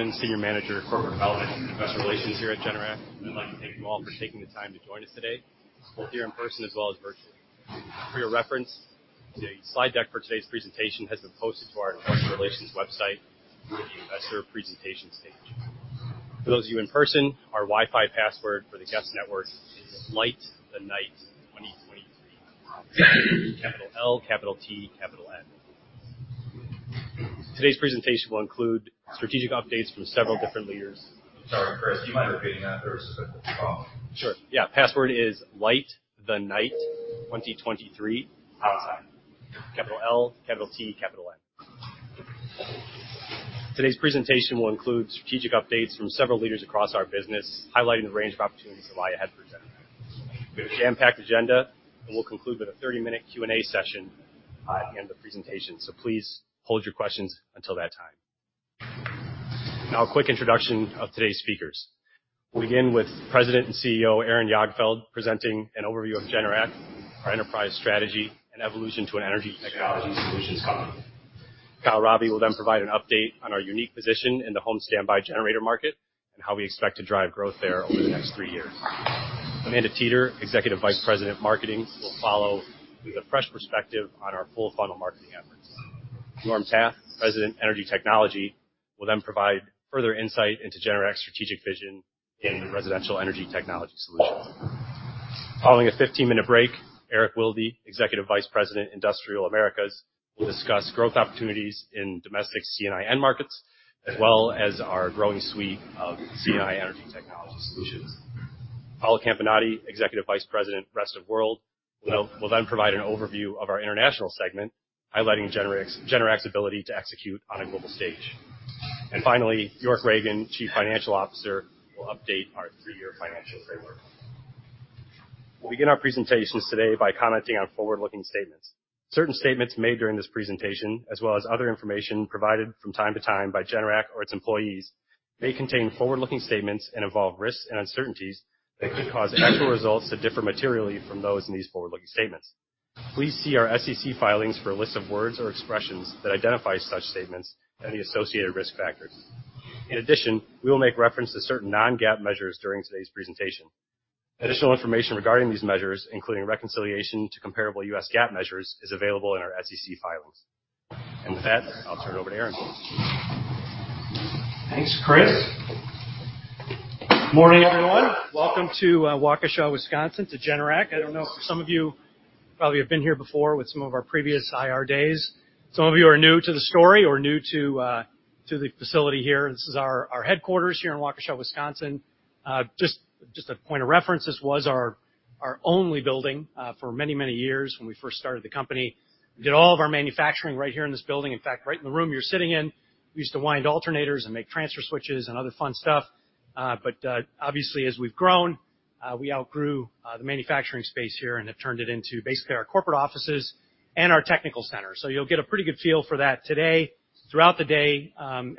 I'm Senior Manager of Corporate Development and Investor Relations here at Generac. I'd like to thank you all for taking the time to join us today, both here in person as well as virtually. For your reference, the slide deck for today's presentation has been posted to our investor relations website in the Investor Presentation page. For those of you in person, our Wi-Fi password for the guest network is LightTheNight2023. Capital L, T, capital N. Today's presentation will include strategic updates from several different leaders. Sorry, Kris, do you mind repeating that? There was a bit of a problem. Sure. Yeah, password is LightTheNight2023. Got it. Capital L, capital T, capital N. Today's presentation will include strategic updates from several leaders across our business, highlighting the range of opportunities that lie ahead for Generac. We have a jam-packed agenda, and we'll conclude with a 30-minute Q&A session at the end of the presentation. So please hold your questions until that time. Now, a quick introduction of today's speakers. We'll begin with President and CEO Aaron Jagdfeld, presenting an overview of Generac, our enterprise strategy, and evolution to an energy technology solutions company. Kyle Raabe will then provide an update on our unique position in the home standby generator market and how we expect to drive growth there over the next three years. Amanda Teder, Executive Vice President, Marketing, will follow with a fresh perspective on our full funnel marketing efforts. Norm Taffe, President, Energy Technology, will then provide further insight into Generac's strategic vision in residential energy technology solutions. Following a 15-minute break, Erik Wilde, Executive Vice President, Industrial Americas, will discuss growth opportunities in domestic C&I markets, as well as our growing suite of C&I energy technology solutions. Paolo Campinoti, Executive Vice President, Rest of World, will then provide an overview of our international segment, highlighting Generac's ability to execute on a global stage. Finally, York Ragen, Chief Financial Officer, will update our 3-year financial framework. We'll begin our presentations today by commenting on forward-looking statements. Certain statements made during this presentation, as well as other information provided from time to time by Generac or its employees, may contain forward-looking statements and involve risks and uncertainties that could cause actual results to differ materially from those in these forward-looking statements. Please see our SEC filings for a list of words or expressions that identify such statements and the associated risk factors. In addition, we will make reference to certain non-GAAP measures during today's presentation. Additional information regarding these measures, including reconciliation to comparable U.S. GAAP measures, is available in our SEC filings. With that, I'll turn it over to Aaron. Thanks, Kris. Morning, everyone. Welcome to Waukesha, Wisconsin, to Generac. I don't know if some of you probably have been here before with some of our previous IR days. Some of you are new to the story or new to the facility here. This is our headquarters here in Waukesha, Wisconsin. Just a point of reference, this was our only building for many years when we first started the company. We did all of our manufacturing right here in this building. In fact, right in the room you're sitting in, we used to wind alternators and make transfer switches and other fun stuff. But obviously, as we've grown, we outgrew the manufacturing space here and have turned it into basically our corporate offices and our technical center. So you'll get a pretty good feel for that today. Throughout the day,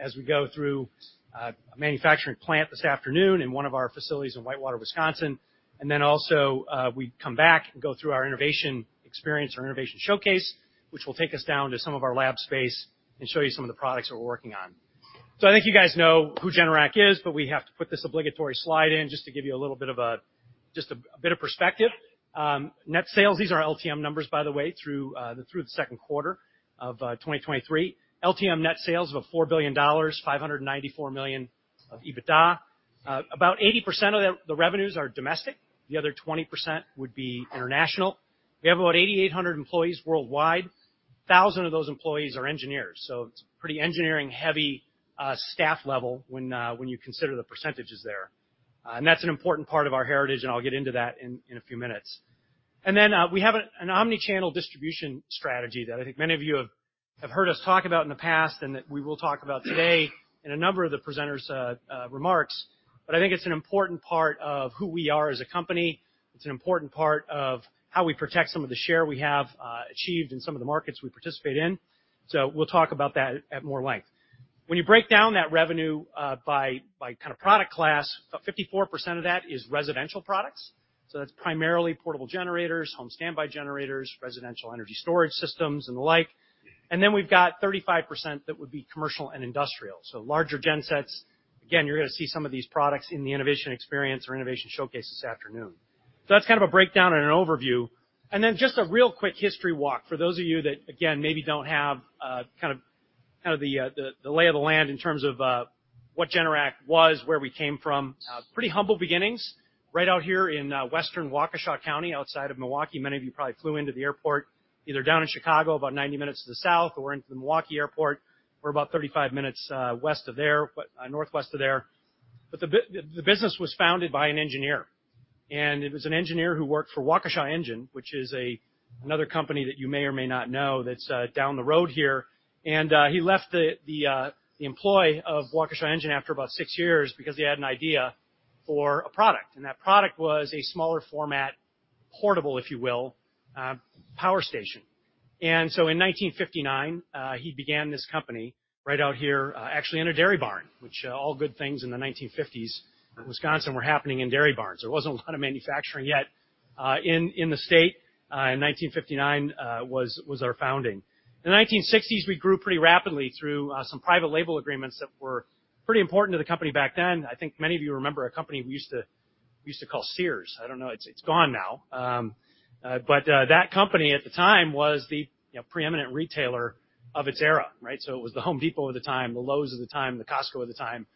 as we go through a manufacturing plant this afternoon in one of our facilities in Whitewater, Wisconsin. And then also, we come back and go through our Innovation Experience or Innovation Showcase, which will take us down to some of our lab space and show you some of the products that we're working on. So I think you guys know who Generac is, but we have to put this obligatory slide in just to give you a little bit of a... Just a, a bit of perspective. Net sales, these are LTM numbers, by the way, through the second quarter of 2023. LTM net sales of $4 billion, $594 million of EBITDA. About 80% of the revenues are domestic, the other 20% would be international. We have about 8,800 employees worldwide. 1,000 of those employees are engineers, so it's pretty engineering-heavy staff level when, when you consider the percentages there. That's an important part of our heritage, and I'll get into that in, in a few minutes. Then, we have an, an omni-channel distribution strategy that I think many of you have, have heard us talk about in the past, and that we will talk about today in a number of the presenters', remarks. I think it's an important part of who we are as a company. It's an important part of how we protect some of the share we have, achieved in some of the markets we participate in. We'll talk about that at more length. When you break down that revenue by kind of product class, about 54% of that is residential products, so that's primarily portable generators, home standby generators, residential energy storage systems, and the like. And then we've got 35% that would be commercial and industrial. So larger gensets. Again, you're gonna see some of these products in the innovation experience or innovation showcase this afternoon. So that's kind of a breakdown and an overview. And then just a real quick history walk for those of you that, again, maybe don't have kind of the lay of the land in terms of what Generac was, where we came from. Pretty humble beginnings, right out here in Western Waukesha County, outside of Milwaukee. Many of you probably flew into the airport, either down in Chicago, about 90 minutes to the south, or into the Milwaukee airport. We're about 35 minutes west of there, but northwest of there. But the business was founded by an engineer, and it was an engineer who worked for Waukesha Engine, which is another company that you may or may not know that's down the road here. And he left the employ of Waukesha Engine after about 6 years because he had an idea for a product, and that product was a smaller format, portable, if you will, power station. And so in 1959, he began this company right out here, actually in a dairy barn, which all good things in the 1950s in Wisconsin were happening in dairy barns. There wasn't a lot of manufacturing yet in the state in 1959 was our founding. In the 1960s, we grew pretty rapidly through some private label agreements that were pretty important to the company back then. I think many of you remember a company we used to call Sears. I don't know, it's gone now. But that company at the time was the, you know, preeminent retailer of its era, right? So it was the Home Depot of the time, the Lowe's of the time, the Costco of the time.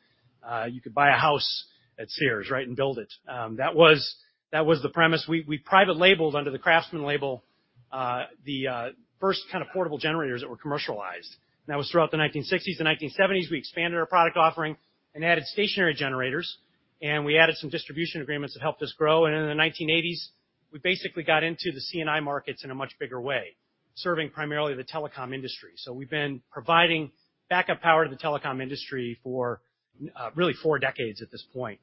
You could buy a house at Sears, right, and build it. That was the premise. We private labeled under the Craftsman label the first kind of portable generators that were commercialized, and that was throughout the 1960s. In the 1970s, we expanded our product offering and added stationary generators, and we added some distribution agreements that helped us grow. In the 1980s, we basically got into the C&I markets in a much bigger way, serving primarily the telecom industry. We've been providing backup power to the telecom industry for really four decades at this point.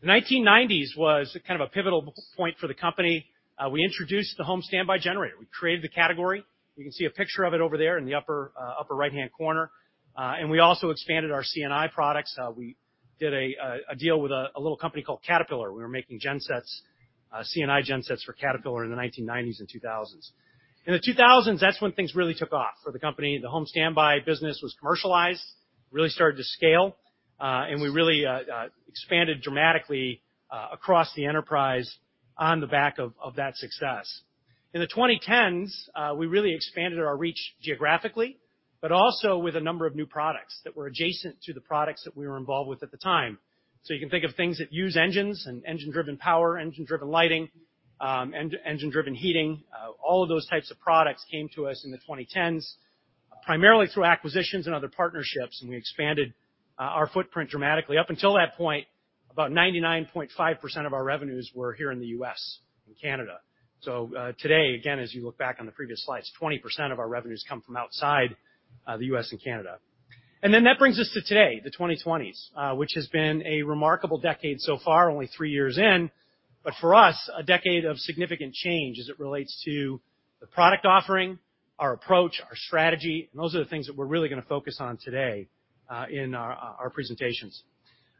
The 1990s was kind of a pivotal point for the company. We introduced the home standby generator. We created the category. You can see a picture of it over there in the upper upper right-hand corner. And we also expanded our C&I products. We did a deal with a little company called Caterpillar. We were making gesets, C&I gensets for Caterpillar in the 1990s and 2000s. In the 2000s, that's when things really took off for the company. The home standby business was commercialized, really started to scale, and we really expanded dramatically across the enterprise on the back of that success. In the 2010s, we really expanded our reach geographically, but also with a number of new products that were adjacent to the products that we were involved with at the time. So you can think of things that use engines and engine-driven power, engine-driven lighting, and engine-driven heating. All of those types of products came to us in the 2010s, primarily through acquisitions and other partnerships, and we expanded our footprint dramatically. Up until that point, about 99.5% of our revenues were here in the U.S. and Canada. So, today, again, as you look back on the previous slides, 20% of our revenues come from outside the U.S. and Canada. That brings us to today, the 2020s, which has been a remarkable decade so far, only three years in, but for us, a decade of significant change as it relates to the product offering, our approach, our strategy, and those are the things that we're really gonna focus on today in our presentations.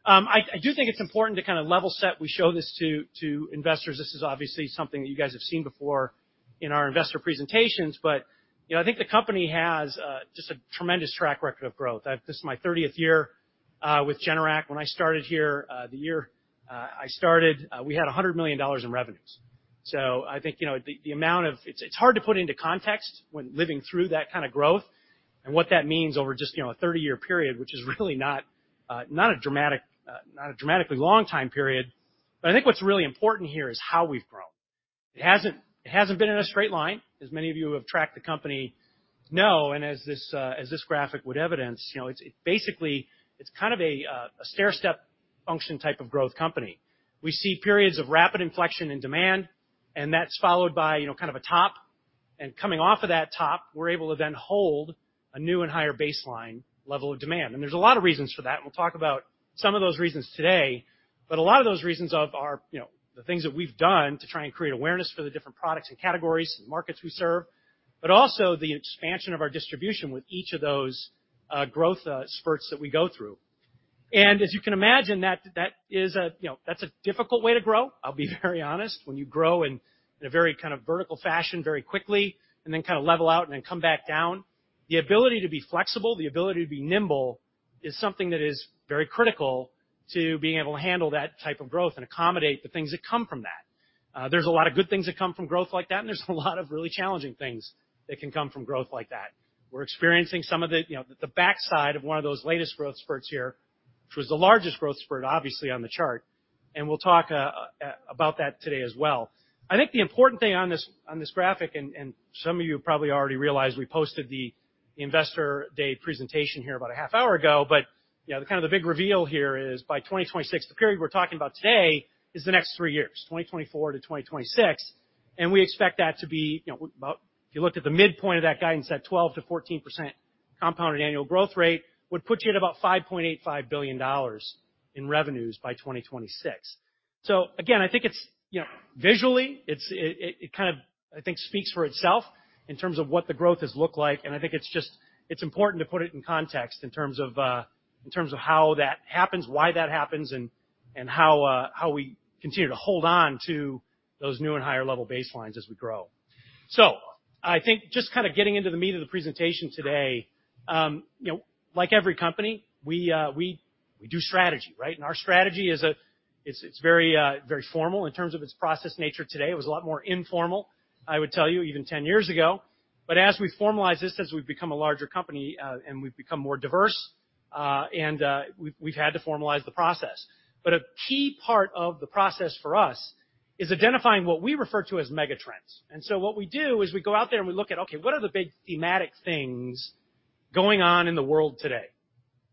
I do think it's important to kind of level set. We show this to investors. This is obviously something that you guys have seen before in our investor presentations, but, you know, I think the company has just a tremendous track record of growth. I've... This is my 30th year with Generac. When I started here, the year I started, we had $100 million in revenues. So I think, you know, the amount of... It's hard to put into context when living through that kind of growth and what that means over just, you know, a 30-year period, which is really not a dramatically long time period. But I think what's really important here is how we've grown. It hasn't been in a straight line, as many of you who have tracked the company know, and as this graphic would evidence, you know, it's basically a stairstep function type of growth company. We see periods of rapid inflection and demand, and that's followed by, you know, kind of a top, and coming off of that top, we're able to then hold a new and higher baseline level of demand. And there's a lot of reasons for that, and we'll talk about some of those reasons today. But a lot of those reasons of are, you know, the things that we've done to try and create awareness for the different products and categories and markets we serve, but also the expansion of our distribution with each of those, growth spurts that we go through. And as you can imagine, that, that is a, you know, that's a difficult way to grow. I'll be very honest. When you grow in a very kind of vertical fashion, very quickly, and then kind of level out and then come back down, the ability to be flexible, the ability to be nimble, is something that is very critical to being able to handle that type of growth and accommodate the things that come from that. There's a lot of good things that come from growth like that, and there's a lot of really challenging things that can come from growth like that. We're experiencing some of the, you know, the backside of one of those latest growth spurts here, which was the largest growth spurt, obviously, on the chart, and we'll talk about that today as well. I think the important thing on this, on this graphic, and some of you probably already realized we posted the Investor Day presentation here about a half hour ago, but, you know, kind of the big reveal here is by 2026, the period we're talking about today, is the next three years, 2024 to 2026, and we expect that to be, you know, about... If you looked at the midpoint of that guidance, that 12%-14% compounded annual growth rate would put you at about $5.85 billion in revenues by 2026. So again, I think it's, you know, visually, it's... It kind of, I think, speaks for itself in terms of what the growth has looked like, and I think it's just, it's important to put it in context in terms of how that happens, why that happens, and how we continue to hold on to those new and higher level baselines as we grow. So I think just kind of getting into the meat of the presentation today, you know, like every company, we do strategy, right? And our strategy is, it's very formal in terms of its process nature today. It was a lot more informal, I would tell you, even 10 years ago. But as we formalize this, as we've become a larger company, and we've become more diverse, and we've had to formalize the process. But a key part of the process for us is identifying what we refer to as megatrends. And so what we do is we go out there, and we look at, okay, what are the big thematic things going on in the world today,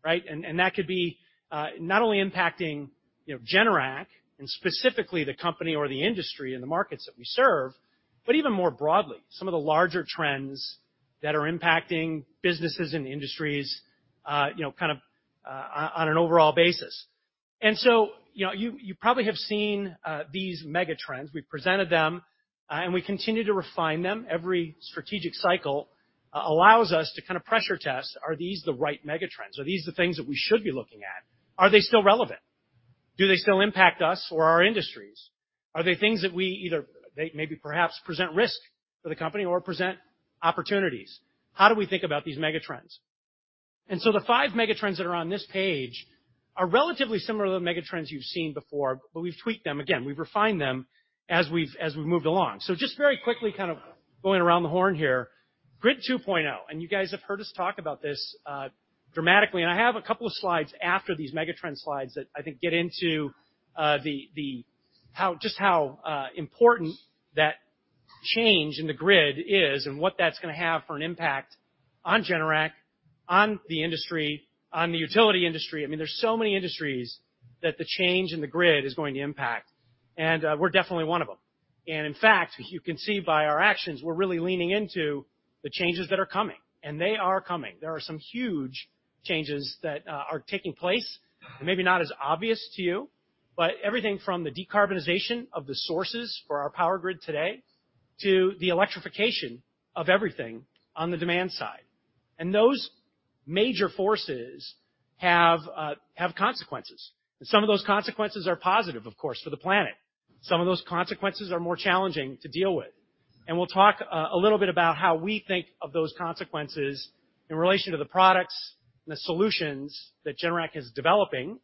right? And, and that could be, not only impacting, you know, Generac and specifically the company or the industry and the markets that we serve, but even more broadly, some of the larger trends that are impacting businesses and industries, you know, kind of, on an overall basis. And so, you know, you, you probably have seen, these megatrends. We've presented them, and we continue to refine them. Every strategic cycle, allows us to kind of pressure test, are these the right megatrends? Are these the things that we should be looking at?... Are they still relevant? Do they still impact us or our industries? Are they things that we either, they maybe perhaps present risk for the company or present opportunities? How do we think about these megatrends? So the five megatrends that are on this page are relatively similar to the megatrends you've seen before, but we've tweaked them again. We've refined them as we've moved along. So just very quickly, kind of going around the horn here, Grid 2.0, and you guys have heard us talk about this dramatically. And I have a couple of slides after these megatrend slides that I think get into the how, just how important that change in the grid is and what that's gonna have for an impact on Generac, on the industry, on the utility industry. I mean, there's so many industries that the change in the grid is going to impact, and we're definitely one of them. And in fact, you can see by our actions, we're really leaning into the changes that are coming, and they are coming. There are some huge changes that are taking place, and maybe not as obvious to you, but everything from the decarbonization of the sources for our power grid today to the electrification of everything on the demand side. And those major forces have consequences, and some of those consequences are positive, of course, for the planet. Some of those consequences are more challenging to deal with. And we'll talk a little bit about how we think of those consequences in relation to the products and the solutions that Generac is developing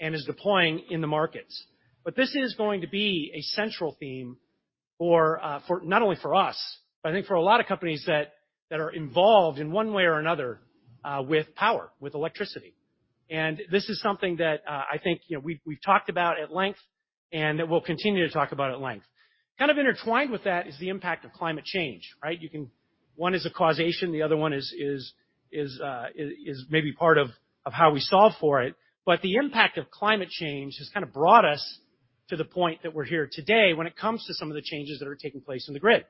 and is deploying in the markets. This is going to be a central theme for, for... Not only for us, but I think for a lot of companies that, that are involved in one way or another, with power, with electricity. This is something that, I think, you know, we've, we've talked about at length, and that we'll continue to talk about at length. Kind of intertwined with that is the impact of climate change, right? You can, one is a causation, the other one is, is, is, is, maybe part of, of how we solve for it. The impact of climate change has kind of brought us to the point that we're here today when it comes to some of the changes that are taking place in the grid.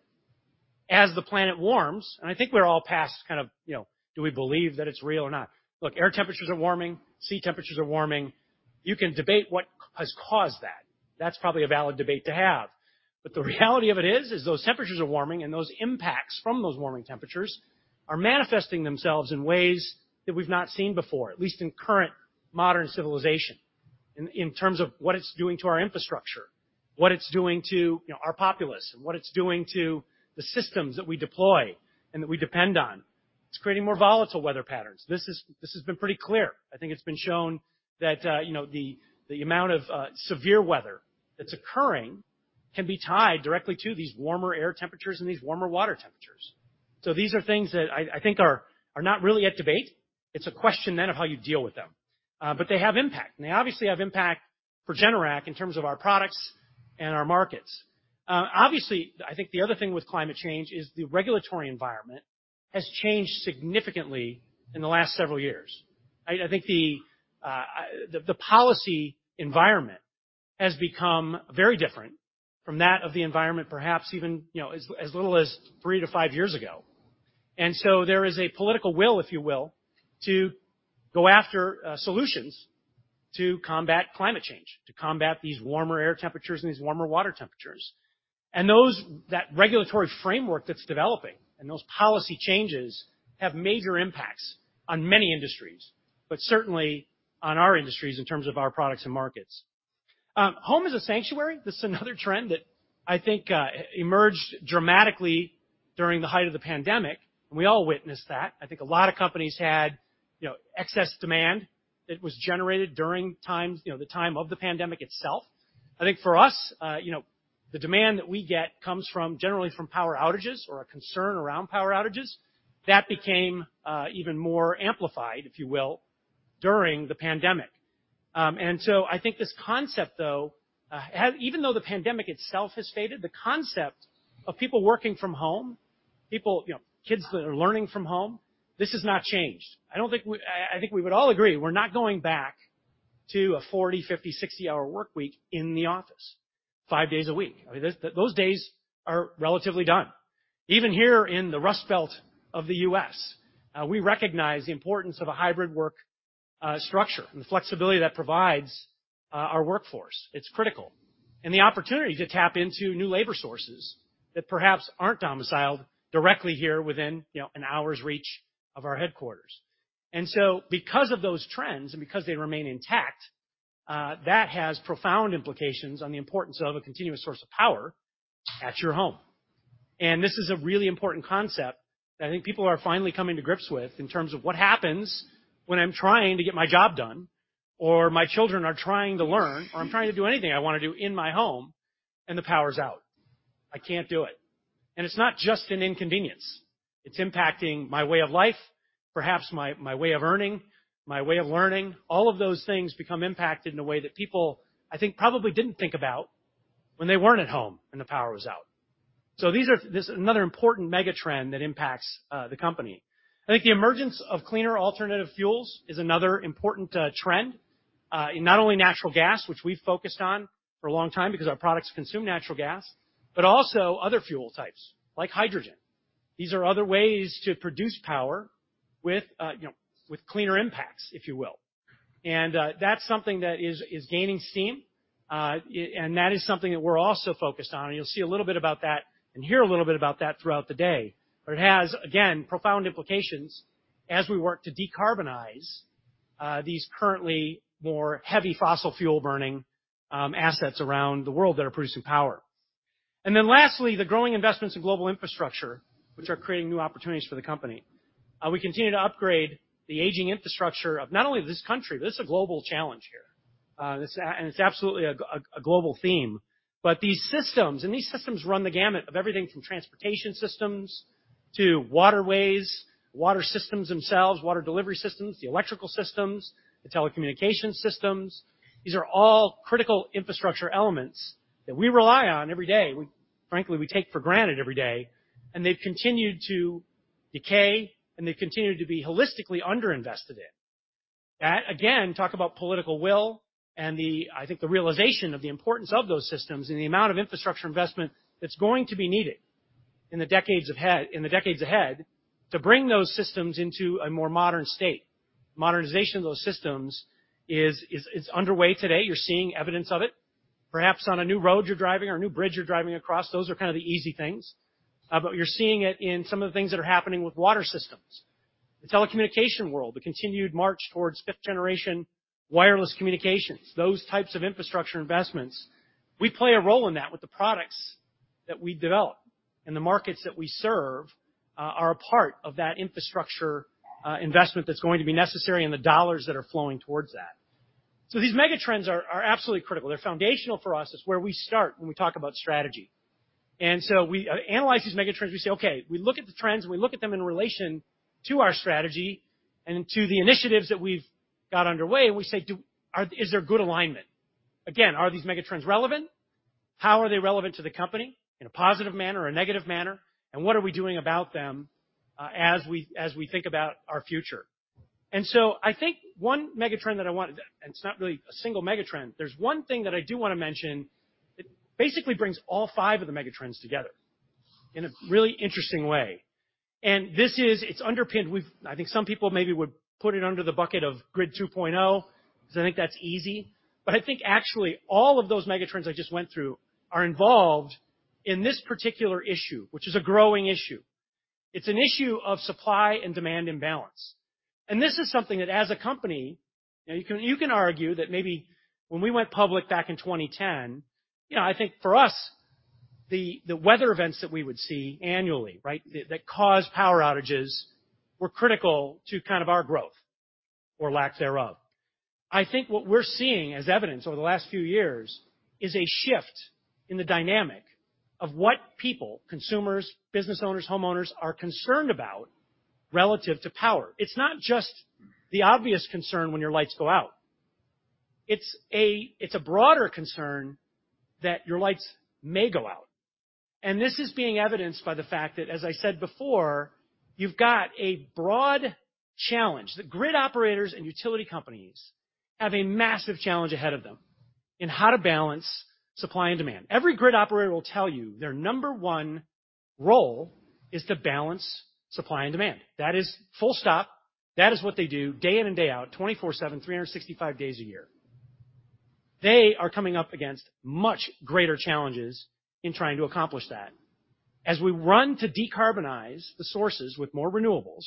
As the planet warms, and I think we're all past kind of, you know, do we believe that it's real or not? Look, air temperatures are warming, sea temperatures are warming. You can debate what has caused that. That's probably a valid debate to have. But the reality of it is, is those temperatures are warming, and those impacts from those warming temperatures are manifesting themselves in ways that we've not seen before, at least in current modern civilization, in, in terms of what it's doing to our infrastructure, what it's doing to, you know, our populace, and what it's doing to the systems that we deploy and that we depend on. It's creating more volatile weather patterns. This is, this has been pretty clear. I think it's been shown that, you know, the amount of severe weather that's occurring can be tied directly to these warmer air temperatures and these warmer water temperatures. So these are things that I think are not really at debate. It's a question then of how you deal with them. But they have impact, and they obviously have impact for Generac in terms of our products and our markets. Obviously, I think the other thing with climate change is the regulatory environment has changed significantly in the last several years. I think the, the policy environment has become very different from that of the environment, perhaps even, you know, as little as three to five years ago. And so there is a political will, if you will, to go after solutions to combat climate change, to combat these warmer air temperatures and these warmer water temperatures. That regulatory framework that's developing and those policy changes have major impacts on many industries, but certainly on our industries in terms of our products and markets. Home is a sanctuary. This is another trend that I think emerged dramatically during the height of the pandemic, and we all witnessed that. I think a lot of companies had, you know, excess demand that was generated during times, you know, the time of the pandemic itself. I think for us, you know, the demand that we get comes from, generally from power outages or a concern around power outages. That became even more amplified, if you will, during the pandemic. And so I think this concept, though, even though the pandemic itself has faded, the concept of people working from home, people, you know, kids that are learning from home, this has not changed. I don't think we... I think we would all agree, we're not going back to a 40-, 50-, 60-hour workweek in the office, 5 days a week. I mean, those days are relatively done. Even here in the Rust Belt of the U.S., we recognize the importance of a hybrid work structure and the flexibility that provides our workforce. It's critical. The opportunity to tap into new labor sources that perhaps aren't domiciled directly here within, you know, an hour's reach of our headquarters. And so because of those trends and because they remain intact, that has profound implications on the importance of a continuous source of power at your home. And this is a really important concept that I think people are finally coming to grips with in terms of what happens when I'm trying to get my job done, or my children are trying to learn, or I'm trying to do anything I want to do in my home, and the power's out. I can't do it. And it's not just an inconvenience, it's impacting my way of life, perhaps my, my way of earning, my way of learning. All of those things become impacted in a way that people, I think, probably didn't think about when they weren't at home and the power was out. So these are... This is another important megatrend that impacts, the company. I think the emergence of cleaner alternative fuels is another important trend in not only natural gas, which we've focused on for a long time because our products consume natural gas, but also other fuel types, like hydrogen. These are other ways to produce power with, you know, with cleaner impacts, if you will. And that's something that is gaining steam. And that is something that we're also focused on, and you'll see a little bit about that and hear a little bit about that throughout the day. But it has, again, profound implications as we work to decarbonize these currently more heavy fossil fuel burning assets around the world that are producing power. And then lastly, the growing investments in global infrastructure, which are creating new opportunities for the company. We continue to upgrade the aging infrastructure of not only this country; this is a global challenge here. This—and it's absolutely a global theme, but these systems, and these systems run the gamut of everything from transportation systems to waterways, water systems themselves, water delivery systems, the electrical systems, the telecommunications systems. These are all critical infrastructure elements that we rely on every day. We—frankly, we take for granted every day, and they've continued to decay, and they've continued to be holistically underinvested in. That, again, talk about political will and the—I think, the realization of the importance of those systems and the amount of infrastructure investment that's going to be needed in the decades ahead, in the decades ahead, to bring those systems into a more modern state. Modernization of those systems is underway today. You're seeing evidence of it. Perhaps on a new road you're driving or a new bridge you're driving across, those are kind of the easy things. But you're seeing it in some of the things that are happening with water systems, the telecommunication world, the continued march towards fifth generation wireless communications, those types of infrastructure investments. We play a role in that with the products that we develop, and the markets that we serve are a part of that infrastructure investment that's going to be necessary and the dollars that are flowing towards that. So these megatrends are absolutely critical. They're foundational for us. It's where we start when we talk about strategy. And so we analyze these megatrends, we say, okay, we look at the trends, and we look at them in relation to our strategy and to the initiatives that we've got underway, and we say, is there good alignment? Again, are these megatrends relevant? How are they relevant to the company in a positive manner or a negative manner, and what are we doing about them, as we think about our future? And so I think one megatrend that I wanted... And it's not really a single megatrend. There's one thing that I do wanna mention. It basically brings all five of the megatrends together in a really interesting way, and this is-- it's underpinned with... I think some people maybe would put it under the bucket of Grid 2.0, because I think that's easy. But I think actually all of those megatrends I just went through are involved in this particular issue, which is a growing issue. It's an issue of supply and demand imbalance, and this is something that, as a company, you know, you can, you can argue that maybe when we went public back in 2010, you know, I think for us, the, the weather events that we would see annually, right? That caused power outages, were critical to kind of our growth or lack thereof. I think what we're seeing as evidence over the last few years is a shift in the dynamic of what people, consumers, business owners, homeowners, are concerned about relative to power. It's not just the obvious concern when your lights go out. It's a, it's a broader concern that your lights may go out. This is being evidenced by the fact that, as I said before, you've got a broad challenge, that grid operators and utility companies have a massive challenge ahead of them in how to balance supply and demand. Every grid operator will tell you their number one role is to balance supply and demand. That is full stop. That is what they do day in and day out, 24/7, 365 days a year. They are coming up against much greater challenges in trying to accomplish that. As we run to decarbonize the sources with more renewables,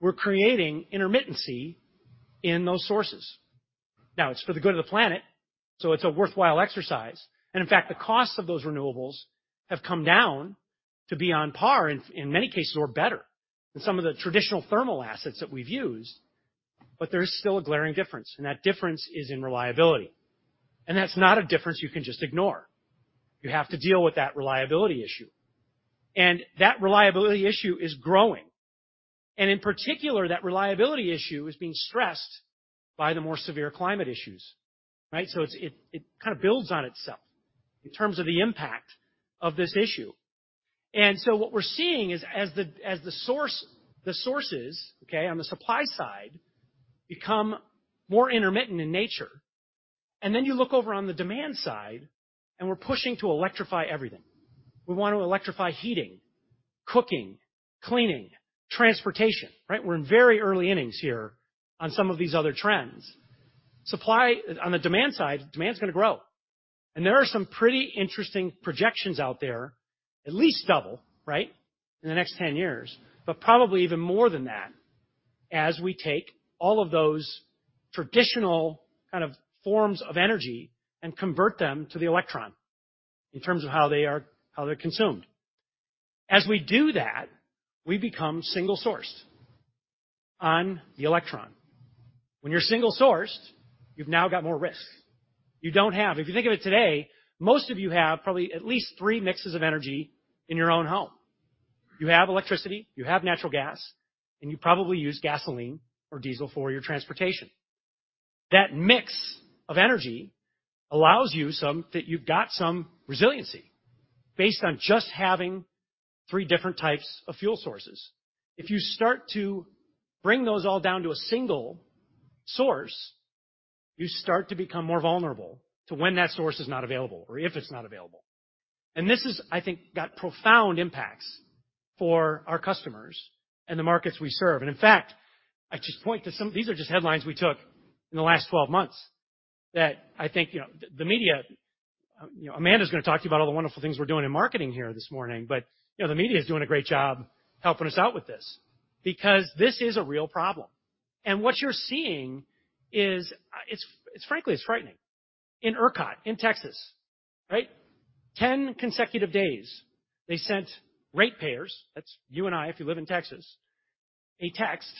we're creating intermittency in those sources. Now, it's for the good of the planet, so it's a worthwhile exercise. In fact, the cost of those renewables have come down to be on par, in many cases or better than some of the traditional thermal assets that we've used, but there's still a glaring difference, and that difference is in reliability. That's not a difference you can just ignore. You have to deal with that reliability issue, and that reliability issue is growing, and in particular, that reliability issue is being stressed by the more severe climate issues. Right? So it kind of builds on itself in terms of the impact of this issue. What we're seeing is as the sources, okay, on the supply side, become more intermittent in nature, and then you look over on the demand side, and we're pushing to electrify everything. We want to electrify heating, cooking, cleaning, transportation, right? We're in very early innings here on some of these other trends. On the demand side, demand is gonna grow, and there are some pretty interesting projections out there, at least double, right? In the next 10 years, but probably even more than that, as we take all of those traditional kind of forms of energy and convert them to the electron in terms of how they are-- how they're consumed. As we do that, we become single-sourced on the electron. When you're single-sourced, you've now got more risk. You don't have-- If you think of it today, most of you have probably at least three mixes of energy in your own home. You have electricity, you have natural gas, and you probably use gasoline or diesel for your transportation. That mix of energy allows you some—that you've got some resiliency based on just having three different types of fuel sources. If you start to bring those all down to a single source, you start to become more vulnerable to when that source is not available or if it's not available.... And this is, I think, got profound impacts for our customers and the markets we serve. And in fact, I just point to some—these are just headlines we took in the last 12 months, that I think, you know, the media, you know, Amanda's gonna talk to you about all the wonderful things we're doing in marketing here this morning, but, you know, the media is doing a great job helping us out with this because this is a real problem. And what you're seeing is, it's frankly frightening. In ERCOT, in Texas, right? 10 consecutive days, they sent ratepayers, that's you and I, if you live in Texas, a text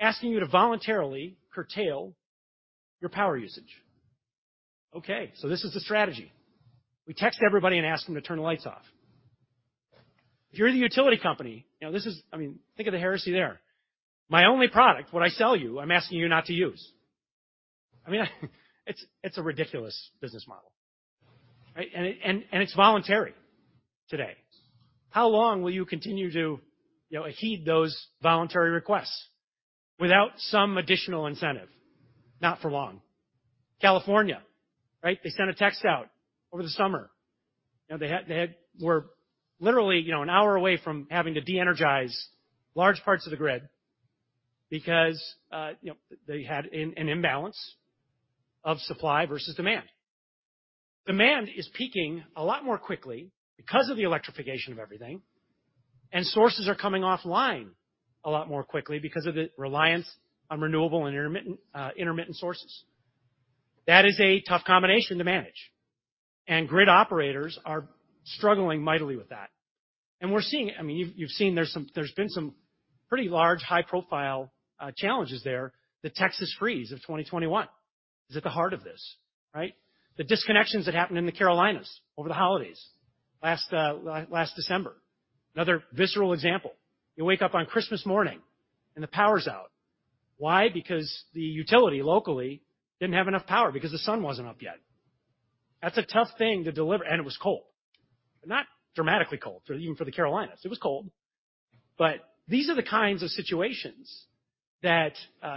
asking you to voluntarily curtail your power usage. Okay, so this is the strategy. We text everybody and ask them to turn the lights off. If you're the utility company, you know, this is... I mean, think of the heresy there. My only product, what I sell you, I'm asking you not to use. I mean, it's, it's a ridiculous business model, right? And it's voluntary today. How long will you continue to, you know, heed those voluntary requests without some additional incentive? Not for long. California, right? They sent a text out over the summer. You know, they were literally, you know, an hour away from having to de-energize large parts of the grid because, you know, they had an imbalance of supply versus demand. Demand is peaking a lot more quickly because of the electrification of everything, and sources are coming offline a lot more quickly because of the reliance on renewable and intermittent sources. That is a tough combination to manage, and grid operators are struggling mightily with that. And we're seeing... I mean, you've seen there's been some pretty large, high-profile challenges there. The Texas freeze of 2021 is at the heart of this, right? The disconnections that happened in the Carolinas over the holidays last December, another visceral example. You wake up on Christmas morning, and the power's out. Why? Because the utility, locally, didn't have enough power because the sun wasn't up yet. That's a tough thing to deliver. It was cold, not dramatically cold, for even for the Carolinas, it was cold. But these are the kinds of situations that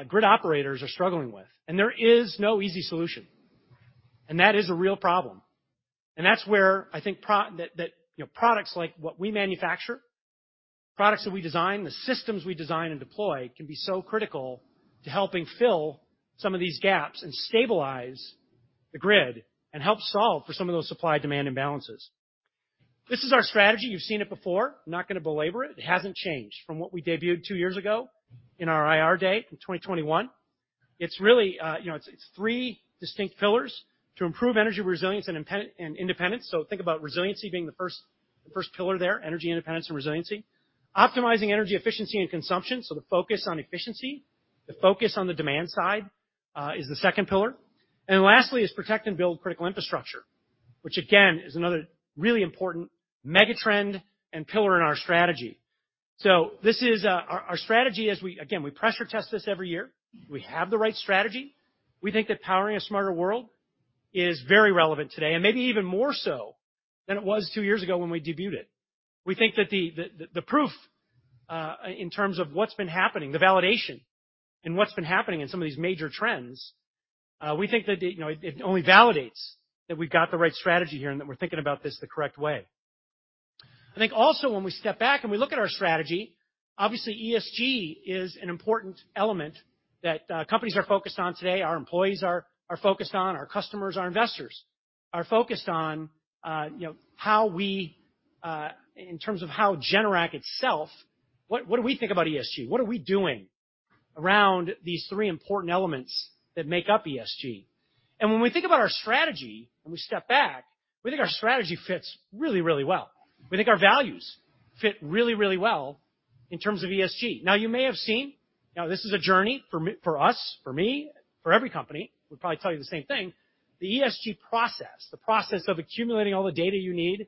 grid operators are struggling with, and there is no easy solution, and that is a real problem. That's where I think, you know, products like what we manufacture, products that we design, the systems we design and deploy, can be so critical to helping fill some of these gaps and stabilize the grid, and help solve for some of those supply-demand imbalances. This is our strategy. You've seen it before. I'm not gonna belabor it. It hasn't changed from what we debuted two years ago in our IR day in 2021. It's really, you know, it's three distinct pillars to improve energy resilience and independence. So think about resiliency being the first, the first pillar there, energy independence and resiliency. Optimizing energy efficiency and consumption, so the focus on efficiency, the focus on the demand side, is the second pillar. And lastly is protect and build critical infrastructure, which again, is another really important mega trend and pillar in our strategy. So this is our strategy as we again, we pressure test this every year. We have the right strategy. We think that Powering a SmarterW orld is very relevant today, and maybe even more so than it was two years ago when we debuted it. We think that the proof, in terms of what's been happening, the validation and what's been happening in some of these major trends, we think that it, you know, only validates that we've got the right strategy here and that we're thinking about this the correct way. I think also when we step back and we look at our strategy, obviously, ESG is an important element that companies are focused on today, our employees are focused on, our customers, our investors, are focused on, you know, in terms of how Generac itself, what do we think about ESG? What are we doing around these three important elements that make up ESG? When we think about our strategy and we step back, we think our strategy fits really, really well. We think our values fit really, really well in terms of ESG. Now, you may have seen, you know, this is a journey for me, for us, for me, for every company, would probably tell you the same thing. The ESG process, the process of accumulating all the data you need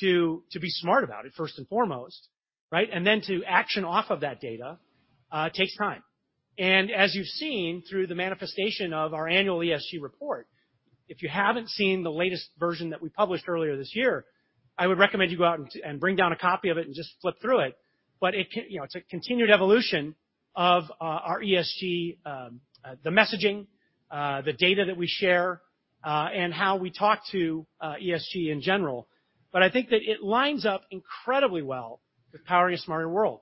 to be smart about it, first and foremost, right? And then to action off of that data takes time. And as you've seen through the manifestation of our annual ESG report, if you haven't seen the latest version that we published earlier this year, I would recommend you go out and bring down a copy of it and just flip through it. But it can... You know, it's a continued evolution of our ESG, the messaging, the data that we share, and how we talk to ESG in general. I think that it lines up incredibly well with powering a smarter world.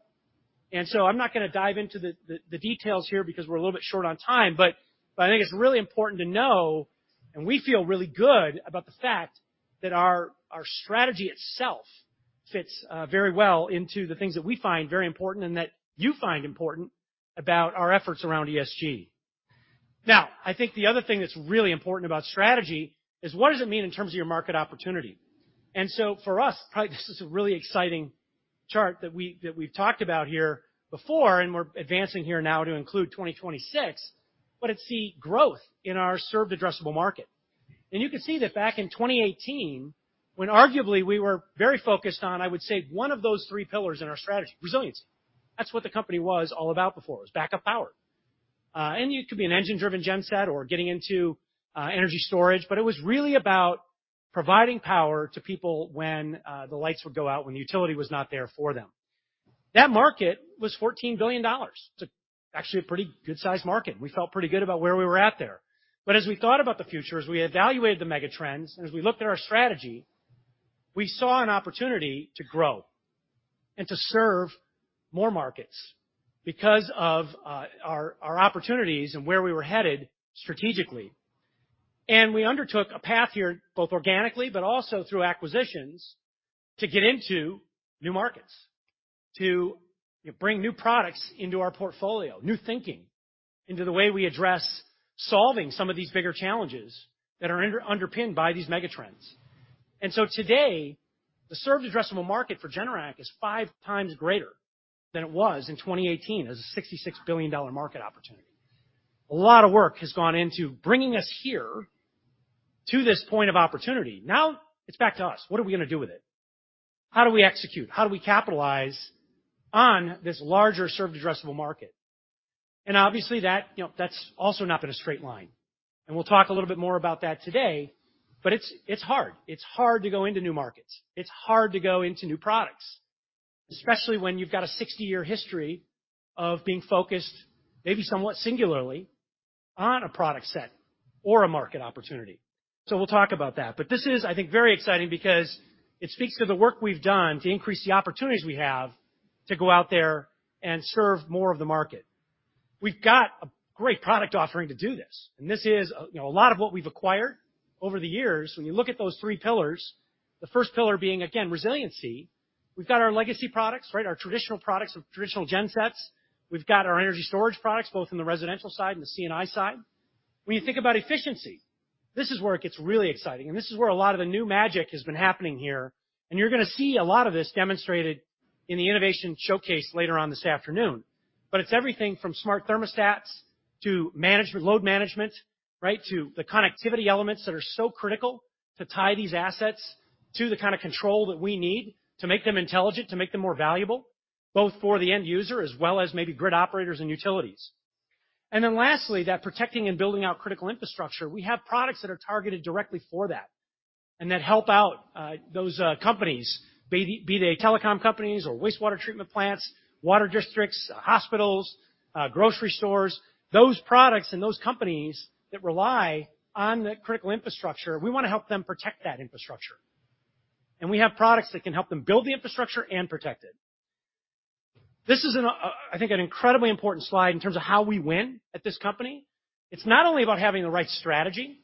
So I'm not gonna dive into the details here because we're a little bit short on time, but I think it's really important to know, and we feel really good about the fact that our strategy itself fits very well into the things that we find very important and that you find important about our efforts around ESG. Now, I think the other thing that's really important about strategy is what does it mean in terms of your market opportunity? So for us, probably this is a really exciting chart that we've talked about here before, and we're advancing here now to include 2026. But it's the growth in our Served Addressable Market. You can see that back in 2018, when arguably we were very focused on, I would say, one of those three pillars in our strategy, resiliency. That's what the company was all about before, was backup power. It could be an engine-driven gen set or getting into energy storage, but it was really about providing power to people when the lights would go out, when the utility was not there for them. That market was $14 billion. It's actually a pretty good-sized market. We felt pretty good about where we were at there. As we thought about the future, as we evaluated the mega trends, and as we looked at our strategy, we saw an opportunity to grow and to serve more markets because of our opportunities and where we were headed strategically. We undertook a path here, both organically but also through acquisitions, to get into new markets, to bring new products into our portfolio, new thinking into the way we address solving some of these bigger challenges that are underpinned by these mega trends. So today, the served addressable market for Generac is five times greater than it was in 2018 as a $66 billion market opportunity. A lot of work has gone into bringing us here to this point of opportunity. Now it's back to us. What are we gonna do with it? How do we execute? How do we capitalize on this larger served addressable market? Obviously, that, you know, that's also not been a straight line, and we'll talk a little bit more about that today, but it's, it's hard. It's hard to go into new markets. It's hard to go into new products, especially when you've got a 60-year history of being focused, maybe somewhat singularly, on a product set or a market opportunity. So we'll talk about that. But this is, I think, very exciting because it speaks to the work we've done to increase the opportunities we have to go out there and serve more of the market. We've got a great product offering to do this, and this is, you know, a lot of what we've acquired over the years. When you look at those three pillars, the first pillar being, again, resiliency. We've got our legacy products, right? Our traditional products with traditional gen sets. We've got our energy storage products, both in the residential side and the C&I side. When you think about efficiency, this is where it gets really exciting, and this is where a lot of the new magic has been happening here, and you're gonna see a lot of this demonstrated in the innovation showcase later on this afternoon. But it's everything from smart thermostats to management—load management, right? To the connectivity elements that are so critical to tie these assets to the kind of control that we need to make them intelligent, to make them more valuable, both for the end user as well as maybe grid operators and utilities. And then lastly, that protecting and building out critical infrastructure, we have products that are targeted directly for that and that help out, those, companies, be they telecom companies or wastewater treatment plants, water districts, hospitals, grocery stores. Those products and those companies that rely on the critical infrastructure, we wanna help them protect that infrastructure. We have products that can help them build the infrastructure and protect it. This is an, I think, an incredibly important slide in terms of how we win at this company. It's not only about having the right strategy,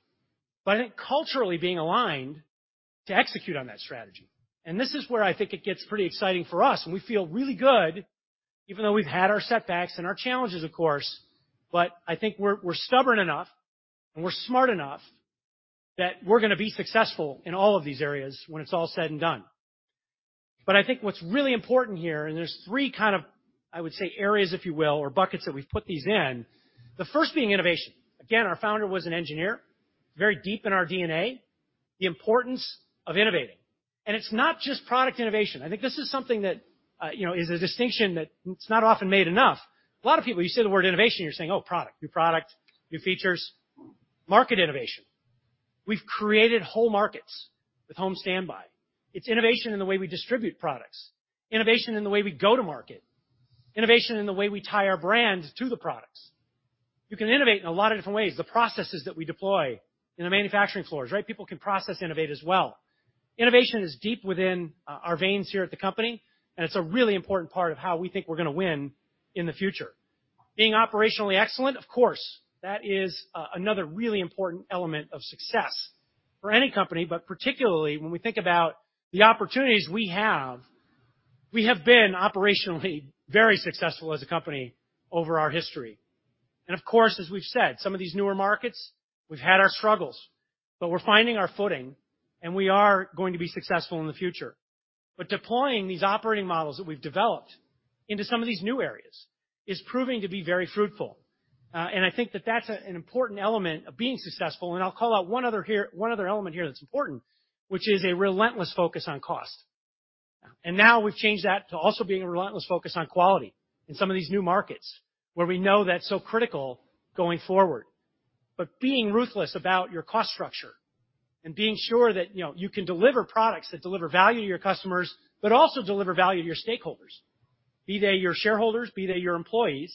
but I think culturally being aligned to execute on that strategy. This is where I think it gets pretty exciting for us, and we feel really good, even though we've had our setbacks and our challenges, of course, but I think we're stubborn enough and we're smart enough that we're gonna be successful in all of these areas when it's all said and done. But I think what's really important here, and there's three kind of, I would say, areas, if you will, or buckets that we've put these in. The first being innovation. Again, our founder was an engineer, very deep in our DNA, the importance of innovating. And it's not just product innovation. I think this is something that, you know, is a distinction that it's not often made enough. A lot of people, you say the word innovation, you're saying, "Oh, product, new product, new features." Market innovation. We've created whole markets with home standby. It's innovation in the way we distribute products, innovation in the way we go to market, innovation in the way we tie our brands to the products. You can innovate in a lot of different ways. The processes that we deploy in the manufacturing floors, right? People can process innovate as well. Innovation is deep within our veins here at the company, and it's a really important part of how we think we're gonna win in the future. Being operationally excellent, of course, that is another really important element of success for any company, but particularly when we think about the opportunities we have. We have been operationally very successful as a company over our history. Of course, as we've said, some of these newer markets, we've had our struggles, but we're finding our footing, and we are going to be successful in the future. But deploying these operating models that we've developed into some of these new areas is proving to be very fruitful. And I think that that's an important element of being successful, and I'll call out one other here, one other element here that's important, which is a relentless focus on cost. Now we've changed that to also being a relentless focus on quality in some of these new markets where we know that's so critical going forward. But being ruthless about your cost structure and being sure that, you know, you can deliver products that deliver value to your customers, but also deliver value to your stakeholders, be they your shareholders, be they your employees,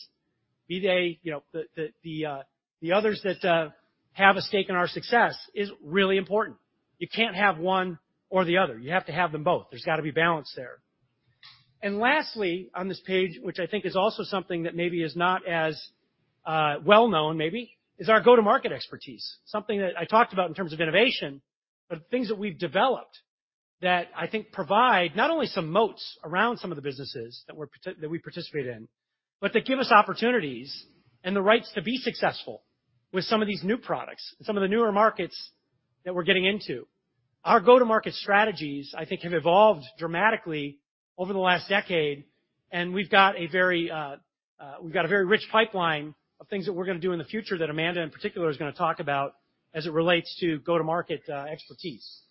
be they, you know, the others that have a stake in our success, is really important. You can't have one or the other. You have to have them both. There's got to be balance there. And lastly, on this page, which I think is also something that maybe is not as well known, maybe, is our go-to-market expertise. Something that I talked about in terms of innovation, but things that we've developed that I think provide not only some moats around some of the businesses that we participate in, but that give us opportunities and the rights to be successful with some of these new products and some of the newer markets that we're getting into. Our go-to-market strategies, I think, have evolved dramatically over the last decade, and we've got a very rich pipeline of things that we're gonna do in the future that Amanda, in particular, is gonna talk about as it relates to go-to-market expertise.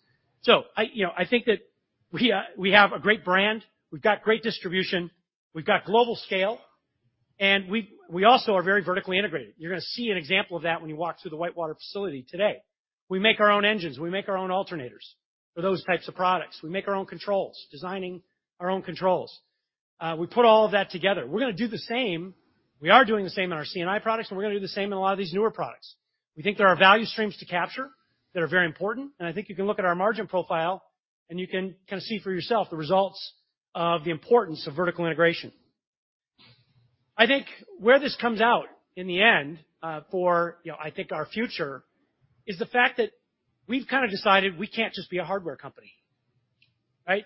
So, you know, I think that we have a great brand, we've got great distribution, we've got global scale. And we also are very vertically integrated. You're gonna see an example of that when you walk through the Whitewater facility today. We make our own engines, we make our own alternators for those types of products. We make our own controls, designing our own controls. We put all of that together. We're gonna do the same. We are doing the same in our C&I products, and we're gonna do the same in a lot of these newer products. We think there are value streams to capture that are very important, and I think you can look at our margin profile, and you can kinda see for yourself the results of the importance of vertical integration. I think where this comes out in the end, for you know, I think our future, is the fact that we've kinda decided we can't just be a hardware company, right?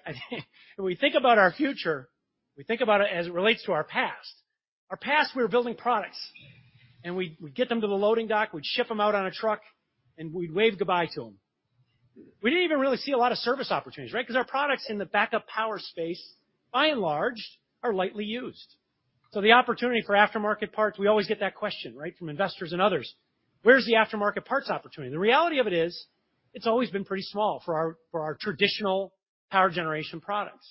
When we think about our future, we think about it as it relates to our past. Our past, we were building products, and we, we'd get them to the loading dock, we'd ship them out on a truck, and we'd wave goodbye to them. We didn't even really see a lot of service opportunities, right? 'Cause our products in the backup power space, by and large, are lightly used. So the opportunity for aftermarket parts, we always get that question, right? From investors and others. Where's the aftermarket parts opportunity? The reality of it is, it's always been pretty small for our, for our traditional power generation products.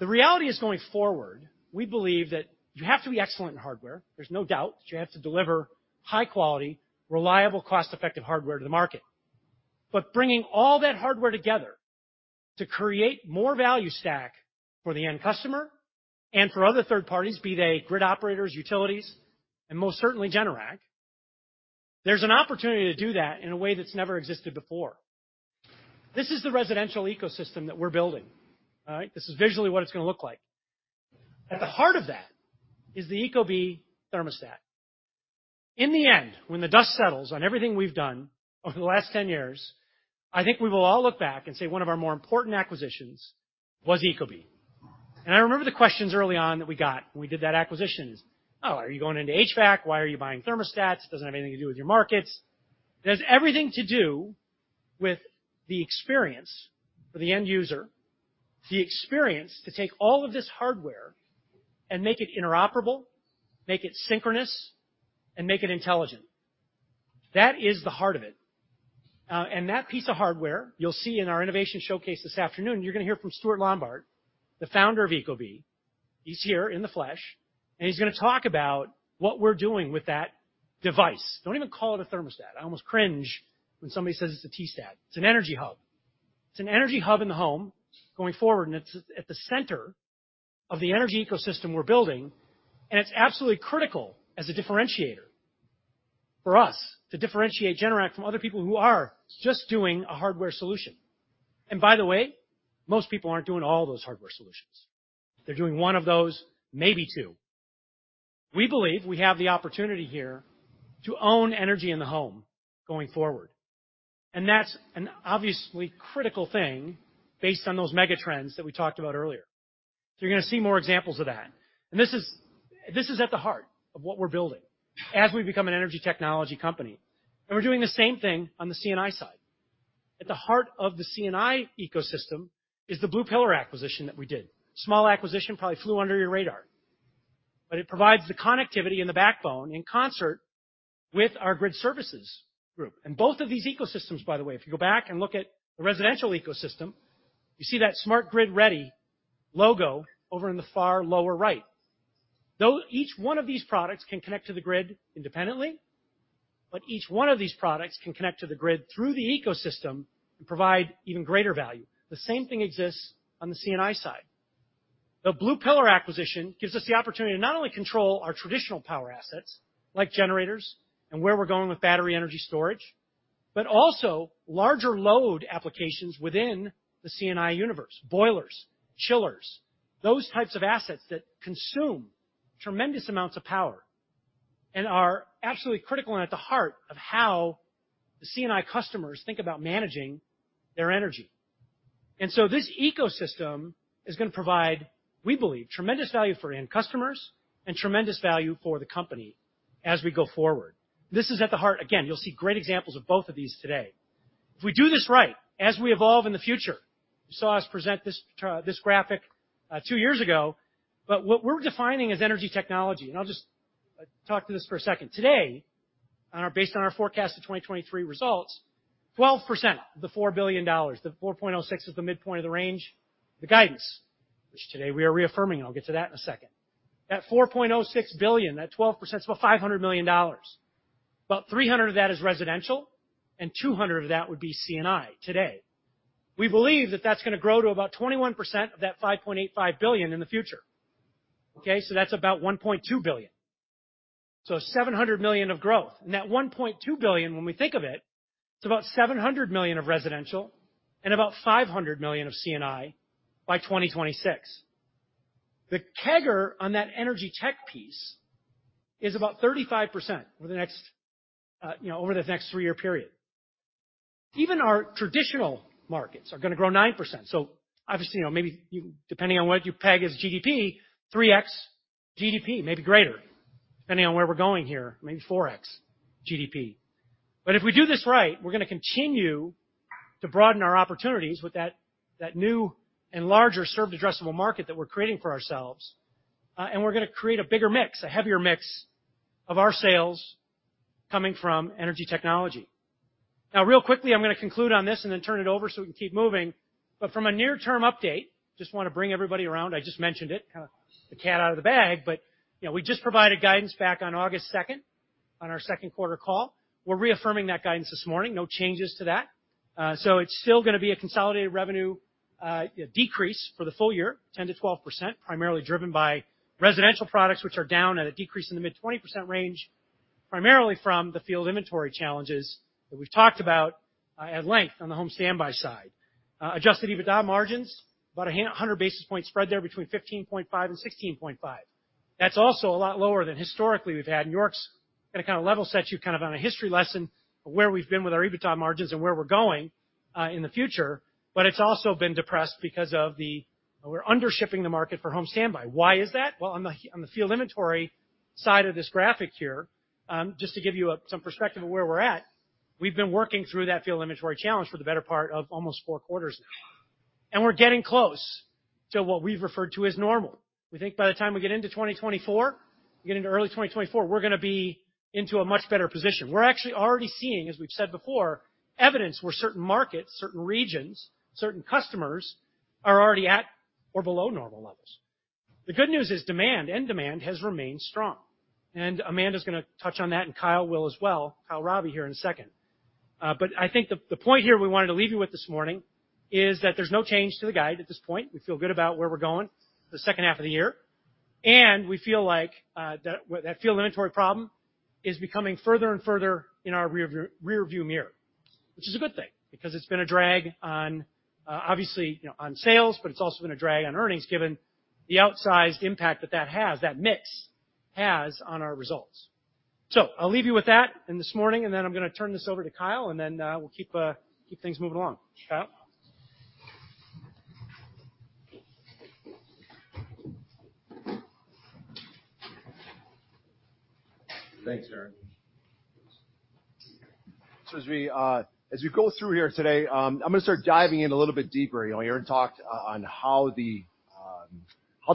The reality is, going forward, we believe that you have to be excellent in hardware. There's no doubt that you have to deliver high quality, reliable, cost-effective hardware to the market. But bringing all that hardware together to create more value stack for the end customer and for other third parties, be they grid operators, utilities, and most certainly Generac, there's an opportunity to do that in a way that's never existed before. This is the residential ecosystem that we're building, all right? This is visually what it's gonna look like. At the heart of that is the Ecobee thermostat. In the end, when the dust settles on everything we've done over the last 10 years, I think we will all look back and say one of our more important acquisitions was Ecobee. And I remember the questions early on that we got when we did that acquisition. "Oh, are you going into HVAC? Why are you buying thermostats? Doesn't have anything to do with your markets." It has everything to do with the experience for the end user, the experience to take all of this hardware and make it interoperable, make it synchronous, and make it intelligent. That is the heart of it. That piece of hardware, you'll see in our innovation showcase this afternoon, you're gonna hear from Stuart Lombard, the founder of ecobee. He's here in the flesh, and he's gonna talk about what we're doing with that device. Don't even call it a thermostat. I almost cringe when somebody says it's a T-stat. It's an energy hub. It's an energy hub in the home going forward, and it's at the center of the energy ecosystem we're building, and it's absolutely critical as a differentiator for us to differentiate Generac from other people who are just doing a hardware solution. And by the way, most people aren't doing all those hardware solutions. They're doing one of those, maybe two. We believe we have the opportunity here to own energy in the home going forward, and that's an obviously critical thing based on those mega trends that we talked about earlier. So you're gonna see more examples of that. And this is, this is at the heart of what we're building as we become an energy technology company, and we're doing the same thing on the C&I side. At the heart of the C&I ecosystem is the Blue Pillar acquisition that we did. Small acquisition, probably flew under your radar, but it provides the connectivity and the backbone in concert with our Grid Services group. Both of these ecosystems, by the way, if you go back and look at the residential ecosystem, you see that Smart Grid Ready logo over in the far lower right. Though each one of these products can connect to the grid independently, but each one of these products can connect to the grid through the ecosystem and provide even greater value. The same thing exists on the C&I side. The Blue Pillar acquisition gives us the opportunity to not only control our traditional power assets, like generators and where we're going with battery energy storage, but also larger load applications within the C&I universe. Boilers, chillers, those types of assets that consume tremendous amounts of power and are absolutely critical and at the heart of how the C&I customers think about managing their energy. So this ecosystem is gonna provide, we believe, tremendous value for end customers and tremendous value for the company as we go forward. This is at the heart... Again, you'll see great examples of both of these today. If we do this right, as we evolve in the future, you saw us present this graphic two years ago, but what we're defining as energy technology, and I'll just talk to this for a second. Today, based on our forecast for 2023 results, 12% of the $4 billion, the $4.06 is the midpoint of the range, the guidance, which today we are reaffirming, and I'll get to that in a second. At $4.06 billion, that 12% is about $500 million. About 300 of that is residential, and 200 of that would be C&I today. We believe that, that's gonna grow to about 21% of that $5.85 billion in the future, okay? So that's about $1.2 billion. So $700 million of growth. And that $1.2 billion, when we think of it, it's about $700 million of residential and about $500 million of C&I by 2026. The CAGR on that energy tech piece is about 35% over the next, you know, over the next three-year period. Even our traditional markets are gonna grow 9%. So obviously, you know, maybe you... Depending on what you peg as GDP, 3x GDP, maybe greater, depending on where we're going here, maybe 4x GDP. But if we do this right, we're gonna continue to broaden our opportunities with that, that new and larger served addressable market that we're creating for ourselves, and we're gonna create a bigger mix, a heavier mix of our sales coming from energy technology.... Now real quickly, I'm gonna conclude on this and then turn it over so we can keep moving. But from a near-term update, just want to bring everybody around. I just mentioned it, kind of the cat out of the bag, but, you know, we just provided guidance back on August 2, on our second quarter call. We're reaffirming that guidance this morning. No changes to that. So it's still gonna be a consolidated revenue decrease for the full year, 10%-12%, primarily driven by residential products, which are down at a decrease in the mid-20% range, primarily from the field inventory challenges that we've talked about at length on the home standby side. Adjusted EBITDA margins, about a hundred basis points spread there between 15.5 and 16.5. That's also a lot lower than historically we've had, and York's gonna kind of level set you kind of on a history lesson of where we've been with our EBITDA margins and where we're going in the future. But it's also been depressed because of the. We're under shipping the market for home standby. Why is that? Well, on the field inventory side of this graphic here, just to give you some perspective of where we're at, we've been working through that field inventory challenge for the better part of almost four quarters now, and we're getting close to what we've referred to as normal. We think by the time we get into 2024, we get into early 2024, we're gonna be into a much better position. We're actually already seeing, as we've said before, evidence where certain markets, certain regions, certain customers are already at or below normal levels. The good news is demand, end demand has remained strong, and Amanda's gonna touch on that, and Kyle will as well, Kyle Raabe here in a second. But I think the point here we wanted to leave you with this morning is that there's no change to the guide at this point. We feel good about where we're going the second half of the year, and we feel like that field inventory problem is becoming further and further in our rearview mirror. Which is a good thing because it's been a drag on, obviously, you know, on sales, but it's also been a drag on earnings, given the outsized impact that mix has on our results. So I'll leave you with that this morning, and then I'm gonna turn this over to Kyle, and then we'll keep things moving along. Kyle? Thanks, Aaron. So as we go through here today, I'm gonna start diving in a little bit deeper. You know, Aaron talked on how the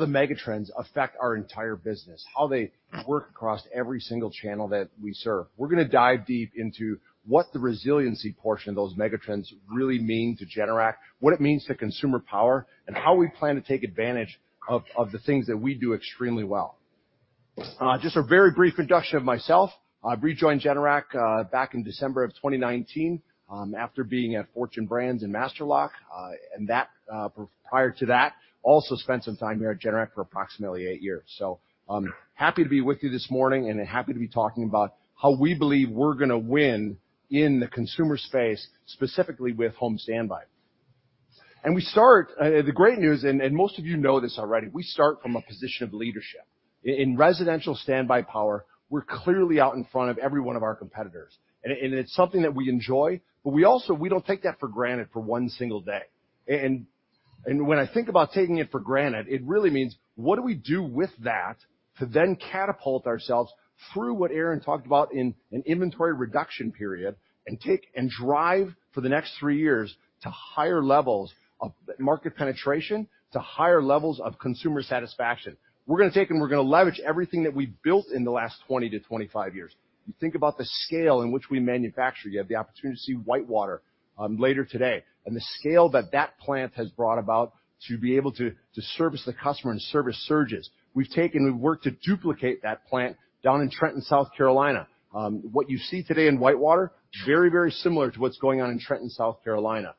megatrends affect our entire business, how they work across every single channel that we serve. We're gonna dive deep into what the resiliency portion of those megatrends really mean to Generac, what it means to Consumer Power, and how we plan to take advantage of the things that we do extremely well. Just a very brief introduction of myself. I've rejoined Generac back in December of 2019, after being at Fortune Brands and Master Lock, and prior to that, also spent some time here at Generac for approximately eight years. So I'm happy to be with you this morning and happy to be talking about how we believe we're gonna win in the consumer space, specifically with home standby. The great news, and most of you know this already, we start from a position of leadership. In residential standby power, we're clearly out in front of every one of our competitors, and it's something that we enjoy, but we also, we don't take that for granted for one single day. When I think about taking it for granted, it really means, what do we do with that to then catapult ourselves through what Aaron talked about in an inventory reduction period, and take and drive for the next three years to higher levels of market penetration, to higher levels of consumer satisfaction? We're gonna take, and we're gonna leverage everything that we've built in the last 20 to 25 years. You think about the scale in which we manufacture. You have the opportunity to see Whitewater later today, and the scale that that plant has brought about to be able to, to service the customer and service surges. We've taken and we've worked to duplicate that plant down in Trenton, South Carolina. What you see today in Whitewater, very, very similar to what's going on in Trenton, South Carolina.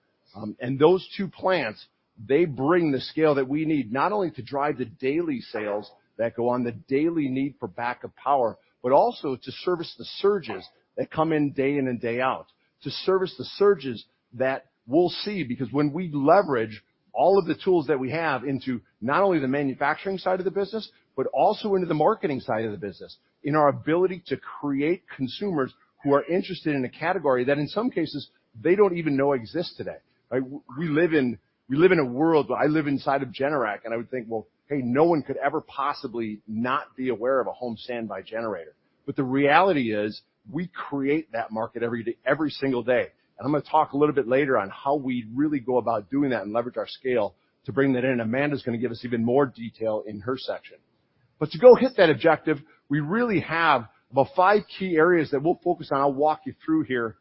And those two plants, they bring the scale that we need, not only to drive the daily sales that go on, the daily need for backup power, but also to service the surges that come in day in and day out, to service the surges that we'll see. Because when we leverage all of the tools that we have into not only the manufacturing side of the business, but also into the marketing side of the business, in our ability to create consumers who are interested in a category that, in some cases, they don't even know exists today, right? We live in, we live in a world where I live inside of Generac, and I would think, well, hey, no one could ever possibly not be aware of a home standby generator. But the reality is, we create that market every day, every single day. And I'm gonna talk a little bit later on how we really go about doing that and leverage our scale to bring that in, and Amanda's gonna give us even more detail in her section. But to go hit that objective, we really have about five key areas that we'll focus on. I'll walk you through here,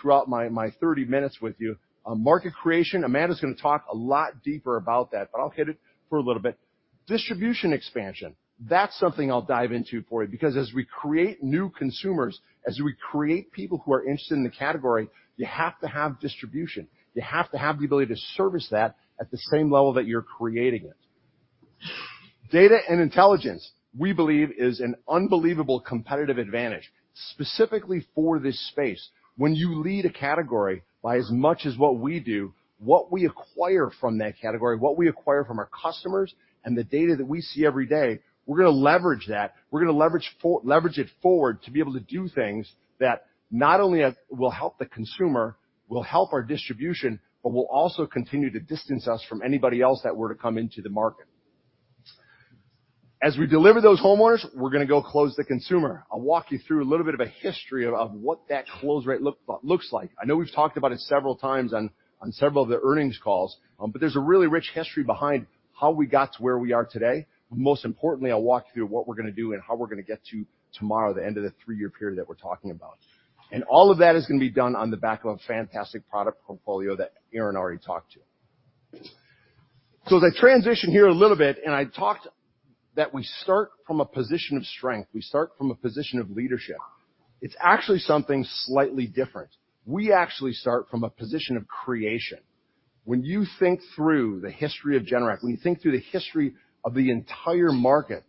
throughout my, my 30 minutes with you. Market creation, Amanda's gonna talk a lot deeper about that, but I'll hit it for a little bit. Distribution expansion, that's something I'll dive into for you, because as we create new consumers, as we create people who are interested in the category, you have to have distribution. You have to have the ability to service that at the same level that you're creating it. Data and intelligence, we believe, is an unbelievable competitive advantage, specifically for this space. When you lead a category by as much as what we do, what we acquire from that category, what we acquire from our customers and the data that we see every day, we're gonna leverage that. We're gonna leverage it forward to be able to do things that not only will help the consumer, will help our distribution, but will also continue to distance us from anybody else that were to come into the market. As we deliver those homeowners, we're gonna go close the consumer. I'll walk you through a little bit of a history of what that close rate looks like. I know we've talked about it several times on several of the earnings calls, but there's a really rich history behind how we got to where we are today. Most importantly, I'll walk you through what we're gonna do and how we're gonna get to tomorrow, the end of the three-year period that we're talking about. All of that is gonna be done on the back of a fantastic product portfolio that Aaron already talked to you. As I transition here a little bit, and I talked that we start from a position of strength, we start from a position of leadership. It's actually something slightly different. We actually start from a position of creation. When you think through the history of Generac, when you think through the history of the entire market,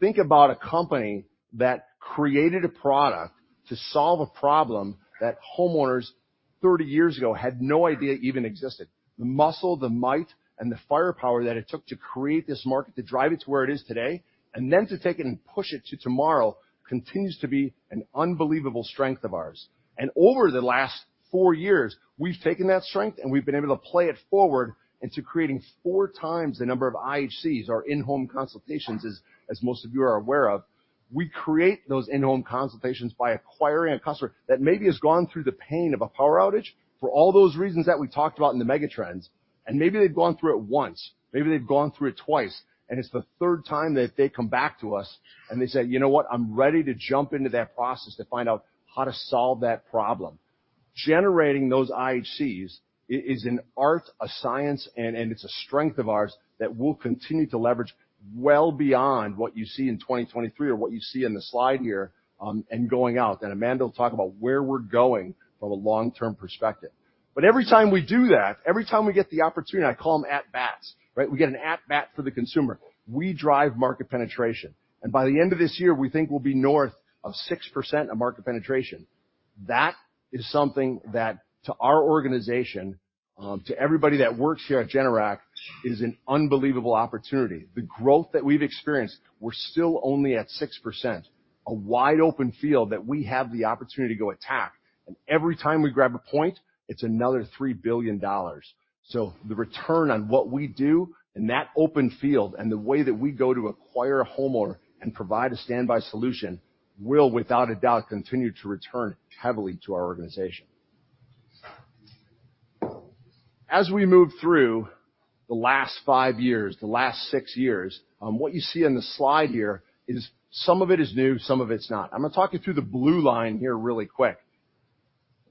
think about a company that created a product to solve a problem that homeowners 30 years ago had no idea even existed. The muscle, the might, and the firepower that it took to create this market, to drive it to where it is today, and then to take it and push it to tomorrow, continues to be an unbelievable strength of ours. Over the last 4 years, we've taken that strength, and we've been able to play it forward into creating 4 times the number of IHCs or in-home consultations, as, as most of you are aware of. We create those in-home consultations by acquiring a customer that maybe has gone through the pain of a power outage for all those reasons that we talked about in the megatrends, and maybe they've gone through it once, maybe they've gone through it twice, and it's the third time that they come back to us and they say: "You know what? I'm ready to jump into that process to find out how to solve that problem." Generating those IHCs is an art, a science, and it's a strength of ours that we'll continue to leverage well beyond what you see in 2023 or what you see in the slide here, and going out. And Amanda will talk about where we're going from a long-term perspective. But every time we do that, every time we get the opportunity, I call them at-bats, right? We get an at-bat for the consumer. We drive market penetration, and by the end of this year, we think we'll be north of 6% of market penetration. That is something that, to our organization, to everybody that works here at Generac, is an unbelievable opportunity. The growth that we've experienced, we're still only at 6%. A wide open field that we have the opportunity to go attack, and every time we grab a point, it's another $3 billion. So the return on what we do in that open field and the way that we go to acquire a homeowner and provide a standby solution will, without a doubt, continue to return heavily to our organization. As we move through the last five years, the last six years, what you see on the slide here is some of it is new, some of it's not. I'm gonna talk you through the blue line here really quick.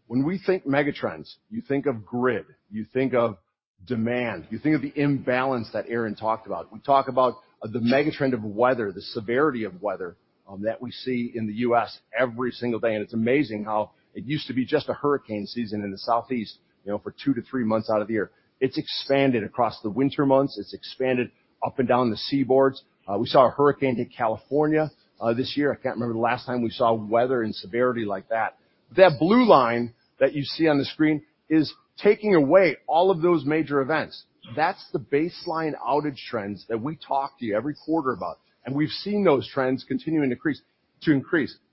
When we think megatrends, you think of grid, you think of demand, you think of the imbalance that Aaron talked about. We talk about the megatrend of weather, the severity of weather, that we see in the U.S. every single day. It's amazing how it used to be just a hurricane season in the southeast, you know, for 2-3 months out of the year. It's expanded across the winter months. It's expanded up and down the seaboards. We saw a hurricane hit California this year. I can't remember the last time we saw weather in severity like that. That blue line that you see on the screen is taking away all of those major events. That's the baseline outage trends that we talk to you every quarter about, and we've seen those trends continue and increase,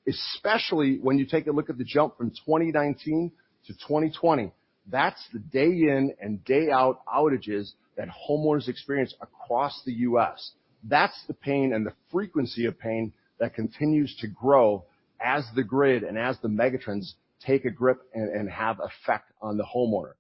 especially when you take a look at the jump from 2019 to 2020. That's the day in and day out outages that homeowners experience across the U.S. That's the pain and the frequency of pain that continues to grow as the grid and as the megatrends take a grip and, and have effect on the homeowner.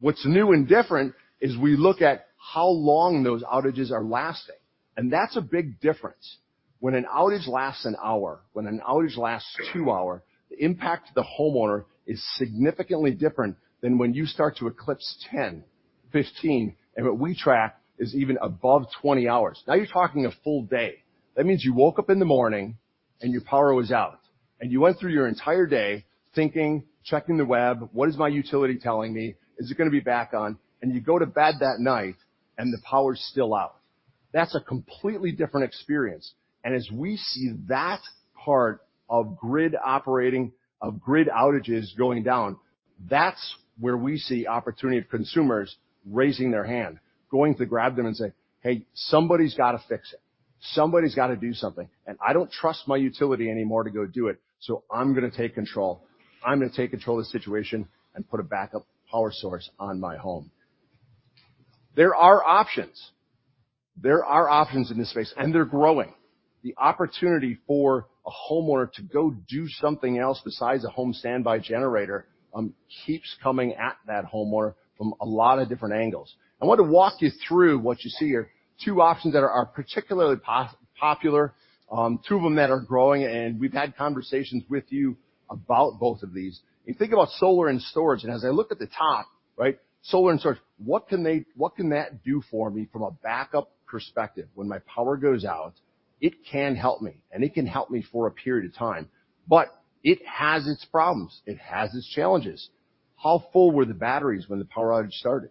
What's new and different is we look at how long those outages are lasting, and that's a big difference. When an outage lasts an hour, when an outage lasts 2 hours, the impact to the homeowner is significantly different than when you start to eclipse 10, 15, and what we track is even above 20 hours. Now you're talking a full day. That means you woke up in the morning, and your power was out, and you went through your entire day thinking, checking the web: What is my utility telling me? Is it gonna be back on? And you go to bed that night, and the power's still out. That's a completely different experience. As we see that part of grid operating, of grid outages going down, that's where we see opportunity for consumers raising their hand, going to grab them and say, "Hey, somebody's got to fix it. Somebody's got to do something, and I don't trust my utility anymore to go do it, so I'm gonna take control. I'm gonna take control of the situation and put a backup power source on my home." There are options. There are options in this space, and they're growing. The opportunity for a homeowner to go do something else besides a home standby generator keeps coming at that homeowner from a lot of different angles. I want to walk you through what you see are two options that are particularly popular, two of them that are growing, and we've had conversations with you about both of these. You think about solar and storage, and as I look at the top, right, solar and storage, what can that do for me from a backup perspective? When my power goes out, it can help me, and it can help me for a period of time, but it has its problems, it has its challenges. How full were the batteries when the power outage started?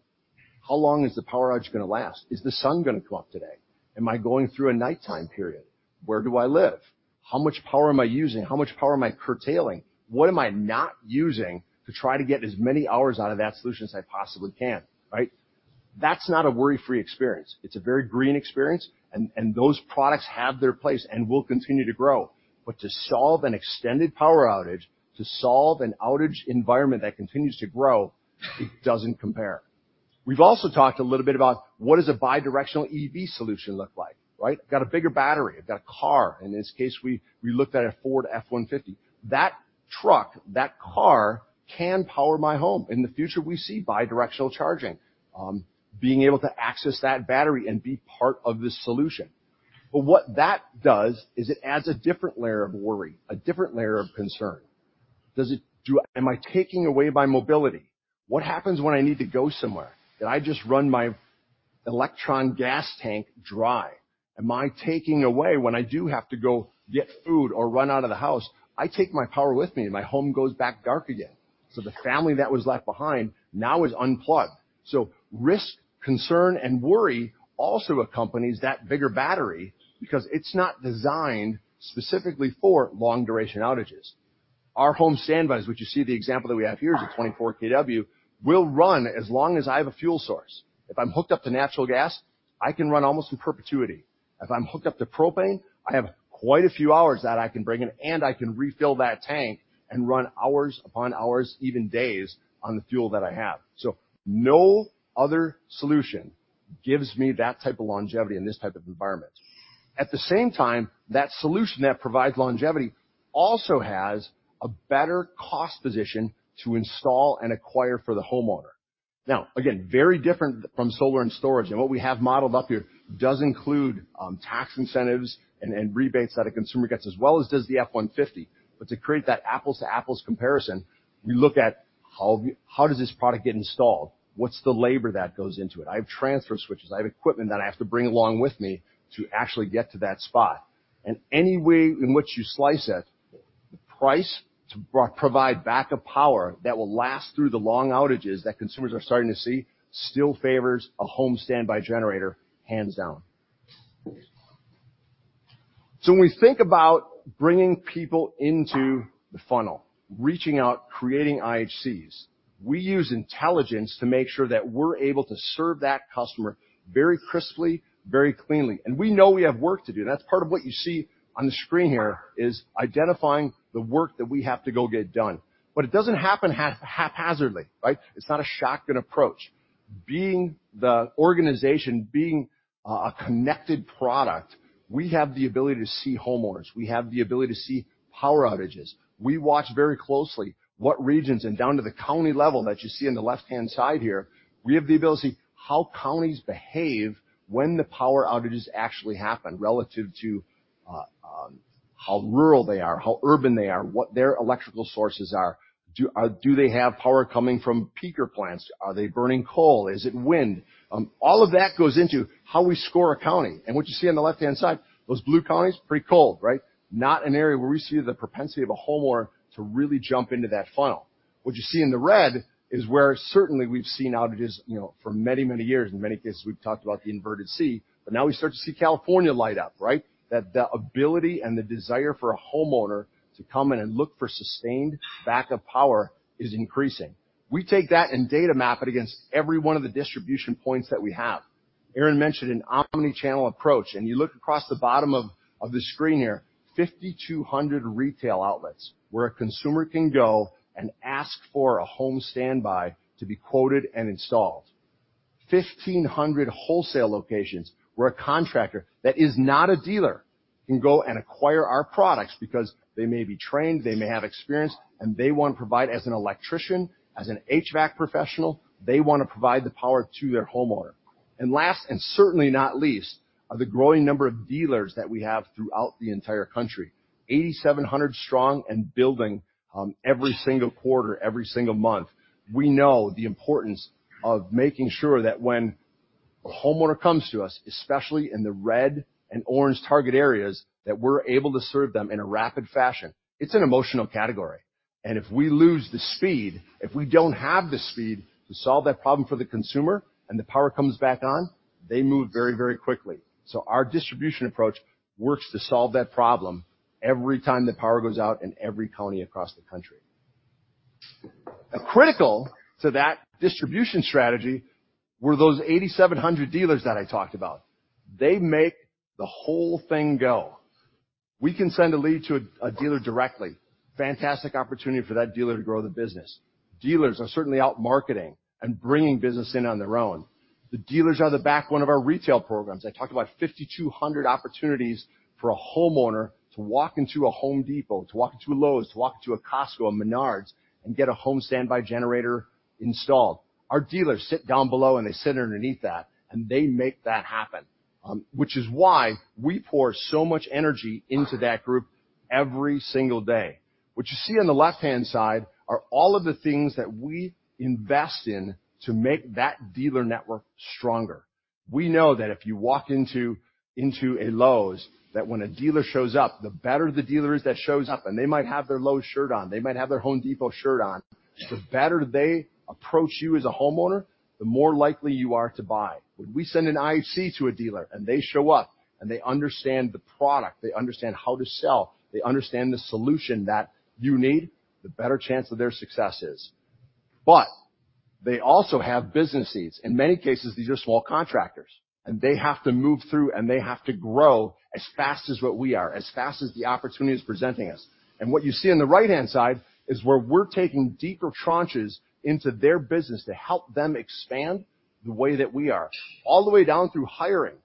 How long is the power outage gonna last? Is the sun gonna come up today? Am I going through a nighttime period? Where do I live? How much power am I using? How much power am I curtailing? What am I not using to try to get as many hours out of that solution as I possibly can, right? That's not a worry-free experience. It's a very green experience, and those products have their place and will continue to grow. But to solve an extended power outage, to solve an outage environment that continues to grow, it doesn't compare. We've also talked a little bit about what does a bidirectional EV solution look like, right? I've got a bigger battery, I've got a car. In this case, we looked at a Ford F-150. That truck, that car, can power my home. In the future, we see bidirectional charging, being able to access that battery and be part of the solution. But what that does is it adds a different layer of worry, a different layer of concern. Does it, do I, am I taking away my mobility? What happens when I need to go somewhere, and I just run my electron gas tank dry? Am I taking away when I do have to go get food or run out of the house, I take my power with me, and my home goes back dark again. So the family that was left behind now is unplugged. So risk, concern, and worry also accompanies that bigger battery because it's not designed specifically for long-duration outages. Our home standbys, which you see the example that we have here, is a 24 kW, will run as long as I have a fuel source. If I'm hooked up to natural gas, I can run almost in perpetuity. If I'm hooked up to propane, I have quite a few hours that I can bring in, and I can refill that tank and run hours upon hours, even days, on the fuel that I have. So no other solution gives me that type of longevity in this type of environment. At the same time, that solution that provides longevity also has a better cost position to install and acquire for the homeowner. Now, again, very different from solar and storage, and what we have modeled up here does include tax incentives and rebates that a consumer gets, as well as does the F-150. But to create that apples-to-apples comparison, we look at how does this product get installed? What's the labor that goes into it? I have transfer switches. I have equipment that I have to bring along with me to actually get to that spot. And any way in which you slice it, the price to provide backup power that will last through the long outages that consumers are starting to see still favors a home standby generator, hands down. So when we think about bringing people into the funnel, reaching out, creating IHCs, we use intelligence to make sure that we're able to serve that customer very crisply, very cleanly, and we know we have work to do. That's part of what you see on the screen here, is identifying the work that we have to go get done. But it doesn't happen haphazardly, right? It's not a shotgun approach. Being the organization, being a connected product, we have the ability to see homeowners. We have the ability to see power outages. We watch very closely what regions, and down to the county level that you see on the left-hand side here, we have the ability to see how counties behave when the power outages actually happen relative to how rural they are, how urban they are, what their electrical sources are. Do they have power coming from peaker plants? Are they burning coal? Is it wind? All of that goes into how we score a county. What you see on the left-hand side, those blue counties, pretty cold, right? Not an area where we see the propensity of a homeowner to really jump into that funnel. What you see in the red is where certainly we've seen outages, you know, for many, many years. In many cases, we've talked about the inverted C, but now we start to see California light up, right? That the ability and the desire for a homeowner to come in and look for sustained backup power is increasing. We take that and data map it against every one of the distribution points that we have. Aaron mentioned an omni-channel approach, and you look across the bottom of, of the screen here, 5,200 retail outlets where a consumer can go and ask for a home standby to be quoted and installed. 1,500 wholesale locations, where a contractor that is not a dealer can go and acquire our products because they may be trained, they may have experience, and they want to provide as an electrician, as an HVAC professional, they want to provide the power to their homeowner. And last, and certainly not least, are the growing number of dealers that we have throughout the entire country, 8,700 strong and building, every single quarter, every single month. We know the importance of making sure that when a homeowner comes to us, especially in the red and orange target areas, that we're able to serve them in a rapid fashion. It's an emotional category, and if we lose the speed, if we don't have the speed to solve that problem for the consumer and the power comes back on, they move very, very quickly. So our distribution approach works to solve that problem every time the power goes out in every county across the country. Critical to that distribution strategy were those 8,700 dealers that I talked about. They make the whole thing go. We can send a lead to a, a dealer directly. Fantastic opportunity for that dealer to grow the business. Dealers are certainly out marketing and bringing business in on their own. The dealers are the backbone of our retail programs. I talked about 5,200 opportunities for a homeowner to walk into a Home Depot, to walk into a Lowe's, to walk into a Costco, a Menards, and get a home standby generator installed. Our dealers sit down below, and they sit underneath that, and they make that happen, which is why we pour so much energy into that group every single day. What you see on the left-hand side are all of the things that we invest in to make that dealer network stronger. We know that if you walk into a Lowe's, that when a dealer shows up, the better the dealer is that shows up, and they might have their Lowe's shirt on, they might have their Home Depot shirt on, the better they approach you as a homeowner, the more likely you are to buy. When we send an IHC to a dealer, and they show up, and they understand the product, they understand how to sell, they understand the solution that you need, the better chance of their success is. But they also have businesses. In many cases, these are small contractors, and they have to move through, and they have to grow as fast as what we are, as fast as the opportunity is presenting us. What you see on the right-hand side is where we're taking deeper tranches into their business to help them expand the way that we are, all the way down through hiring.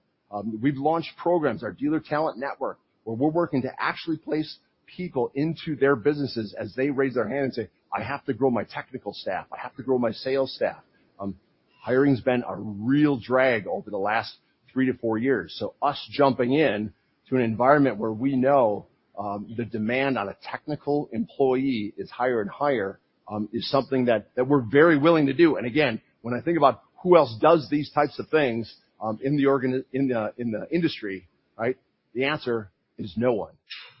We've launched programs, our Dealer Talent etwork, where we're working to actually place people into their businesses as they raise their hand and say, "I have to grow my technical staff. I have to grow my sales staff." Hiring's been a real drag over the last 3-4 years. Us jumping in to an environment where we know the demand on a technical employee is higher and higher is something that, that we're very willing to do. Again, when I think about who else does these types of things in the organization in the industry, right? The answer is no one.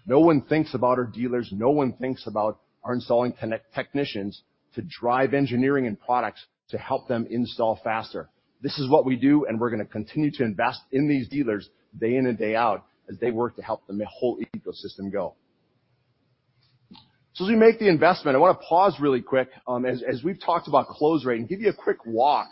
No one thinks about our dealers. No one thinks about our installing contractors and technicians to drive engineering and products to help them install faster. This is what we do, and we're gonna continue to invest in these dealers day in and day out as they work to help the whole ecosystem go. So as we make the investment, I wanna pause really quick, as we've talked about close rate, and give you a quick walk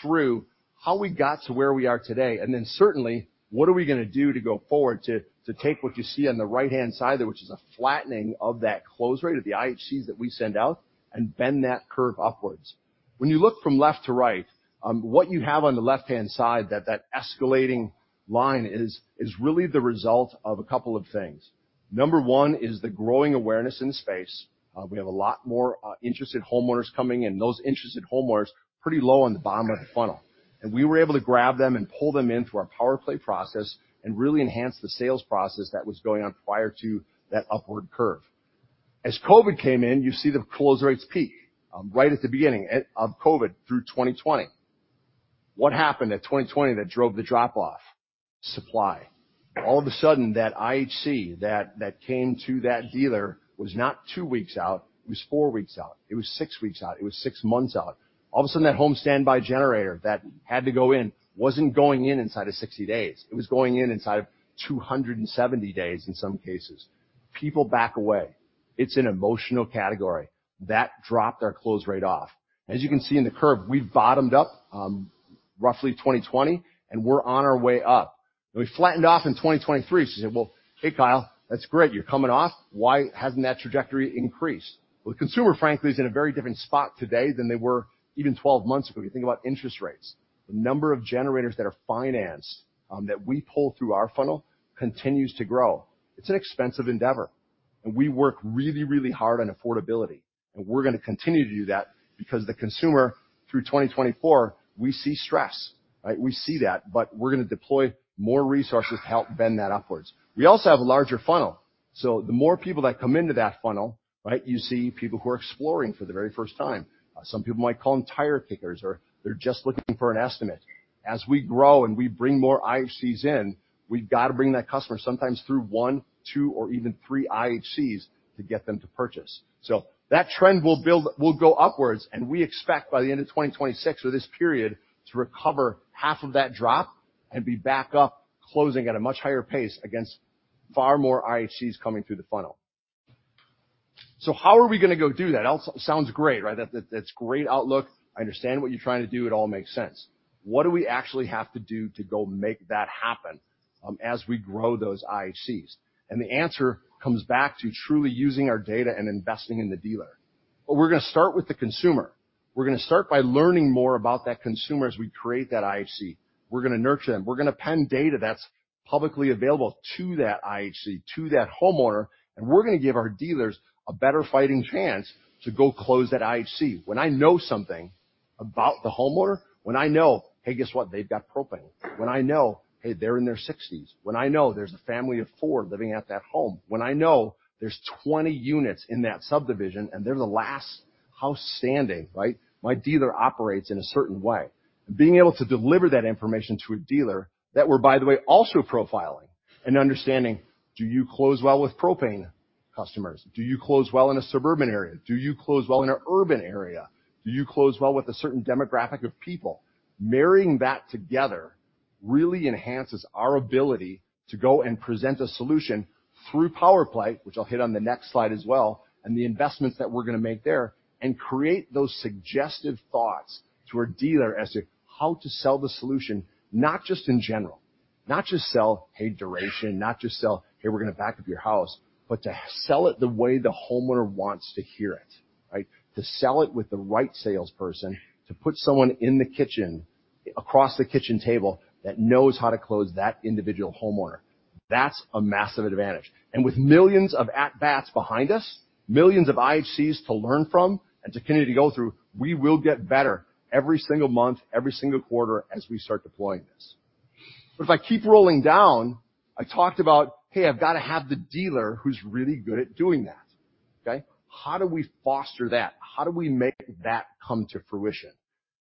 through how we got to where we are today, and then certainly, what are we gonna do to go forward to take what you see on the right-hand side there, which is a flattening of that close rate of the IHCs that we send out, and bend that curve upwards. When you look from left to right, what you have on the left-hand side, that escalating line is really the result of a couple of things. Number one is the growing awareness in the space. We have a lot more interested homeowners coming in, those interested homeowners pretty low on the bottom of the funnel. We were able to grab them and pull them in through our PowerPlay process and really enhance the sales process that was going on prior to that upward curve. As COVID came in, you see the close rates peak right at the beginning of COVID through 2020. What happened at 2020 that drove the drop-off? Supply. All of a sudden, that IHC that came to that dealer was not 2 weeks out, it was 4 weeks out, it was 6 weeks out, it was 6 months out. All of a sudden, that home standby generator that had to go in wasn't going in inside of 60 days. It was going in inside of 270 days, in some cases. People back away. It's an emotional category. That dropped our close rate off. As you can see in the curve, we've bottomed up, roughly 2020, and we're on our way up. We flattened off in 2023. So you say, "Well, hey, Kyle, that's great. You're coming off. Why hasn't that trajectory increased?" Well, the consumer, frankly, is in a very different spot today than they were even 12 months ago. You think about interest rates. The number of generators that are financed, that we pull through our funnel continues to grow. It's an expensive endeavor, and we work really, really hard on affordability, and we're gonna continue to do that because the consumer, through 2024, we see stress, right? We see that, but we're gonna deploy more resources to help bend that upwards. We also have a larger funnel, so the more people that come into that funnel, right, you see people who are exploring for the very first time. Some people might call them tire kickers, or they're just looking for an estimate. As we grow and we bring more IHCs in, we've got to bring that customer sometimes through one, two, or even three IHCs to get them to purchase. So that trend will build, will go upwards, and we expect by the end of 2026 or this period, to recover half of that drop and be back up closing at a much higher pace against far more IHCs coming through the funnel. So how are we gonna go do that? Sounds great, right? That, that's a great outlook. I understand what you're trying to do. It all makes sense. What do we actually have to do to go make that happen, as we grow those IHCs? The answer comes back to truly using our data and investing in the dealer. We're gonna start with the consumer. We're gonna start by learning more about that consumer as we create that IHC. We're gonna nurture them. We're gonna pin data that's publicly available to that IHC, to that homeowner, and we're gonna give our dealers a better fighting chance to go close that IHC. When I know something about the homeowner, when I know, hey, guess what? They've got propane. When I know, hey, they're in their sixties, when I know there's a family of 4 living at that home, when I know there's 20 units in that subdivision, and they're the last house standing, right? My dealer operates in a certain way. Being able to deliver that information to a dealer that we're, by the way, also profiling and understanding, do you close well with propane customers? Do you close well in a suburban area? Do you close well in an urban area? Do you close well with a certain demographic of people? Marrying that together really enhances our ability to go and present a solution through PowerPlay, which I'll hit on the next slide as well, and the investments that we're gonna make there, and create those suggestive thoughts to our dealer as to how to sell the solution, not just in general, not just sell, hey, duration, not just sell, hey, we're gonna back up your house, but to sell it the way the homeowner wants to hear it, right? To sell it with the right salesperson, to put someone in the kitchen, across the kitchen table that knows how to close that individual homeowner. That's a massive advantage. And with millions of at-bats behind us, millions of IHCs to learn from and to continue to go through, we will get better every single month, every single quarter, as we start deploying this. But if I keep rolling down, I talked about, hey, I've got to have the dealer who's really good at doing that, okay? How do we foster that? How do we make that come to fruition?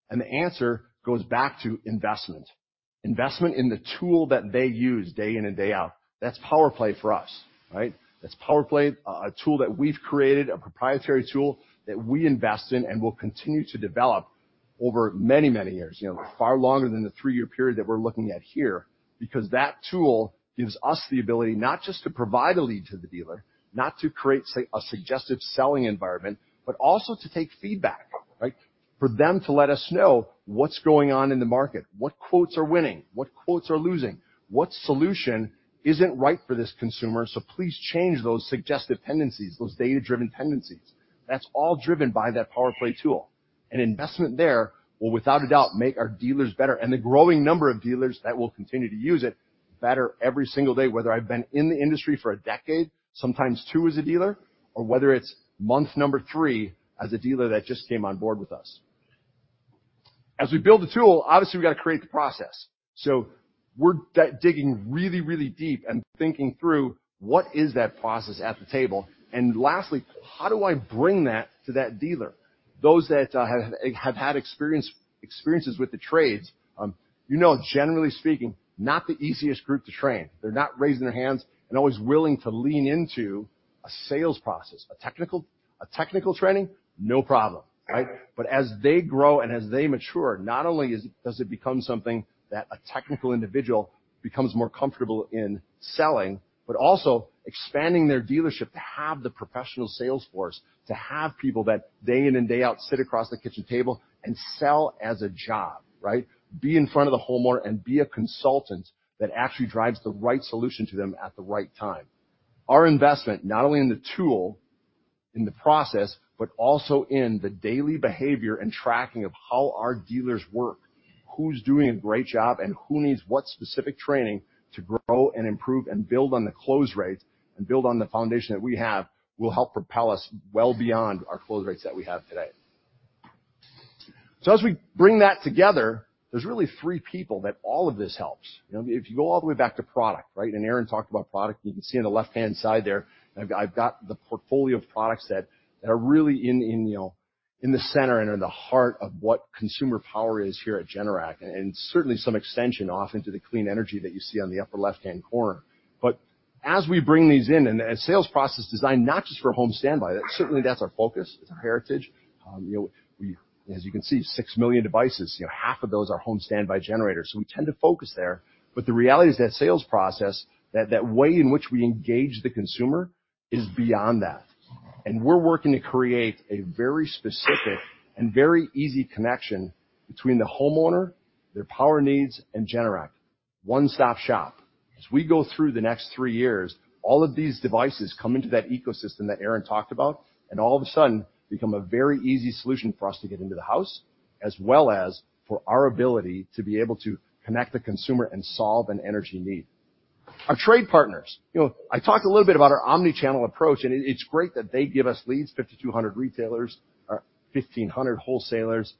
And the answer goes back to investment. Investment in the tool that they use day in and day out. That's PowerPlay for us, right? That's PowerPlay, a tool that we've created, a proprietary tool that we invest in and will continue to develop over many, many years, you know, far longer than the 3-year period that we're looking at here. Because that tool gives us the ability not just to provide a lead to the dealer, not to create, say, a suggestive selling environment, but also to take feedback, right? For them to let us know what's going on in the market, what quotes are winning, what quotes are losing, what solution isn't right for this consumer, so please change those suggestive tendencies, those data-driven tendencies. That's all driven by that PowerPlay tool. An investment there will, without a doubt, make our dealers better, and the growing number of dealers that will continue to use it better every single day, whether I've been in the industry for a decade, sometimes two as a dealer, or whether it's month number three as a dealer that just came on board with us. As we build the tool, obviously, we've got to create the process. So we're digging really, really deep and thinking through what is that process at the table. And lastly, how do I bring that to that dealer? Those that have had experiences with the trades, you know, generally speaking, not the easiest group to train. They're not raising their hands and always willing to lean into a sales process, a technical training, no problem, right? But as they grow and as they mature, not only does it become something that a technical individual becomes more comfortable in selling, but also expanding their dealership to have the professional sales force, to have people that day in and day out, sit across the kitchen table and sell as a job, right? Be in front of the homeowner and be a consultant that actually drives the right solution to them at the right time. Our investment, not only in the tool, in the process, but also in the daily behavior and tracking of how our dealers work, who's doing a great job and who needs what specific training to grow and improve, and build on the close rates, and build on the foundation that we have, will help propel us well beyond our close rates that we have today. So as we bring that together, there's really three people that all of this helps. You know, if you go all the way back to product, right? And Aaron talked about product. You can see on the left-hand side there, I've got the portfolio of products that are really in, you know, in the center and in the heart of what consumer power is here at Generac, and certainly some extension off into the clean energy that you see on the upper left-hand corner. But as we bring these in and a sales process designed not just for home standby, certainly that's our focus, it's our heritage. You know, we as you can see, 6 million devices, you know, half of those are home standby generators, so we tend to focus there. But the reality is that sales process, that, that way in which we engage the consumer is beyond that. And we're working to create a very specific and very easy connection between the homeowner, their power needs, and Generac. One-stop shop. As we go through the next three years, all of these devices come into that ecosystem that Aaron talked about, and all of a sudden, become a very easy solution for us to get into the house, as well as for our ability to be able to connect the consumer and solve an energy need. Our trade partners. You know, I talked a little bit about our omni-channel approach, and it, it's great that they give us leads, 5,200 retailers, 1,500 wholesalers,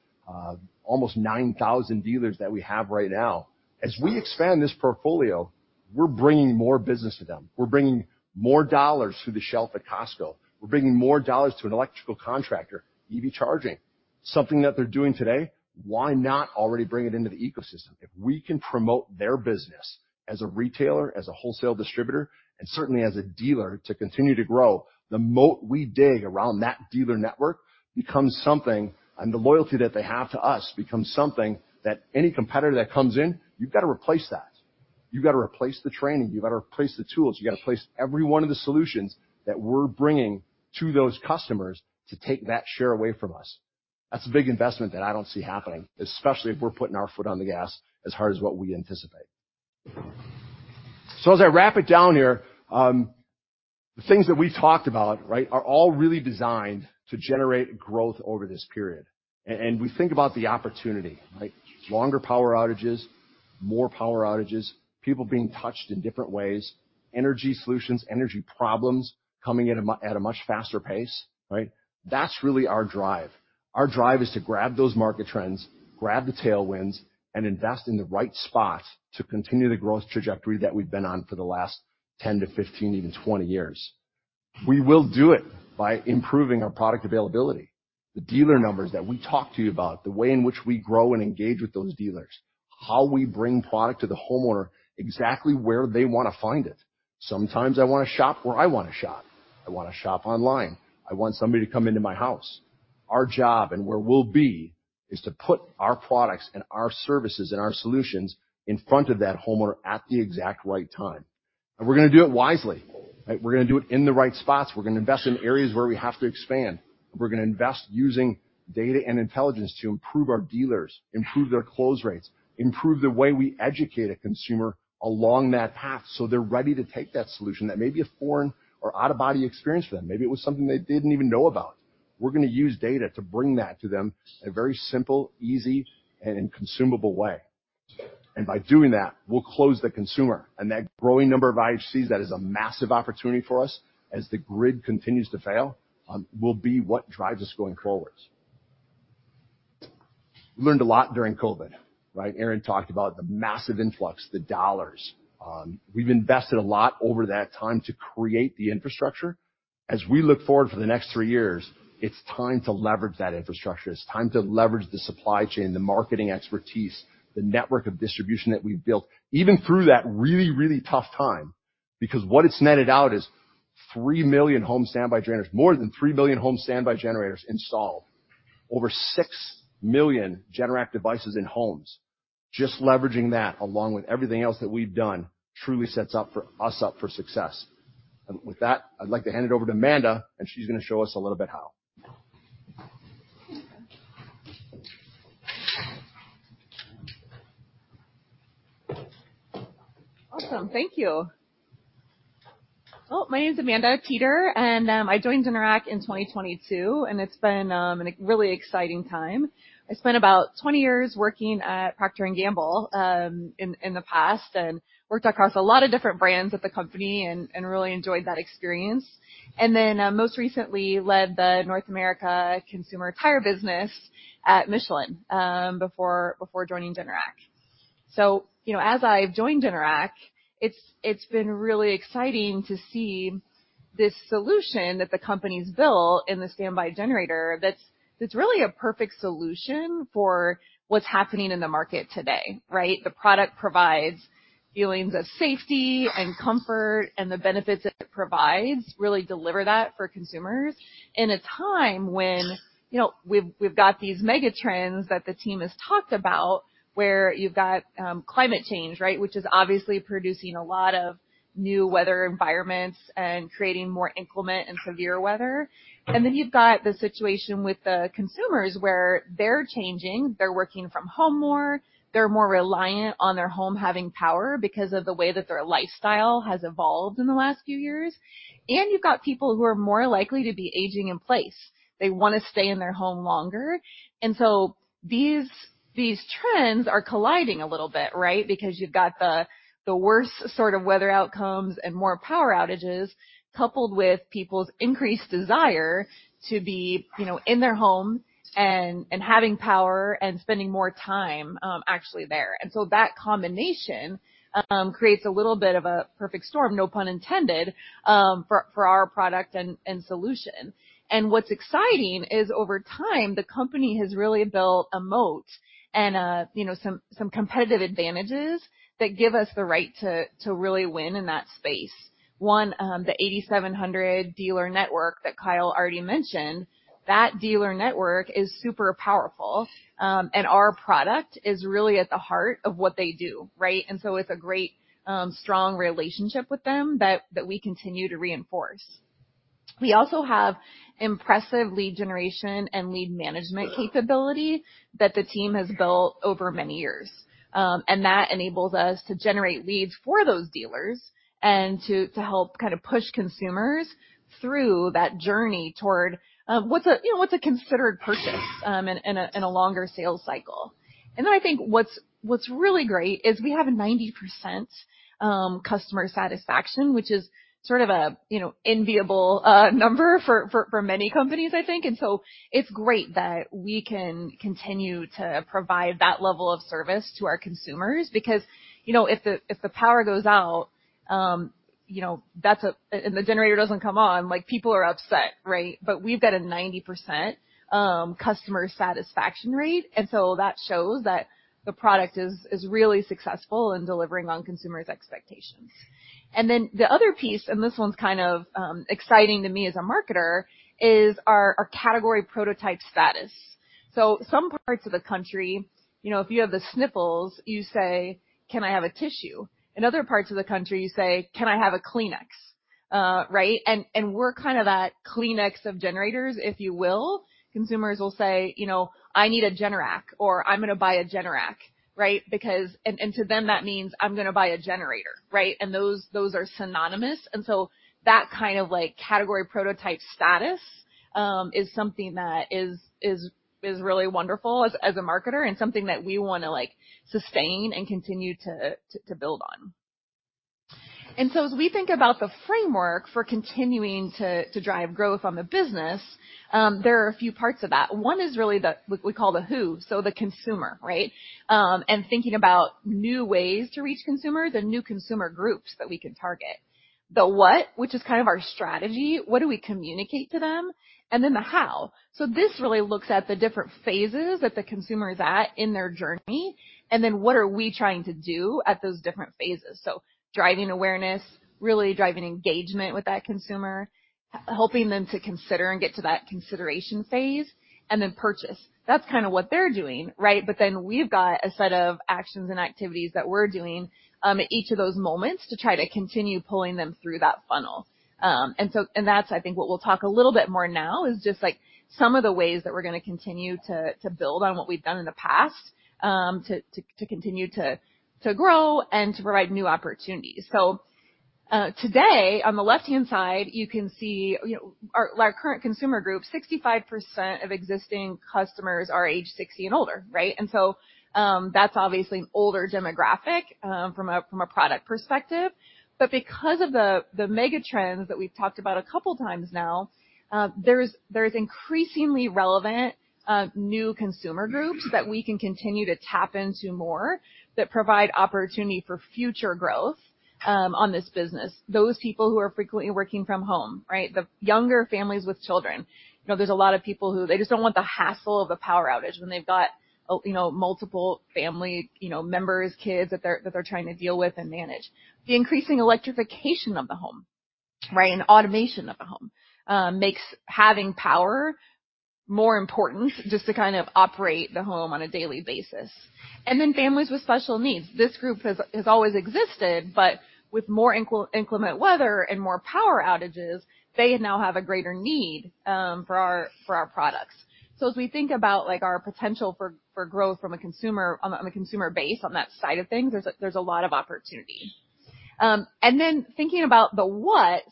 almost 9,000 dealers that we have right now. As we expand this portfolio, we're bringing more business to them. We're bringing more dollars to the shelf at Costco. We're bringing more dollars to an electrical contractor, EV charging, something that they're doing today, why not already bring it into the ecosystem? If we can promote their business as a retailer, as a wholesale distributor, and certainly as a dealer to continue to grow, the moat we dig around that dealer network becomes something... And the loyalty that they have to us becomes something that any competitor that comes in, you've got to replace that. You've got to replace the training, you've got to replace the tools, you've got to replace every one of the solutions that we're bringing to those customers to take that share away from us. That's a big investment that I don't see happening, especially if we're putting our foot on the gas as hard as what we anticipate. So as I wrap it down here, the things that we talked about, right, are all really designed to generate growth over this period. And we think about the opportunity, right? Longer power outages, more power outages, people being touched in different ways, energy solutions, energy problems coming in at a much faster pace, right? That's really our drive. Our drive is to grab those market trends, grab the tailwinds, and invest in the right spot to continue the growth trajectory that we've been on for the last 10-15, even 20 years. We will do it by improving our product availability, the dealer numbers that we talked to you about, the way in which we grow and engage with those dealers, how we bring product to the homeowner exactly where they want to find it. Sometimes I want to shop where I want to shop. I want to shop online. I want somebody to come into my house. Our job, and where we'll be, is to put our products and our services, and our solutions in front of that homeowner at the exact right time. We're gonna do it wisely. We're gonna do it in the right spots. We're gonna invest in areas where we have to expand. We're gonna invest using data and intelligence to improve our dealers, improve their close rates, improve the way we educate a consumer along that path, so they're ready to take that solution that may be a foreign or out-of-body experience for them. Maybe it was something they didn't even know about. We're gonna use data to bring that to them in a very simple, easy, and consumable way. By doing that, we'll close the consumer and that growing number of IHCs, that is a massive opportunity for us as the grid continues to fail, will be what drives us going forward. We learned a lot during COVID, right? Aaron talked about the massive influx, the dollars. We've invested a lot over that time to create the infrastructure. As we look forward for the next 3 years, it's time to leverage that infrastructure. It's time to leverage the supply chain, the marketing expertise, the network of distribution that we've built, even through that really, really tough time. Because what it's netted out is 3 million home standby generators. More than 3 billion home standby generators installed. Over 6 million Generac devices in homes. Just leveraging that, along with everything else that we've done, truly sets us up for success. With that, I'd like to hand it over to Amanda, and she's gonna show us a little bit how. Awesome. Thank you. Oh, my name is Amanda Teeter, and I joined Generac in 2022, and it's been a really exciting time. I spent about 20 years working at Procter & Gamble in the past, and worked across a lot of different brands at the company and really enjoyed that experience. Then most recently led the North America Consumer Tire business at Michelin before joining Generac. So, you know, as I've joined Generac, it's been really exciting to see this solution that the company's built in the standby generator that's really a perfect solution for what's happening in the market today, right? The product provides feelings of safety and comfort, and the benefits that it provides really deliver that for consumers in a time when, you know, we've got these mega trends that the team has talked about, where you've got, climate change, right? Which is obviously producing a lot of new weather environments and creating more inclement and severe weather. And then you've got the situation with the consumers where they're changing, they're working from home more, they're more reliant on their home having power because of the way that their lifestyle has evolved in the last few years. And you've got people who are more likely to be aging in place. They wanna stay in their home longer. And so these trends are colliding a little bit, right? Because you've got the worst sort of weather outcomes and more power outages, coupled with people's increased desire to be, you know, in their home and having power and spending more time actually there. And so that combination creates a little bit of a perfect storm, no pun intended, for our product and solution. And what's exciting is over time, the company has really built a moat and a, you know, some competitive advantages that give us the right to really win in that space. One, the 8,700 dealer network that Kyle already mentioned, that dealer network is super powerful, and our product is really at the heart of what they do, right? And so it's a great strong relationship with them that we continue to reinforce. We also have impressive lead generation and lead management capability that the team has built over many years. And that enables us to generate leads for those dealers and to help kind of push consumers through that journey toward, you know, what's a considered purchase in a longer sales cycle. And then I think what's really great is we have a 90% customer satisfaction, which is sort of a, you know, enviable number for many companies, I think. And so it's great that we can continue to provide that level of service to our consumers. Because, you know, if the power goes out, you know, that's a and the generator doesn't come on, like, people are upset, right? But we've got a 90% customer satisfaction rate, and so that shows that the product is really successful in delivering on consumers' expectations. And then the other piece, and this one's kind of exciting to me as a marketer, is our category prototype status. So some parts of the country, you know, if you have the sniffles, you say, "Can I have a tissue?" In other parts of the country, you say, "Can I have a Kleenex?" right? And we're kind of that Kleenex of generators, if you will. Consumers will say, you know, "I need a Generac," or, "I'm gonna buy a Generac." Right? Because... And to them, that means I'm gonna buy a generator, right? And those are synonymous. And so that kind of, like, category prototype status is something that is really wonderful as a marketer and something that we wanna, like, sustain and continue to build on. And so as we think about the framework for continuing to drive growth on the business, there are a few parts of that. One is really the, what we call the who, so the consumer, right? And thinking about new ways to reach consumers and new consumer groups that we can target. The what, which is kind of our strategy, what do we communicate to them? And then the how. So this really looks at the different phases that the consumer is at in their journey, and then what are we trying to do at those different phases. So driving awareness, really driving engagement with that consumer, helping them to consider and get to that consideration phase, and then purchase. That's kind of what they're doing, right? But then we've got a set of actions and activities that we're doing, at each of those moments to try to continue pulling them through that funnel. And that's, I think, what we'll talk a little bit more now is just, like, some of the ways that we're gonna continue to build on what we've done in the past, to continue to grow and to provide new opportunities. So, today, on the left-hand side, you can see, you know, our current consumer group, 65% of existing customers are age 60 and older, right? And so, that's obviously an older demographic, from a product perspective. But because of the mega trends that we've talked about a couple times now, there is increasingly relevant new consumer groups that we can continue to tap into more that provide opportunity for future growth on this business. Those people who are frequently working from home, right? The younger families with children. You know, there's a lot of people who they just don't want the hassle of a power outage when they've got you know, multiple family, you know, members, kids that they're trying to deal with and manage. The increasing electrification of the home, right, and automation of the home makes having power more important just to kind of operate the home on a daily basis. And then families with special needs. This group has always existed, but with more inclement weather and more power outages, they now have a greater need for our products. So as we think about, like, our potential for growth from a consumer base on that side of things, there's a lot of opportunity. And then thinking about,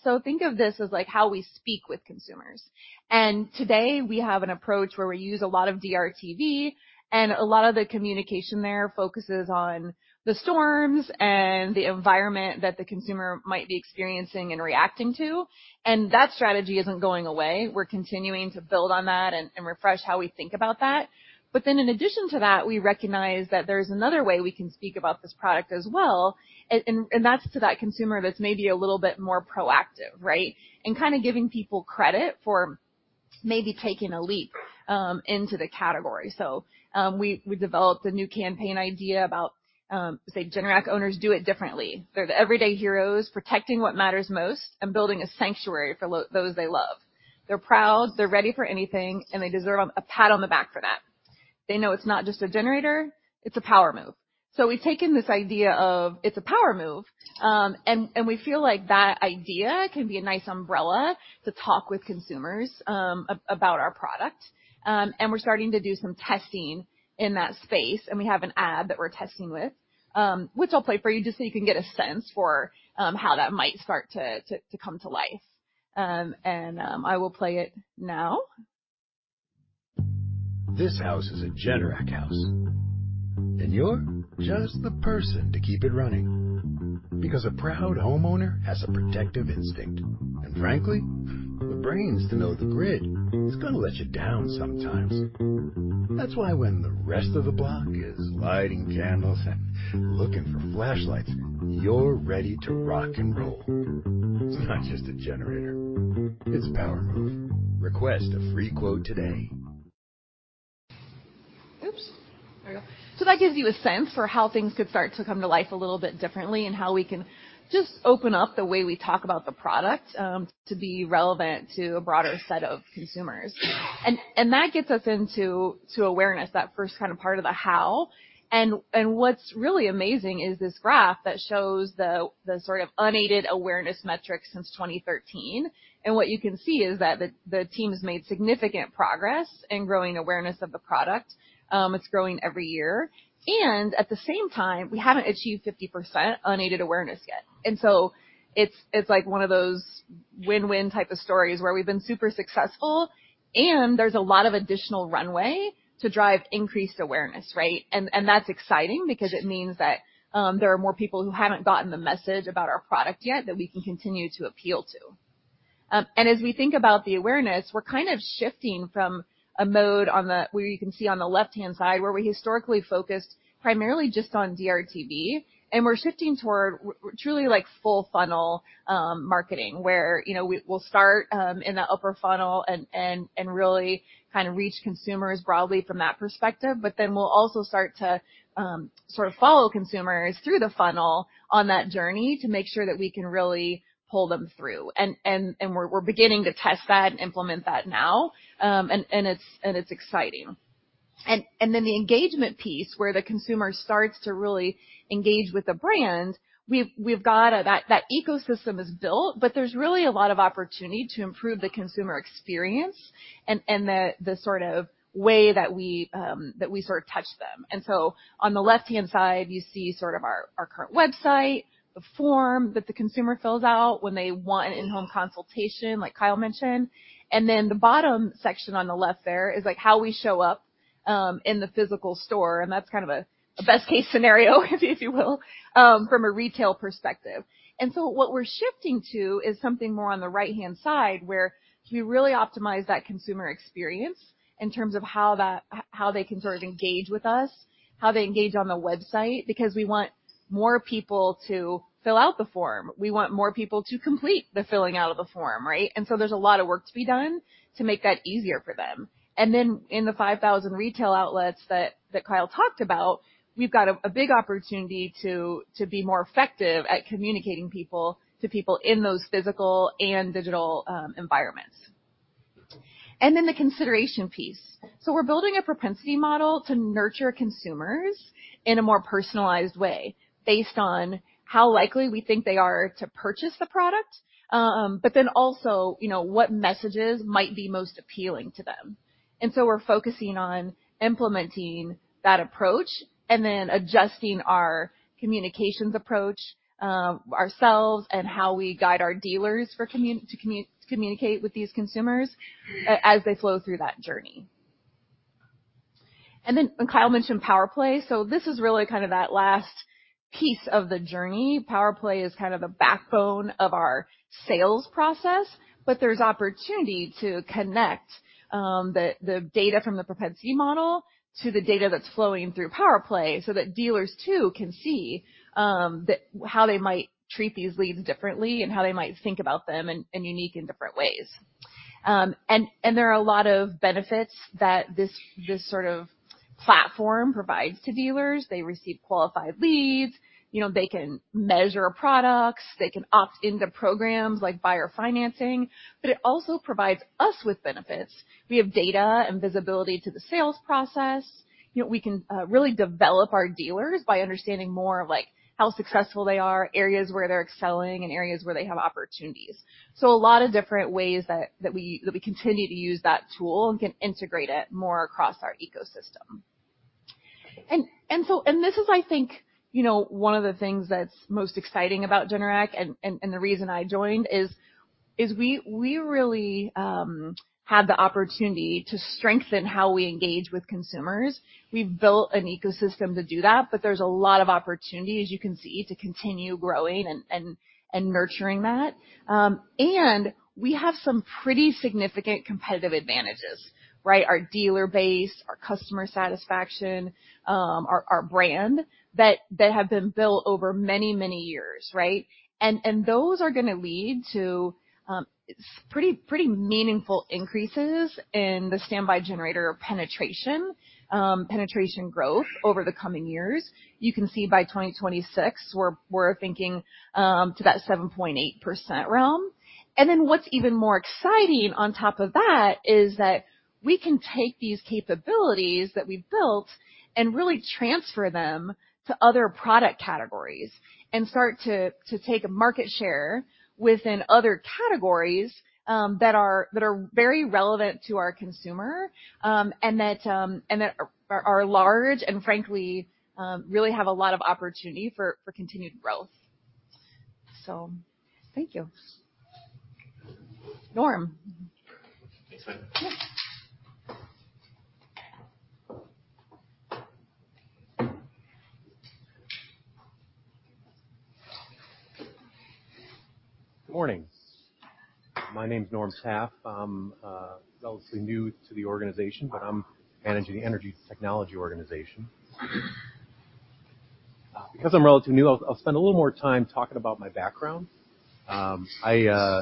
so think of this as like how we speak with consumers. And today, we have an approach where we use a lot of DRTV, and a lot of the communication there focuses on the storms and the environment that the consumer might be experiencing and reacting to. And that strategy isn't going away. We're continuing to build on that and refresh how we think about that. But then in addition to that, we recognize that there is another way we can speak about this product as well, and that's to that consumer that's maybe a little bit more proactive, right? And kind of giving people credit for maybe taking a leap into the category. So we developed a new campaign idea about, say, Generac owners do it differently. They're the everyday heroes, protecting what matters most and building a sanctuary for those they love. They're proud, they're ready for anything, and they deserve a pat on the back for that. They know it's not just a generator, it's a power move. So we've taken this idea of it's a power move, and we feel like that idea can be a nice umbrella to talk with consumers about our product. And we're starting to do some testing in that space, and we have an ad that we're testing with, which I'll play for you just so you can get a sense for how that might start to come to life. And I will play it now. This house is a Generac house, and you're just the person to keep it running. Because a proud homeowner has a protective instinct, and frankly, the brains to know the grid is gonna let you down sometimes. That's why when the rest of the block is lighting candles and looking for flashlights, you're ready to rock and roll. It's not just a generator, it's a power move. Request a free quote today. Oops! There we go. So that gives you a sense for how things could start to come to life a little bit differently, and how we can just open up the way we talk about the product to be relevant to a broader set of consumers. And that gets us into awareness, that first kind of part of the how. And what's really amazing is this graph that shows the sort of unaided awareness metric since 2013. And what you can see is that the team has made significant progress in growing awareness of the product. It's growing every year, and at the same time, we haven't achieved 50% unaided awareness yet. And so it's like one of those win-win type of stories where we've been super successful, and there's a lot of additional runway to drive increased awareness, right? And that's exciting because it means that there are more people who haven't gotten the message about our product yet that we can continue to appeal to. And as we think about the awareness, we're kind of shifting from a mode on the... where you can see on the left-hand side, where we historically focused primarily just on DRTV, and we're shifting toward truly, like, full funnel marketing, where, you know, we'll start in that upper funnel and really kind of reach consumers broadly from that perspective. But then we'll also start to sort of follow consumers through the funnel on that journey to make sure that we can really pull them through. And we're beginning to test that and implement that now. And it's exciting. Then the engagement piece, where the consumer starts to really engage with the brand, we've got a... That ecosystem is built, but there's really a lot of opportunity to improve the consumer experience and the sort of way that we sort of touch them. So on the left-hand side, you see sort of our current website, the form that the consumer fills out when they want an in-home consultation, like Kyle mentioned. Then the bottom section on the left there is, like, how we show up in the physical store, and that's kind of a best case scenario, if you will, from a retail perspective. And so what we're shifting to is something more on the right-hand side, where we can really optimize that consumer experience in terms of how they can sort of engage with us, how they engage on the website, because we want more people to fill out the form. We want more people to complete the filling out of the form, right? And so there's a lot of work to be done to make that easier for them. And then in the 5,000 retail outlets that Kyle talked about, we've got a big opportunity to be more effective at communicating to people in those physical and digital environments. And then the consideration piece. So we're building a propensity model to nurture consumers in a more personalized way, based on how likely we think they are to purchase the product. But then also, you know, what messages might be most appealing to them. And so we're focusing on implementing that approach and then adjusting our communications approach, ourselves and how we guide our dealers to communicate with these consumers, as they flow through that journey. And then, Kyle mentioned PowerPlay. So this is really kind of that last piece of the journey. PowerPlay is kind of the backbone of our sales process, but there's opportunity to connect, the data from the propensity model to the data that's flowing through PowerPlay so that dealers, too, can see, that, how they might treat these leads differently and how they might think about them in unique and different ways. And there are a lot of benefits that this sort of platform provides to dealers. They receive qualified leads. You know, they can measure products, they can opt into programs like buyer financing, but it also provides us with benefits. We have data and visibility to the sales process. You know, we can really develop our dealers by understanding more of, like, how successful they are, areas where they're excelling, and areas where they have opportunities. So a lot of different ways that we continue to use that tool and can integrate it more across our ecosystem. And so... And this is, I think, you know, one of the things that's most exciting about Generac and the reason I joined is we really have the opportunity to strengthen how we engage with consumers. We've built an ecosystem to do that, but there's a lot of opportunity, as you can see, to continue growing and nurturing that. We have some pretty significant competitive advantages... Right? Our dealer base, our customer satisfaction, our brand that have been built over many, many years, right? And those are going to lead to pretty meaningful increases in the standby generator penetration growth over the coming years. You can see by 2026, we're thinking to that 7.8% realm. And then what's even more exciting on top of that is that we can take these capabilities that we've built and really transfer them to other product categories and start to take a market share within other categories that are very relevant to our consumer. And that are large and frankly really have a lot of opportunity for continued growth. So thank you. Norm? Thanks. Good morning. My name is Norm Taffe. I'm relatively new to the organization, but I'm managing the energy technology organization. Because I'm relatively new, I'll spend a little more time talking about my background. I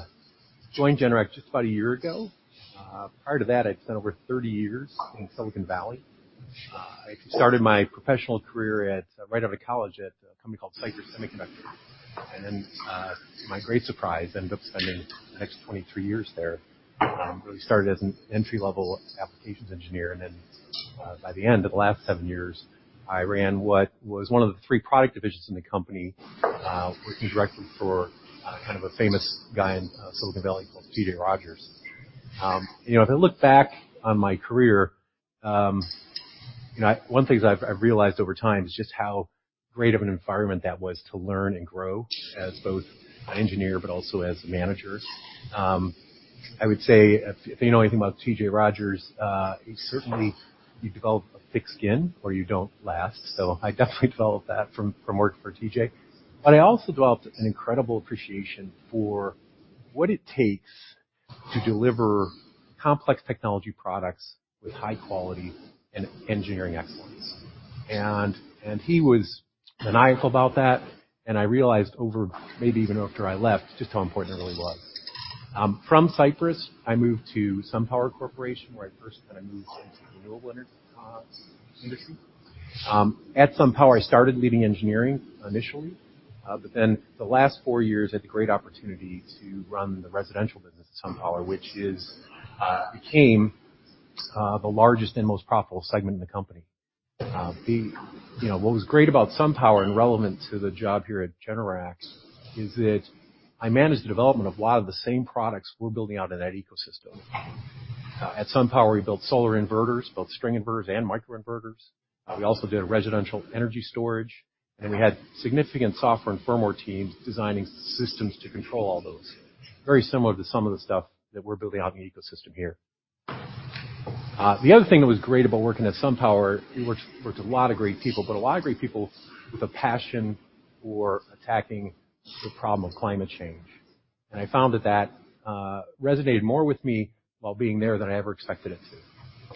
joined Generac just about a year ago. Prior to that, I'd spent over 30 years in Silicon Valley. I started my professional career at, right out of college, at a company called Cypress Semiconductor, and then, to my great surprise, ended up spending the next 23 years there. Really started as an entry-level applications engineer, and then, by the end of the last 7 years, I ran what was one of the three product divisions in the company, working directly for kind of a famous guy in Silicon Valley called T.J. Rodgers. You know, if I look back on my career, you know, one thing I've realized over time is just how great of an environment that was to learn and grow as both an engineer but also as a manager. I would say, if you know anything about T.J. Rodgers, he certainly... you develop a thick skin or you don't last. So I definitely developed that from working for T.J. But I also developed an incredible appreciation for what it takes to deliver complex technology products with high quality and engineering excellence. And he was maniacal about that, and I realized over, maybe even after I left, just how important it really was. From Cypress, I moved to SunPower Corporation, where I first kind of moved into the renewable energy industry. At SunPower, I started leading engineering initially, but then the last four years, I had the great opportunity to run the residential business at SunPower, which became the largest and most profitable segment in the company. You know, what was great about SunPower and relevant to the job here at Generac is that I managed the development of a lot of the same products we're building out in that ecosystem. At SunPower, we built solar inverters, both string inverters and microinverters. We also did residential energy storage, and we had significant software and firmware teams designing systems to control all those. Very similar to some of the stuff that we're building out in the ecosystem here. The other thing that was great about working at SunPower, we worked with a lot of great people, but a lot of great people with a passion for attacking the problem of climate change. And I found that resonated more with me while being there than I ever expected it to.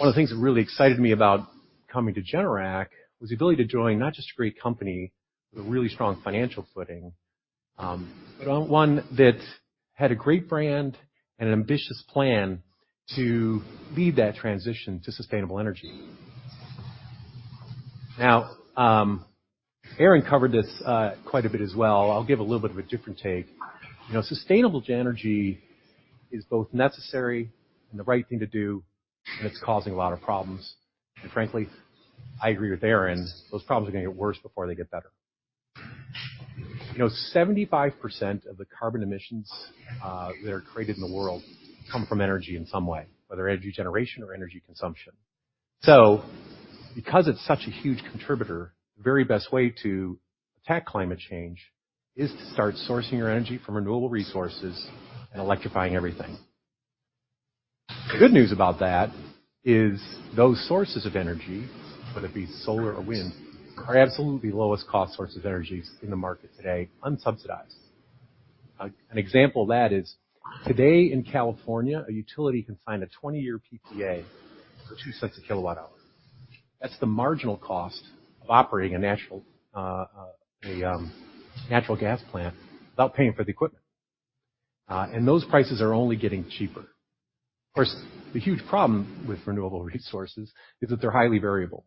One of the things that really excited me about coming to Generac was the ability to join not just a great company with a really strong financial footing, but one that had a great brand and an ambitious plan to lead that transition to sustainable energy. Now, Aaron covered this quite a bit as well. I'll give a little bit of a different take. You know, sustainable energy is both necessary and the right thing to do, and it's causing a lot of problems. Frankly, I agree with Aaron, those problems are going to get worse before they get better. You know, 75% of the carbon emissions that are created in the world come from energy in some way, whether energy generation or energy consumption. So because it's such a huge contributor, the very best way to attack climate change is to start sourcing your energy from renewable resources and electrifying everything. The good news about that is those sources of energy, whether it be solar or wind, are absolutely the lowest cost sources of energy in the market today, unsubsidized. An example of that is, today in California, a utility can sign a 20-year PPA for $0.02/kWh. That's the marginal cost of operating a natural gas plant without paying for the equipment. And those prices are only getting cheaper. Of course, the huge problem with renewable resources is that they're highly variable,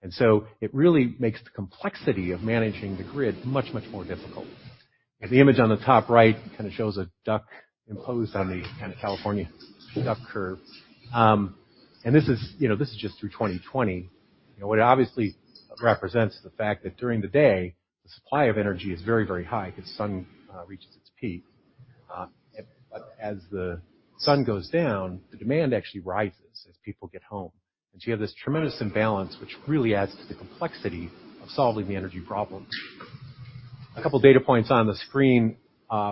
and so it really makes the complexity of managing the grid much, much more difficult. The image on the top right kind of shows a duck imposed on the California Duck Curve. And this is, you know, this is just through 2020. You know, what it obviously represents the fact that during the day, the supply of energy is very, very high because sun reaches its peak. But as the sun goes down, the demand actually rises as people get home. And so you have this tremendous imbalance, which really adds to the complexity of solving the energy problem. A couple data points on the screen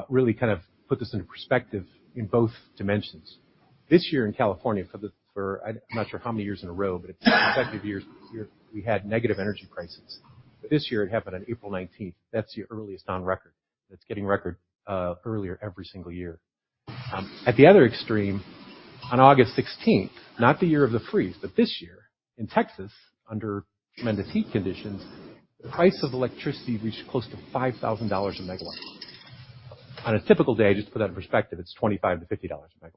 really kind of put this into perspective in both dimensions. This year in California, I'm not sure how many years in a row, but it's consecutive years, we had negative energy prices. But this year, it happened on April 19. That's the earliest on record. It's getting record earlier every single year. At the other extreme, on August 16, not the year of the freeze, but this year, in Texas, under tremendous heat conditions, the price of electricity reached close to $5,000 a megawatt. On a typical day, just to put that in perspective, it's $25-$50 a megawatt.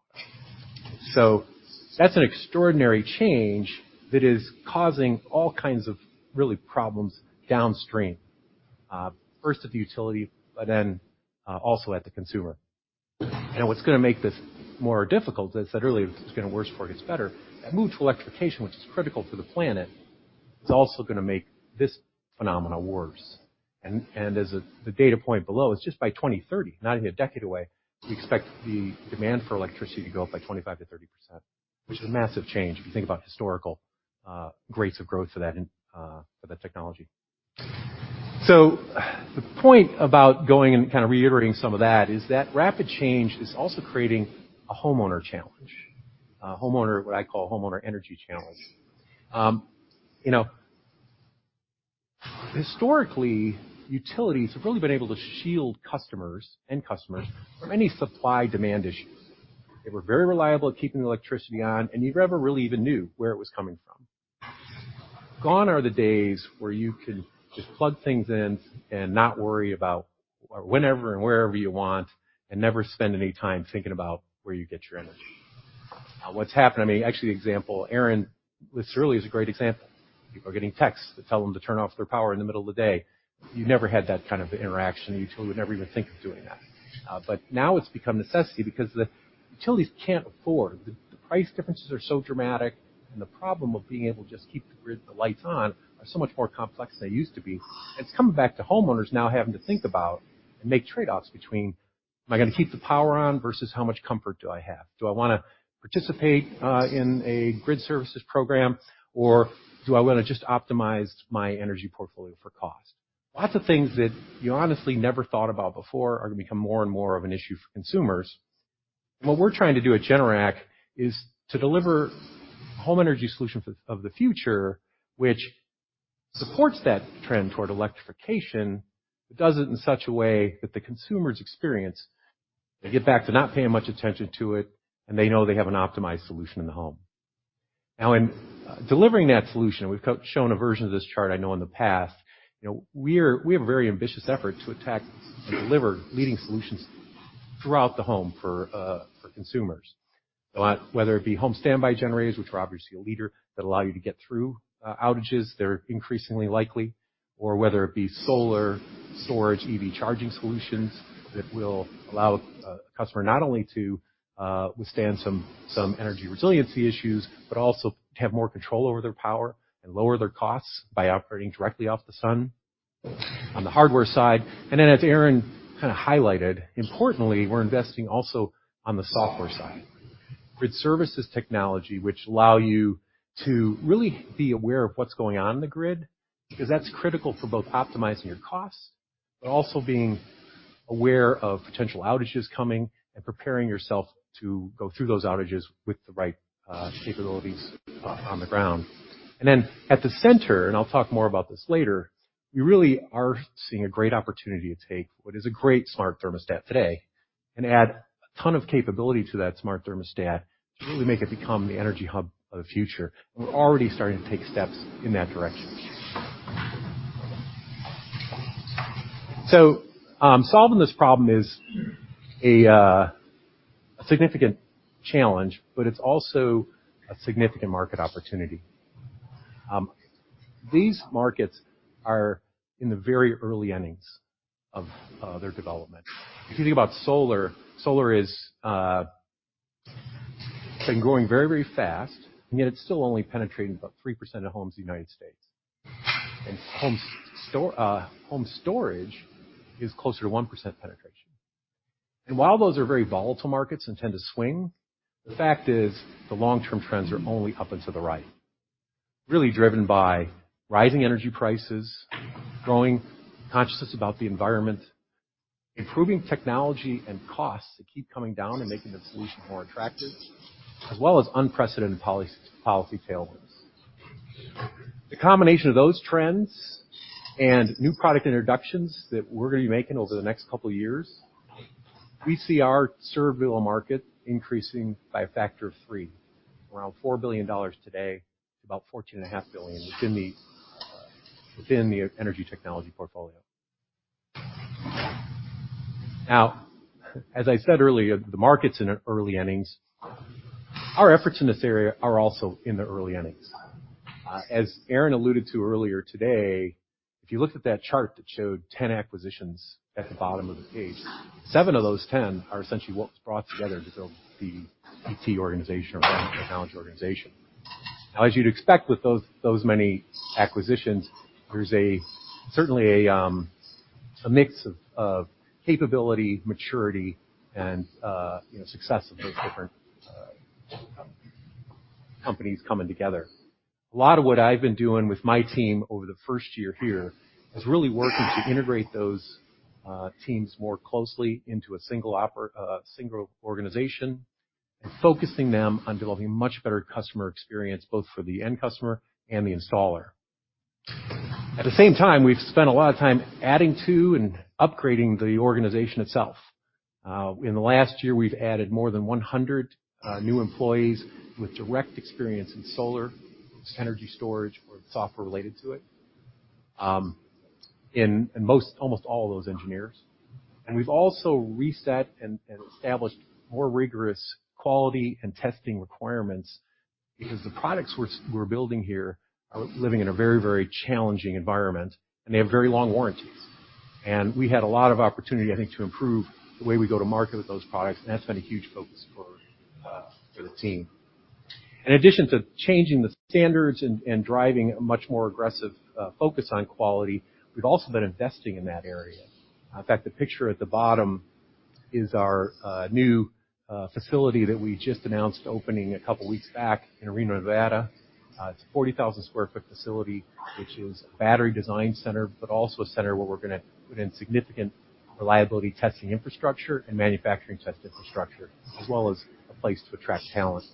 So that's an extraordinary change that is causing all kinds of really problems downstream, first at the utility, but then, also at the consumer. And what's gonna make this more difficult, as I said earlier, it's gonna worse before it gets better. That move to electrification, which is critical for the planet, is also gonna make this phenomenon worse. And as the data point below, it's just by 2030, not even a decade away, we expect the demand for electricity to go up by 25%-30%, which is a massive change if you think about historical rates of growth for that in, for that technology. So the point about going and kind of reiterating some of that is that rapid change is also creating a homeowner challenge, homeowner... What I call homeowner energy challenge. You know, historically, utilities have really been able to shield customers, end customers, from any supply demand issues. They were very reliable at keeping the electricity on, and you never really even knew where it was coming from. Gone are the days where you can just plug things in and not worry about whenever and wherever you want, and never spend any time thinking about where you get your energy. What's happened, I mean, actually, the example, Aaron, this really is a great example. People are getting texts that tell them to turn off their power in the middle of the day. You never had that kind of interaction. You would never even think of doing that. But now it's become necessity because the utilities can't afford. The price differences are so dramatic, and the problem of being able to just keep the grid, the lights on, are so much more complex than they used to be. It's coming back to homeowners now having to think about and make trade-offs between, "Am I gonna keep the power on versus how much comfort do I have? Do I wanna participate in a grid services program, or do I wanna just optimize my energy portfolio for cost?" Lots of things that you honestly never thought about before are gonna become more and more of an issue for consumers. What we're trying to do at Generac is to deliver home energy solution for the future, which supports that trend toward electrification, but does it in such a way that the consumer's experience, they get back to not paying much attention to it, and they know they have an optimized solution in the home. Now, in delivering that solution, we've shown a version of this chart, I know in the past, you know, we have a very ambitious effort to attack and deliver leading solutions throughout the home for consumers. Whether it be home standby generators, which we're obviously a leader, that allow you to get through outages, they're increasingly likely, or whether it be solar storage, EV charging solutions that will allow a customer not only to withstand some energy resiliency issues, but also to have more control over their power and lower their costs by operating directly off the sun. On the hardware side, and then, as Aaron kind of highlighted, importantly, we're investing also on the software side. Grid services technology, which allow you to really be aware of what's going on in the grid, because that's critical for both optimizing your costs, but also being aware of potential outages coming and preparing yourself to go through those outages with the right capabilities on the ground. And then at the center, and I'll talk more about this later, we really are seeing a great opportunity to take what is a great smart thermostat today and add a ton of capability to that smart thermostat to really make it become the energy hub of the future. We're already starting to take steps in that direction. So, solving this problem is a significant challenge, but it's also a significant market opportunity. These markets are in the very early innings of their development. If you think about solar, solar is, it's been growing very, very fast, and yet it's still only penetrating about 3% of homes in the United States. And home storage is closer to 1% penetration. While those are very volatile markets and tend to swing, the fact is the long-term trends are only up and to the right. Really driven by rising energy prices, growing consciousness about the environment, improving technology and costs that keep coming down and making the solution more attractive, as well as unprecedented policy tailwinds. The combination of those trends and new product introductions that we're gonna be making over the next couple of years, we see our servable market increasing by a factor of three, around $4 billion today, to about $14.5 billion within the energy technology portfolio. Now, as I said earlier, the market's in the early innings. Our efforts in this area are also in the early innings. As Aaron alluded to earlier today, if you looked at that chart that showed 10 acquisitions at the bottom of the page, 7 of those 10 are essentially what was brought together to build the ET organization or technology organization. Now, as you'd expect with those many acquisitions, there's certainly a mix of capability, maturity, and, you know, success of those different companies coming together. A lot of what I've been doing with my team over the first year here is really working to integrate those teams more closely into a single organization and focusing them on developing a much better customer experience, both for the end customer and the installer. At the same time, we've spent a lot of time adding to and upgrading the organization itself. In the last year, we've added more than 100 new employees with direct experience in solar, energy storage, or software related to it. In most, almost all of those, engineers. And we've also reset and established more rigorous quality and testing requirements because the products we're building here are living in a very, very challenging environment, and they have very long warranties. And we had a lot of opportunity, I think, to improve the way we go to market with those products, and that's been a huge focus for the team. In addition to changing the standards and driving a much more aggressive focus on quality, we've also been investing in that area. In fact, the picture at the bottom is our new facility that we just announced opening a couple of weeks back in Reno, Nevada. It's a 40,000-square-foot facility, which is a battery design center, but also a center where we're gonna put in significant reliability testing, infrastructure, and manufacturing test infrastructure, as well as a place to attract talent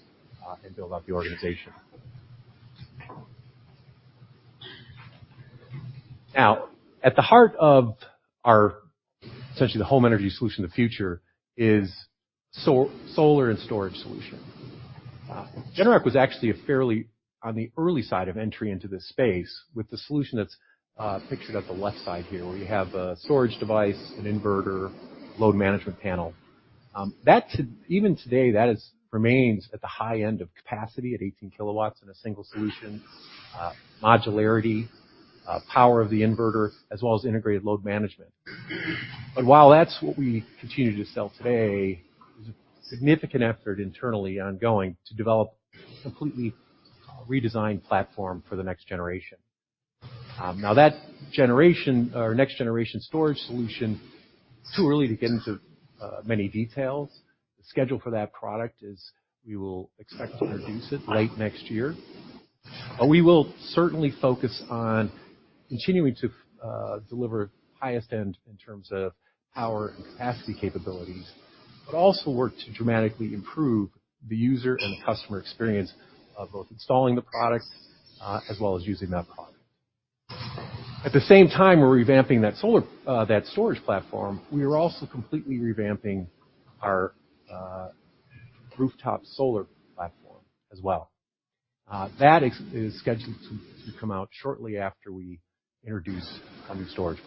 and build out the organization. Now, at the heart of our essentially the home energy solution of the future is solar and storage solution. Generac was actually a fairly on the early side of entry into this space with the solution that's pictured at the left side here, where you have a storage device, an inverter, load management panel. Even today, that is remains at the high end of capacity at 18 kW in a single solution, modularity, power of the inverter, as well as integrated load management. But while that's what we continue to sell today, there's a significant effort internally ongoing to develop a completely redesigned platform for the next generation. Now that generation or next-generation storage solution, it's too early to get into many details. The schedule for that product is we will expect to introduce it late next year. But we will certainly focus on continuing to deliver highest end in terms of power and capacity capabilities, but also work to dramatically improve the user and the customer experience of both installing the product, as well as using that product. At the same time, we're revamping that solar, that storage platform, we are also completely revamping our rooftop solar platform as well. That is scheduled to come out shortly after we introduce our new storage.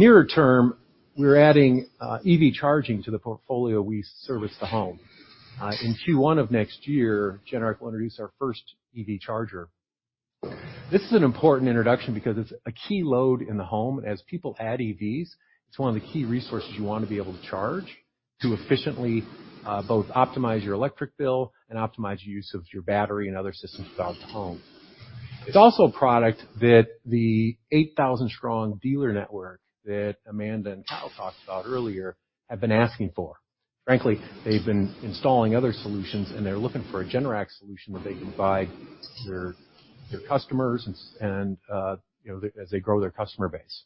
Nearer term, we're adding EV charging to the portfolio we service the home. In Q1 of next year, Generac will introduce our first EV charger. This is an important introduction because it's a key load in the home. As people add EVs, it's one of the key resources you want to be able to charge to efficiently, both optimize your electric bill and optimize your use of your battery and other systems throughout the home. It's also a product that the 8,000-strong dealer network that Amanda and Kyle talked about earlier have been asking for. Frankly, they've been installing other solutions, and they're looking for a Generac solution that they can provide their, their customers and, and, you know, as they grow their customer base.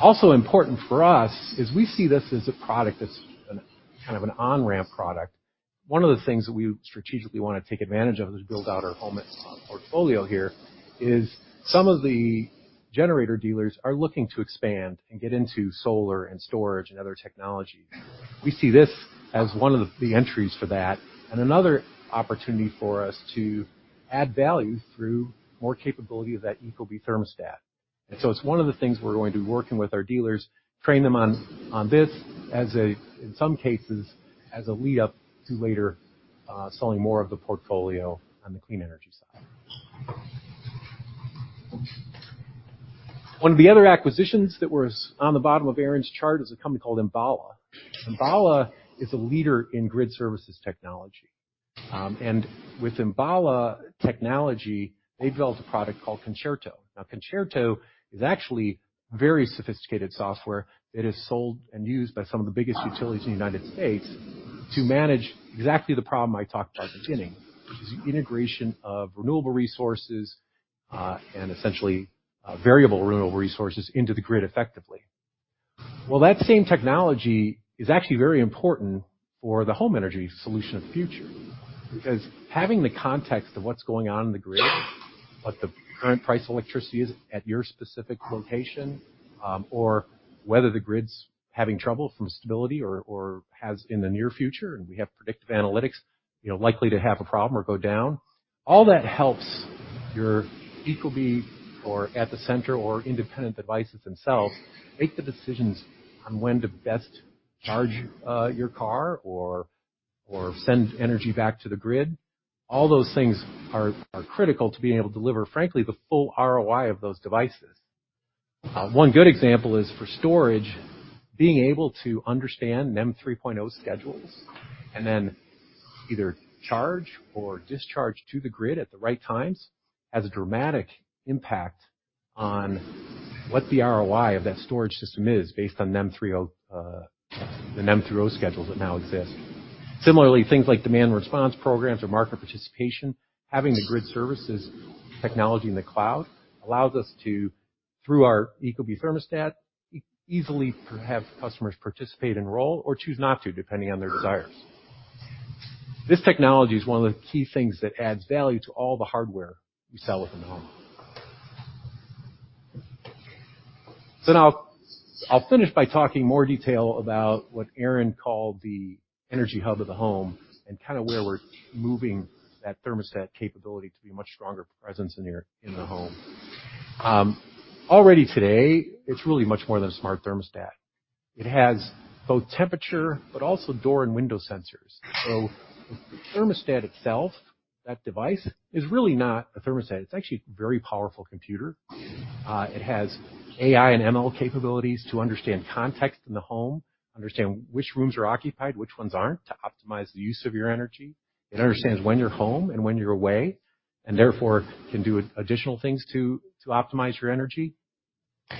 Also important for us is we see this as a product that's an, kind of an on-ramp product. One of the things that we strategically want to take advantage of as we build out our home portfolio here is some of the generator dealers are looking to expand and get into solar and storage and other technologies. We see this as one of the entries for that and another opportunity for us to add value through more capability of that ecobee thermostat. And so it's one of the things we're going to be working with our dealers, train them on, on this as a, in some cases, as a lead-up to later, selling more of the portfolio on the clean energy side. One of the other acquisitions that was on the bottom of Aaron's chart is a company called Enbala. Enbala is a leader in grid services technology. And with Enbala technology, they built a product called Concerto. Now, Concerto is actually very sophisticated software that is sold and used by some of the biggest utilities in the United States to manage exactly the problem I talked about at the beginning, which is the integration of renewable resources, and essentially, variable renewable resources into the grid effectively. Well, that same technology is actually very important for the home energy solution of the future, because having the context of what's going on in the grid, what the current price of electricity is at your specific location, or whether the grid's having trouble from stability or, or has in the near future, and we have predictive analytics, you know, likely to have a problem or go down. All that helps your ecobee or at the center or independent devices themselves make the decisions on when to best charge your car or send energy back to the grid. All those things are critical to being able to deliver, frankly, the full ROI of those devices. One good example is for storage, being able to understand NEM 3.0 schedules and then either charge or discharge to the grid at the right times has a dramatic impact on what the ROI of that storage system is, based on NEM 3.0, the NEM 3.0 schedules that now exist. Similarly, things like demand response programs or market participation, having the grid services technology in the cloud allows us to, through our ecobee thermostat, easily have customers participate, enroll, or choose not to, depending on their desires. This technology is one of the key things that adds value to all the hardware we sell within the home. So now, I'll finish by talking more detail about what Aaron called the energy hub of the home, and kind of where we're moving that thermostat capability to be a much stronger presence in your, in the home. Already today, it's really much more than a smart thermostat. It has both temperature but also door and window sensors. So the thermostat itself, that device, is really not a thermostat. It's actually a very powerful computer. It has AI and ML capabilities to understand context in the home, understand which rooms are occupied, which ones aren't, to optimize the use of your energy. It understands when you're home and when you're away, and therefore, can do additional things to optimize your energy.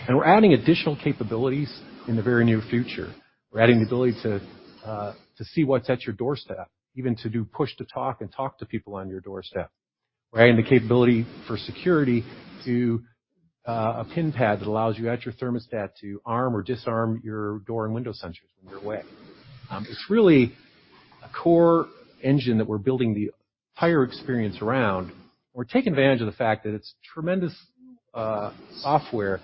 We're adding additional capabilities in the very near future. We're adding the ability to see what's at your doorstep, even to do push-to-talk and talk to people on your doorstep. We're adding the capability for security to a pin pad that allows you at your thermostat to arm or disarm your door and window sensors when you're away. It's really a core engine that we're building the entire experience around. We're taking advantage of the fact that it's tremendous software.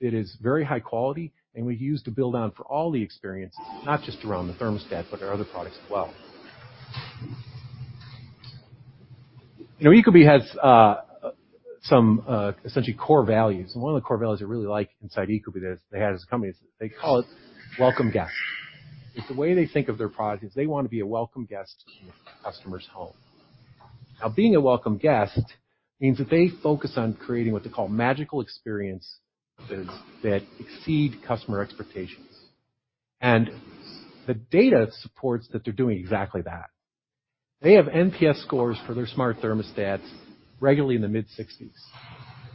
It is very high quality, and we use to build on for all the experiences, not just around the thermostat, but our other products as well. You know, ecobee has some essentially core values, and one of the core values I really like inside ecobee, they had as a company, is they call it welcome guest. It's the way they think of their product, is they want to be a welcome guest in the customer's home. Now, being a welcome guest means that they focus on creating what they call magical experiences that exceed customer expectations. And the data supports that they're doing exactly that. They have NPS scores for their smart thermostats regularly in the mid-60s.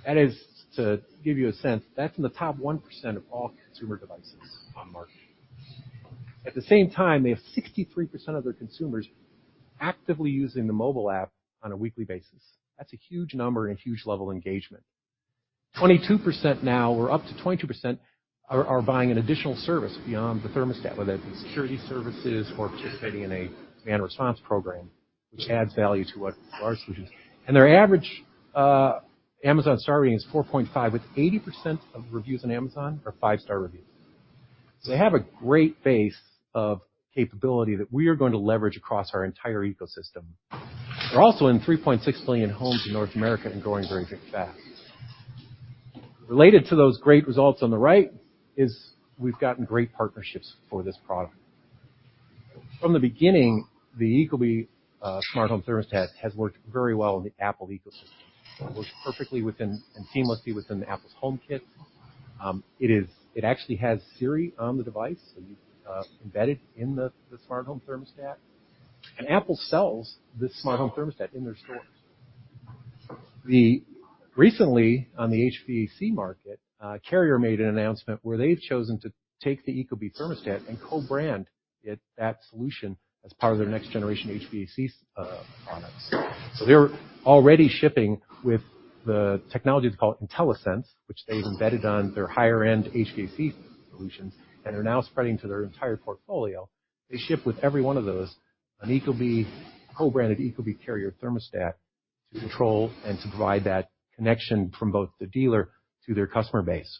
That is, to give you a sense, that's in the top 1% of all consumer devices on the market. At the same time, they have 63% of their consumers actively using the mobile app on a weekly basis. That's a huge number and a huge level of engagement. 22% now, or up to 22%, are buying an additional service beyond the thermostat, whether that be security services or participating in a demand response program, which adds value to what our solution... And their average Amazon star rating is 4.5, with 80% of reviews on Amazon are five-star reviews. So they have a great base of capability that we are going to leverage across our entire ecosystem. They're also in 3.6 million homes in North America and growing very, very fast. Related to those great results on the right, is we've gotten great partnerships for this product. From the beginning, the ecobee smart home thermostat has worked very well in the Apple ecosystem. It works perfectly within and seamlessly within Apple's HomeKit. It actually has Siri on the device embedded in the smart home thermostat, and Apple sells this smart home thermostat in their stores. The... Recently, on the HVAC market, Carrier made an announcement where they've chosen to take the ecobee thermostat and co-brand it, that solution, as part of their next generation HVAC products. So they're already shipping with the technology that's called InteliSense, which they've embedded on their higher-end HVAC solutions and are now spreading to their entire portfolio. They ship with every one of those, an ecobee, co-branded ecobee Carrier thermostat to control and to provide that connection from both the dealer to their customer base.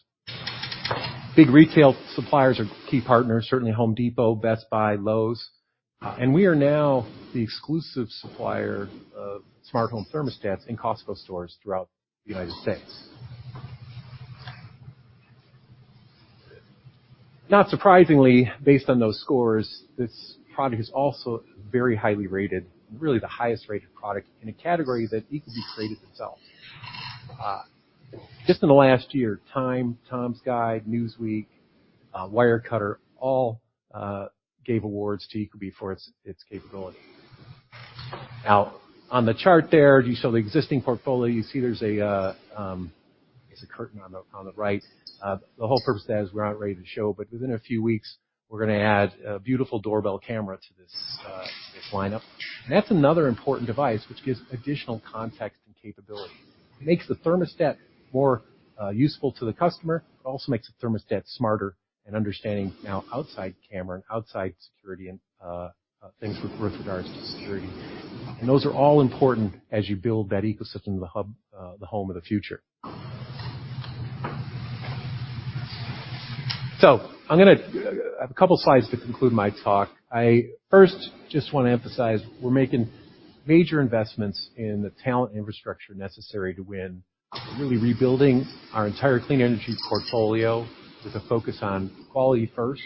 Big retail suppliers are key partners, certainly Home Depot, Best Buy, Lowe's, and we are now the exclusive supplier of smart home thermostats in Costco stores throughout the United States. Not surprisingly, based on those scores, this product is also very highly rated, really the highest-rated product in a category that ecobee created itself. Just in the last year, Time, Tom's Guide, Newsweek, Wirecutter, all, gave awards to ecobee for its, its capability. Now, on the chart there, you saw the existing portfolio. You see there's a curtain on the, on the right. The whole purpose of that is we're not ready to show, but within a few weeks, we're gonna add a beautiful doorbell camera to this, this lineup. And that's another important device which gives additional context and capability. It makes the thermostat more, useful to the customer. It also makes the thermostat smarter and understanding now outside camera, and outside security, and, things with regards to security. And those are all important as you build that ecosystem in the hub, the home of the future. So I'm gonna... A couple slides to conclude my talk. I first just want to emphasize, we're making major investments in the talent infrastructure necessary to win, really rebuilding our entire clean energy portfolio with a focus on quality first.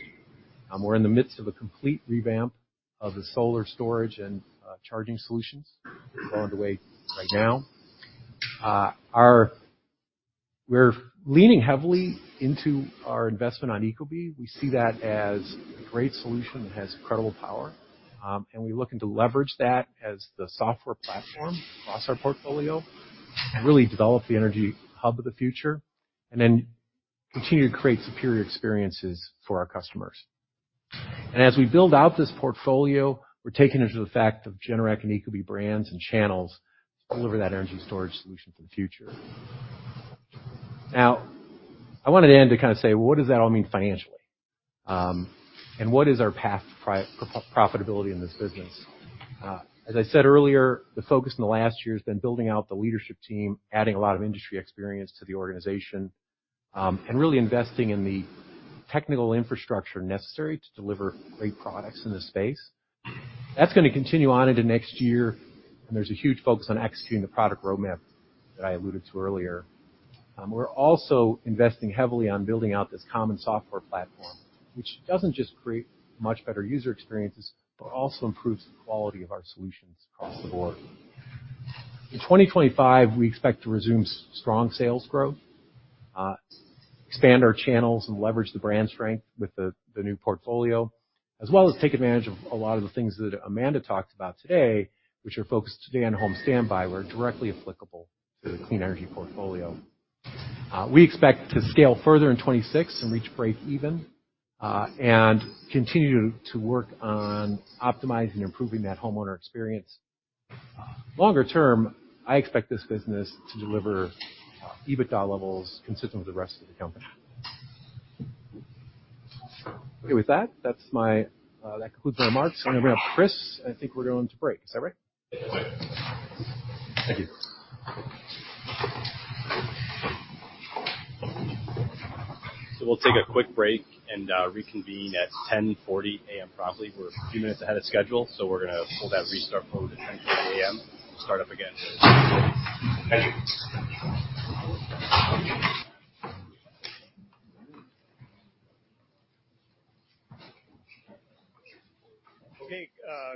We're in the midst of a complete revamp of the solar storage and charging solutions under way right now. We're leaning heavily into our investment on ecobee. We see that as a great solution that has incredible power, and we're looking to leverage that as the software platform across our portfolio and really develop the energy hub of the future... and then continue to create superior experiences for our customers. And as we build out this portfolio, we're taking into the fact of Generac and ecobee brands and channels to deliver that energy storage solution for the future. Now, I wanted to end to kind of say: What does that all mean financially? What is our path to profitability in this business? As I said earlier, the focus in the last year has been building out the leadership team, adding a lot of industry experience to the organization, and really investing in the technical infrastructure necessary to deliver great products in this space. That's gonna continue on into next year, and there's a huge focus on executing the product roadmap that I alluded to earlier. We're also investing heavily on building out this common software platform, which doesn't just create much better user experiences, but also improves the quality of our solutions across the board. In 2025, we expect to resume strong sales growth, expand our channels and leverage the brand strength with the new portfolio, as well as take advantage of a lot of the things that Amanda talked about today, which are focused today on home standby, where directly applicable to the clean energy portfolio. We expect to scale further in 2026 and reach breakeven, and continue to work on optimizing and improving that homeowner experience. Longer term, I expect this business to deliver EBITDA levels consistent with the rest of the company. Okay, with that, that's my... That concludes my remarks. I'm going to bring up Chris, and I think we're going to break. Is that right? Yes. Thank you. So we'll take a quick break and reconvene at 10:40 A.M. promptly. We're a few minutes ahead of schedule, so we're gonna hold that restart vote at 10:40 A.M. Start up again. Thank you. Okay,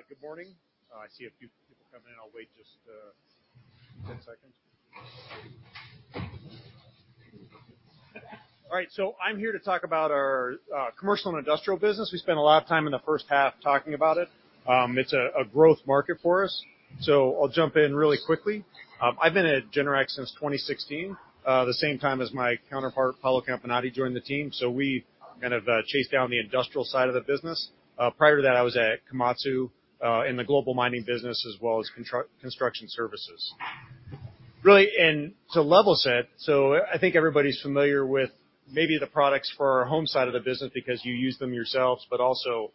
good morning. I see a few people coming in. I'll wait just 10 seconds. All right, so I'm here to talk about our commercial and industrial business. We spent a lot of time in the first half talking about it. It's a growth market for us, so I'll jump in really quickly. I've been at Generac since 2016, the same time as my counterpart, Paolo Campinoti, joined the team. So we kind of chased down the industrial side of the business. Prior to that, I was at Komatsu in the global mining business, as well as construction services. Really, to level set, I think everybody's familiar with maybe the products for our home side of the business because you use them yourselves, but also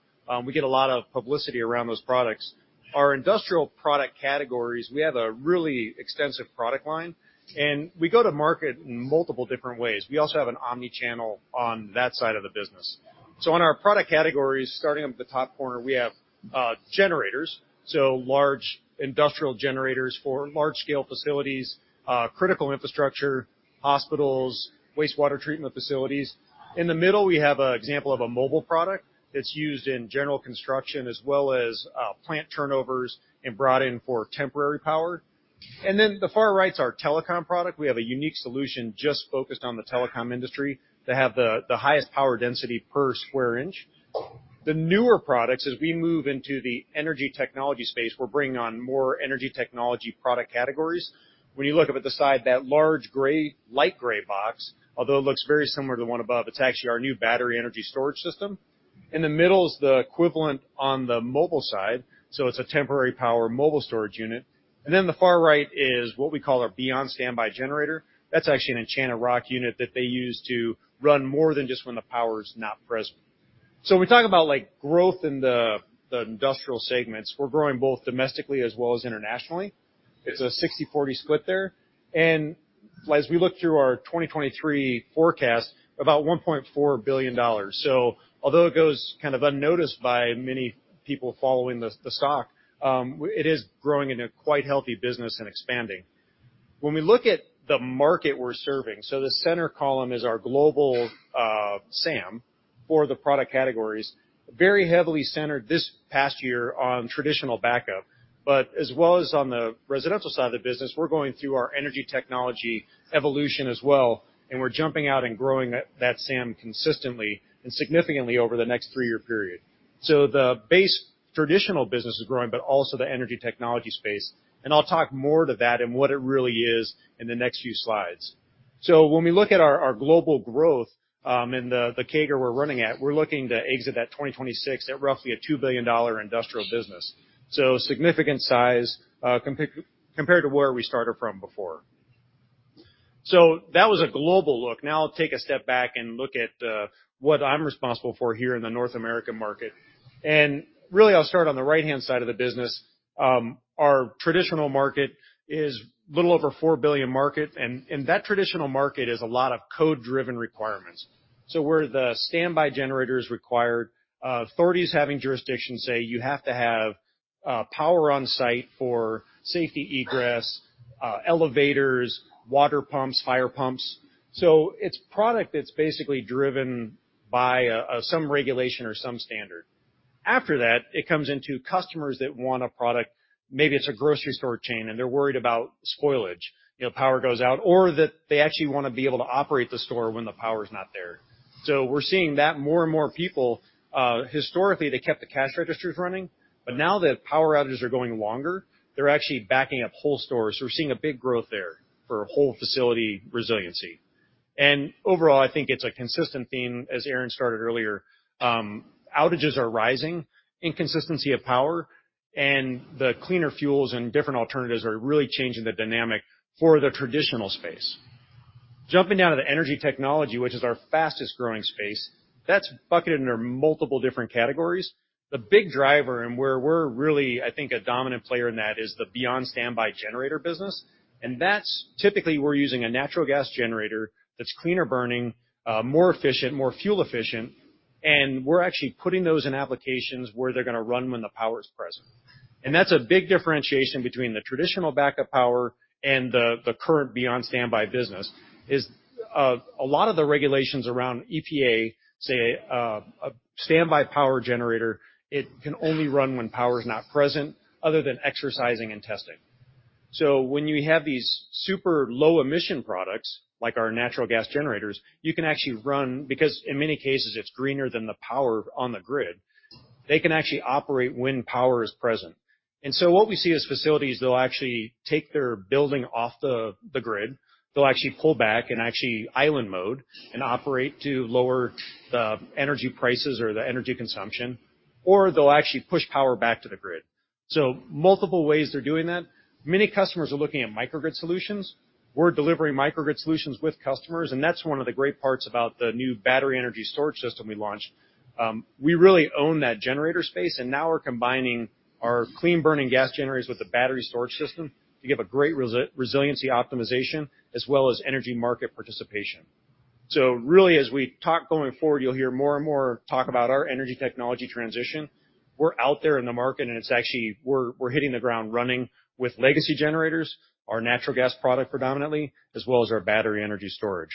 we get a lot of publicity around those products. Our industrial product categories, we have a really extensive product line, and we go to market in multiple different ways. We also have an omni-channel on that side of the business. So in our product categories, starting up at the top corner, we have generators, so large industrial generators for large-scale facilities, critical infrastructure, hospitals, wastewater treatment facilities. In the middle, we have an example of a mobile product that's used in general construction, as well as plant turnovers and brought in for temporary power. And then the far right's our telecom product. We have a unique solution just focused on the telecom industry to have the highest power density per square inch. The newer products, as we move into the energy technology space, we're bringing on more energy technology product categories. When you look up at the side, that large gray, light gray box, although it looks very similar to the one above, it's actually our new battery energy storage system. In the middle is the equivalent on the mobile side, so it's a temporary power mobile storage unit. And then the far right is what we call our Beyond Standby generator. That's actually an Enchanted Rock unit that they use to run more than just when the power is not present. So when we talk about, like, growth in the industrial segments, we're growing both domestically as well as internationally. It's a 60/40 split there. And as we look through our 2023 forecast, about $1.4 billion. So although it goes kind of unnoticed by many people following the stock, it is growing in a quite healthy business and expanding. When we look at the market we're serving, so the center column is our global SAM for the product categories, very heavily centered this past year on traditional backup, but as well as on the residential side of the business, we're going through our energy technology evolution as well, and we're jumping out and growing that SAM consistently and significantly over the next three-year period. So the base traditional business is growing, but also the energy technology space, and I'll talk more to that and what it really is in the next few slides. So when we look at our global growth and the CAGR we're running at, we're looking to exit 2026 at roughly a $2 billion industrial business. So significant size, compared to where we started from before. So that was a global look. Now I'll take a step back and look at what I'm responsible for here in the North American market. And really, I'll start on the right-hand side of the business. Our traditional market is a little over $4 billion market, and that traditional market is a lot of code-driven requirements. So where the standby generator is required, authorities having jurisdiction say you have to have power on site for safety egress, elevators, water pumps, fire pumps. So it's product that's basically driven by some regulation or some standard. After that, it comes into customers that want a product. Maybe it's a grocery store chain, and they're worried about spoilage, you know, power goes out, or that they actually want to be able to operate the store when the power is not there. So we're seeing that more and more people, historically, they kept the cash registers running, but now that power outages are going longer, they're actually backing up whole stores. We're seeing a big growth there for whole facility resiliency. And overall, I think it's a consistent theme, as Aaron started earlier. Outages are rising, inconsistency of power, and the cleaner fuels and different alternatives are really changing the dynamic for the traditional space. Jumping down to the Energy Technology, which is our fastest-growing space, that's bucketed under multiple different categories. The big driver, and where we're really, I think, a dominant player in that, is the Beyond Standby generator business. And that's typically we're using a natural gas generator that's cleaner burning, more efficient, more fuel efficient, and we're actually putting those in applications where they're gonna run when the power is present. And that's a big differentiation between the traditional backup power and the current Beyond Standby business is a lot of the regulations around EPA. Say, a standby power generator, it can only run when power is not present other than exercising and testing. So when you have these super low-emission products, like our natural gas generators, you can actually run, because in many cases, it's greener than the power on the grid, they can actually operate when power is present. And so what we see is facilities. They'll actually take their building off the grid. They'll actually pull back in actually island mode and operate to lower the energy prices or the energy consumption, or they'll actually push power back to the grid. So multiple ways they're doing that. Many customers are looking at Microgrid solutions. We're delivering microgrid solutions with customers, and that's one of the great parts about the new battery energy storage system we launched. We really own that generator space, and now we're combining our clean-burning gas generators with the battery storage system to give a great resiliency optimization, as well as energy market participation. So really, as we talk going forward, you'll hear more and more talk about our energy technology transition. We're out there in the market, and it's actually. We're hitting the ground running with legacy generators, our natural gas product predominantly, as well as our battery energy storage.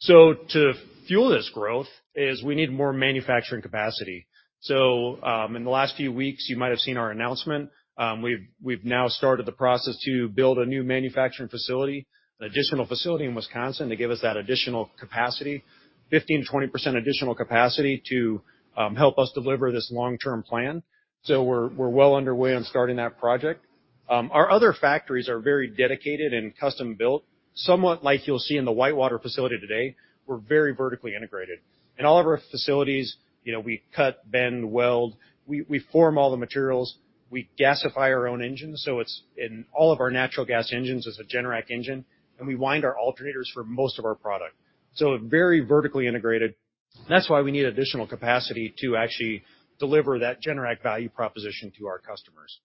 So to fuel this growth is we need more manufacturing capacity. In the last few weeks, you might have seen our announcement. We've now started the process to build a new manufacturing facility, an additional facility in Wisconsin, to give us that additional capacity, 15%-20% additional capacity to help us deliver this long-term plan. So we're well underway on starting that project. Our other factories are very dedicated and custom-built, somewhat like you'll see in the Whitewater facility today, we're very vertically integrated. In all of our facilities, you know, we cut, bend, weld, we form all the materials, we gasify our own engines, so it's in all of our natural gas engines as a Generac engine, and we wind our alternators for most of our product. So very vertically integrated. That's why we need additional capacity to actually deliver that Generac value proposition to our customers.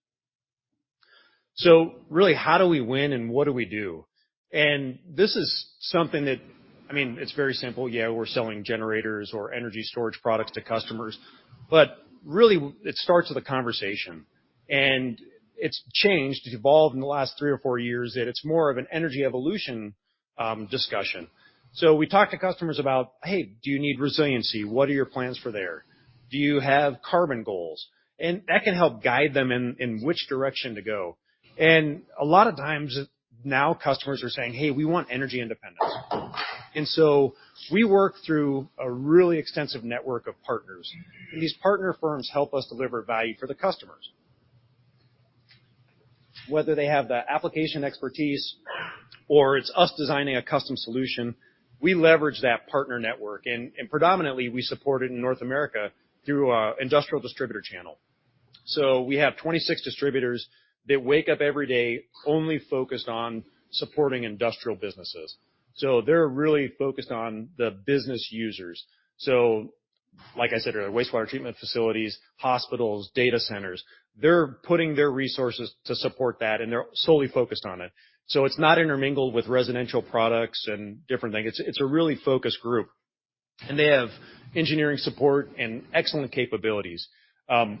So really, how do we win and what do we do? This is something that, I mean, it's very simple. Yeah, we're selling generators or energy storage products to customers, but really, it starts with a conversation. It's changed, it's evolved in the last three or four years, that it's more of an energy evolution discussion. So we talk to customers about, "Hey, do you need resiliency? What are your plans for there? Do you have carbon goals?" That can help guide them in which direction to go. A lot of times, now customers are saying, "Hey, we want energy independence." So we work through a really extensive network of partners. These partner firms help us deliver value for the customers. Whether they have the application expertise or it's us designing a custom solution, we leverage that partner network, and predominantly, we support it in North America through our industrial distributor channel. So we have 26 distributors that wake up every day only focused on supporting industrial businesses. So they're really focused on the business users. So like I said, our wastewater treatment facilities, hospitals, data centers, they're putting their resources to support that, and they're solely focused on it. So it's not intermingled with residential products and different things. It's, it's a really focused group, and they have engineering support and excellent capabilities.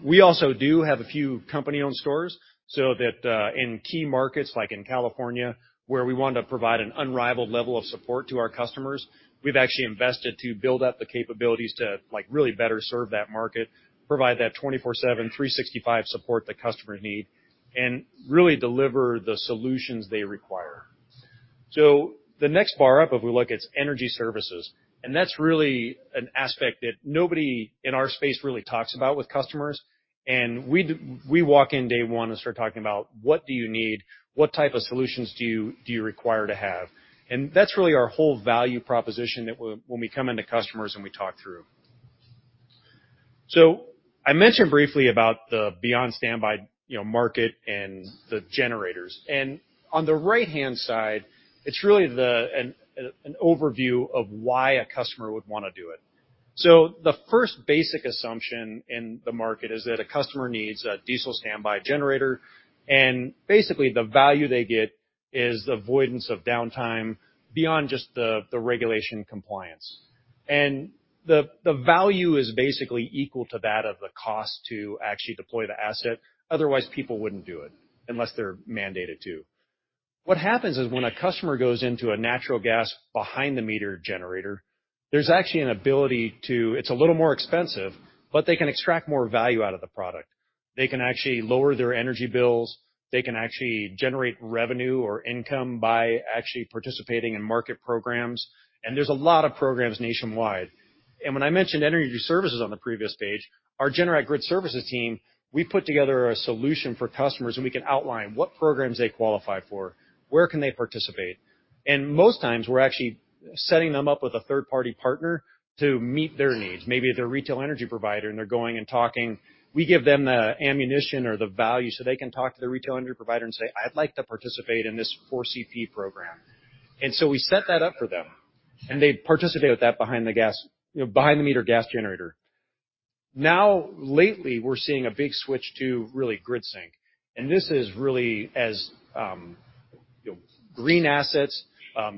We also do have a few company-owned stores, so that, in key markets, like in California, where we want to provide an unrivaled level of support to our customers, we've actually invested to build up the capabilities to, like, really better serve that market, provide that 24/7, 365 support the customers need, and really deliver the solutions they require. So the next bar up, if we look, it's energy services, and that's really an aspect that nobody in our space really talks about with customers. And we walk in day one and start talking about: What do you need? What type of solutions do you require to have? And that's really our whole value proposition that when we come into customers and we talk through. So I mentioned briefly about the Beyond Standby, you know, market and the generators. And on the right-hand side, it's really the... an overview of why a customer would wanna do it. So the first basic assumption in the market is that a customer needs a diesel standby generator, and basically, the value they get is avoidance of downtime beyond just the regulation compliance. And the value is basically equal to that of the cost to actually deploy the asset. Otherwise, people wouldn't do it, unless they're mandated to. What happens is, when a customer goes into a natural gas behind-the-meter generator, there's actually an ability to, it's a little more expensive, but they can extract more value out of the product. They can actually lower their energy bills, they can actually generate revenue or income by actually participating in market programs. And there's a lot of programs nationwide. And when I mentioned energy services on the previous page, our Generac Grid Services team, we put together a solution for customers, and we can outline what programs they qualify for, where can they participate? And most times, we're actually setting them up with a third-party partner to meet their needs. Maybe they're a retail energy provider, and they're going and talking. We give them the ammunition or the value, so they can talk to the retail energy provider and say, "I'd like to participate in this 4CP program." And so we set that up for them, and they participate with that behind the gas, you know, behind the meter gas generator. Now, lately, we're seeing a big switch to really grid sync, and this is really as, you know, green assets,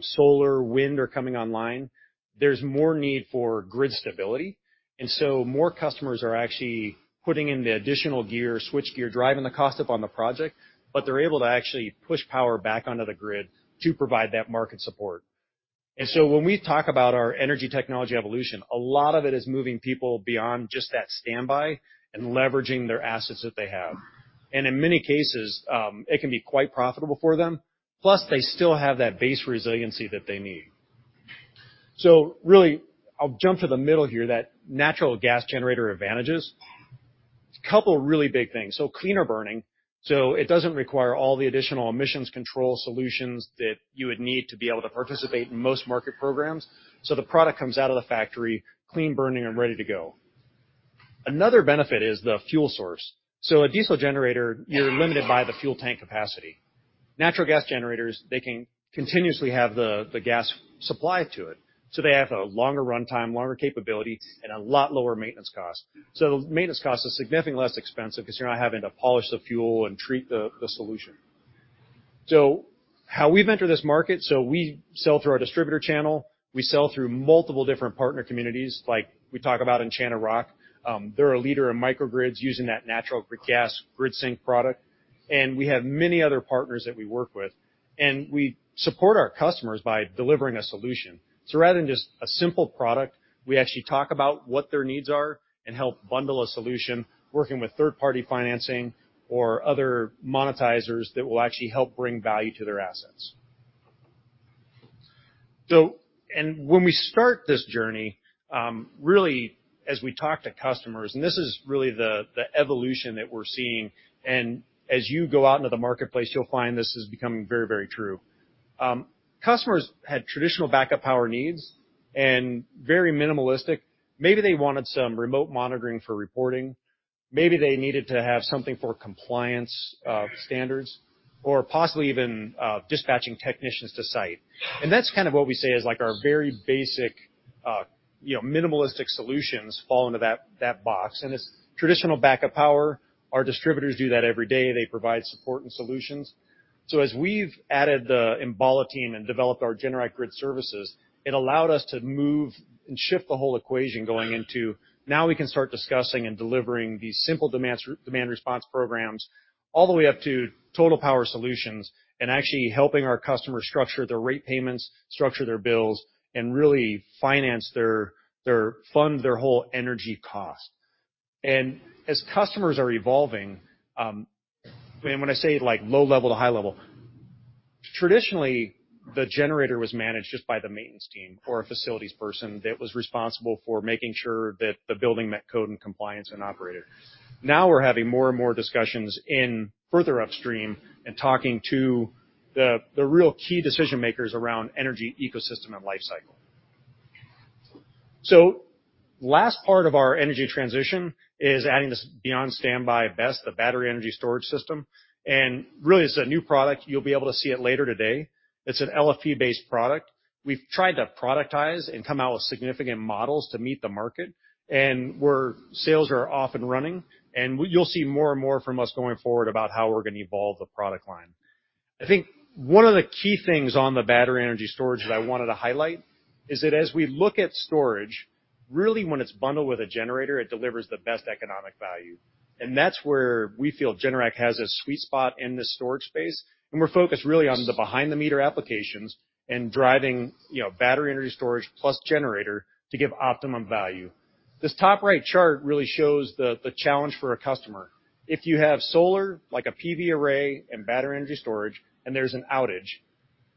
solar, wind are coming online. There's more need for grid stability, and so more customers are actually putting in the additional gear, switch gear, driving the cost up on the project, but they're able to actually push power back onto the grid to provide that market support. And so when we talk about our energy technology evolution, a lot of it is moving people beyond just that standby and leveraging their assets that they have.In many cases, it can be quite profitable for them, plus, they still have that base resiliency that they need. So really, I'll jump to the middle here, that natural gas generator advantages. Couple of really big things. So cleaner burning, so it doesn't require all the additional emissions control solutions that you would need to be able to participate in most market programs. So the product comes out of the factory, clean burning, and ready to go. Another benefit is the fuel source. So a diesel generator, you're limited by the fuel tank capacity. Natural gas generators, they can continuously have the gas supplied to it, so they have a longer runtime, longer capability, and a lot lower maintenance cost. So the maintenance cost is significantly less expensive 'cause you're not having to polish the fuel and treat the solution. So how we've entered this market, so we sell through our distributor channel, we sell through multiple different partner communities, like we talk about in Enchanted Rock. They're a leader in microgrids using that natural gas grid sync product, and we have many other partners that we work with, and we support our customers by delivering a solution. So rather than just a simple product, we actually talk about what their needs are and help bundle a solution, working with third-party financing or other monetizers that will actually help bring value to their assets. And when we start this journey, really, as we talk to customers, and this is really the evolution that we're seeing, and as you go out into the marketplace, you'll find this is becoming very, very true. Customers had traditional backup power needs and very minimalistic. Maybe they wanted some remote monitoring for reporting. Maybe they needed to have something for compliance standards or possibly even dispatching technicians to site. And that's kind of what we say is, like, our very basic you know minimalistic solutions fall into that box. And it's traditional backup power. Our distributors do that every day. They provide support and solutions. So as we've added the Enbala team and developed our Generac grid services, it allowed us to move and shift the whole equation going into... Now we can start discussing and delivering these simple demands, demand response programs, all the way up to total power solutions, and actually helping our customers structure their rate payments, structure their bills, and really finance their fund their whole energy cost. As customers are evolving, and when I say, like, low level to high level, traditionally, the generator was managed just by the maintenance team or a facilities person that was responsible for making sure that the building met code and compliance and operated. Now, we're having more and more discussions in further upstream and talking to the real key decision-makers around energy, ecosystem, and lifecycle. So last part of our energy transition is adding this Beyond Standby BESS, the battery energy storage system, and really, it's a new product. You'll be able to see it later today. It's an LFP-based product. We've tried to productize and come out with significant models to meet the market, and sales are off and running. You'll see more and more from us going forward about how we're gonna evolve the product line. I think one of the key things on the battery energy storage that I wanted to highlight is that as we look at storage, really when it's bundled with a generator, it delivers the best economic value. That's where we feel Generac has a sweet spot in the storage space, and we're focused really on the behind-the-meter applications and driving, you know, battery energy storage plus generator to give optimum value. This top right chart really shows the challenge for a customer. If you have solar, like a PV array and battery energy storage, and there's an outage,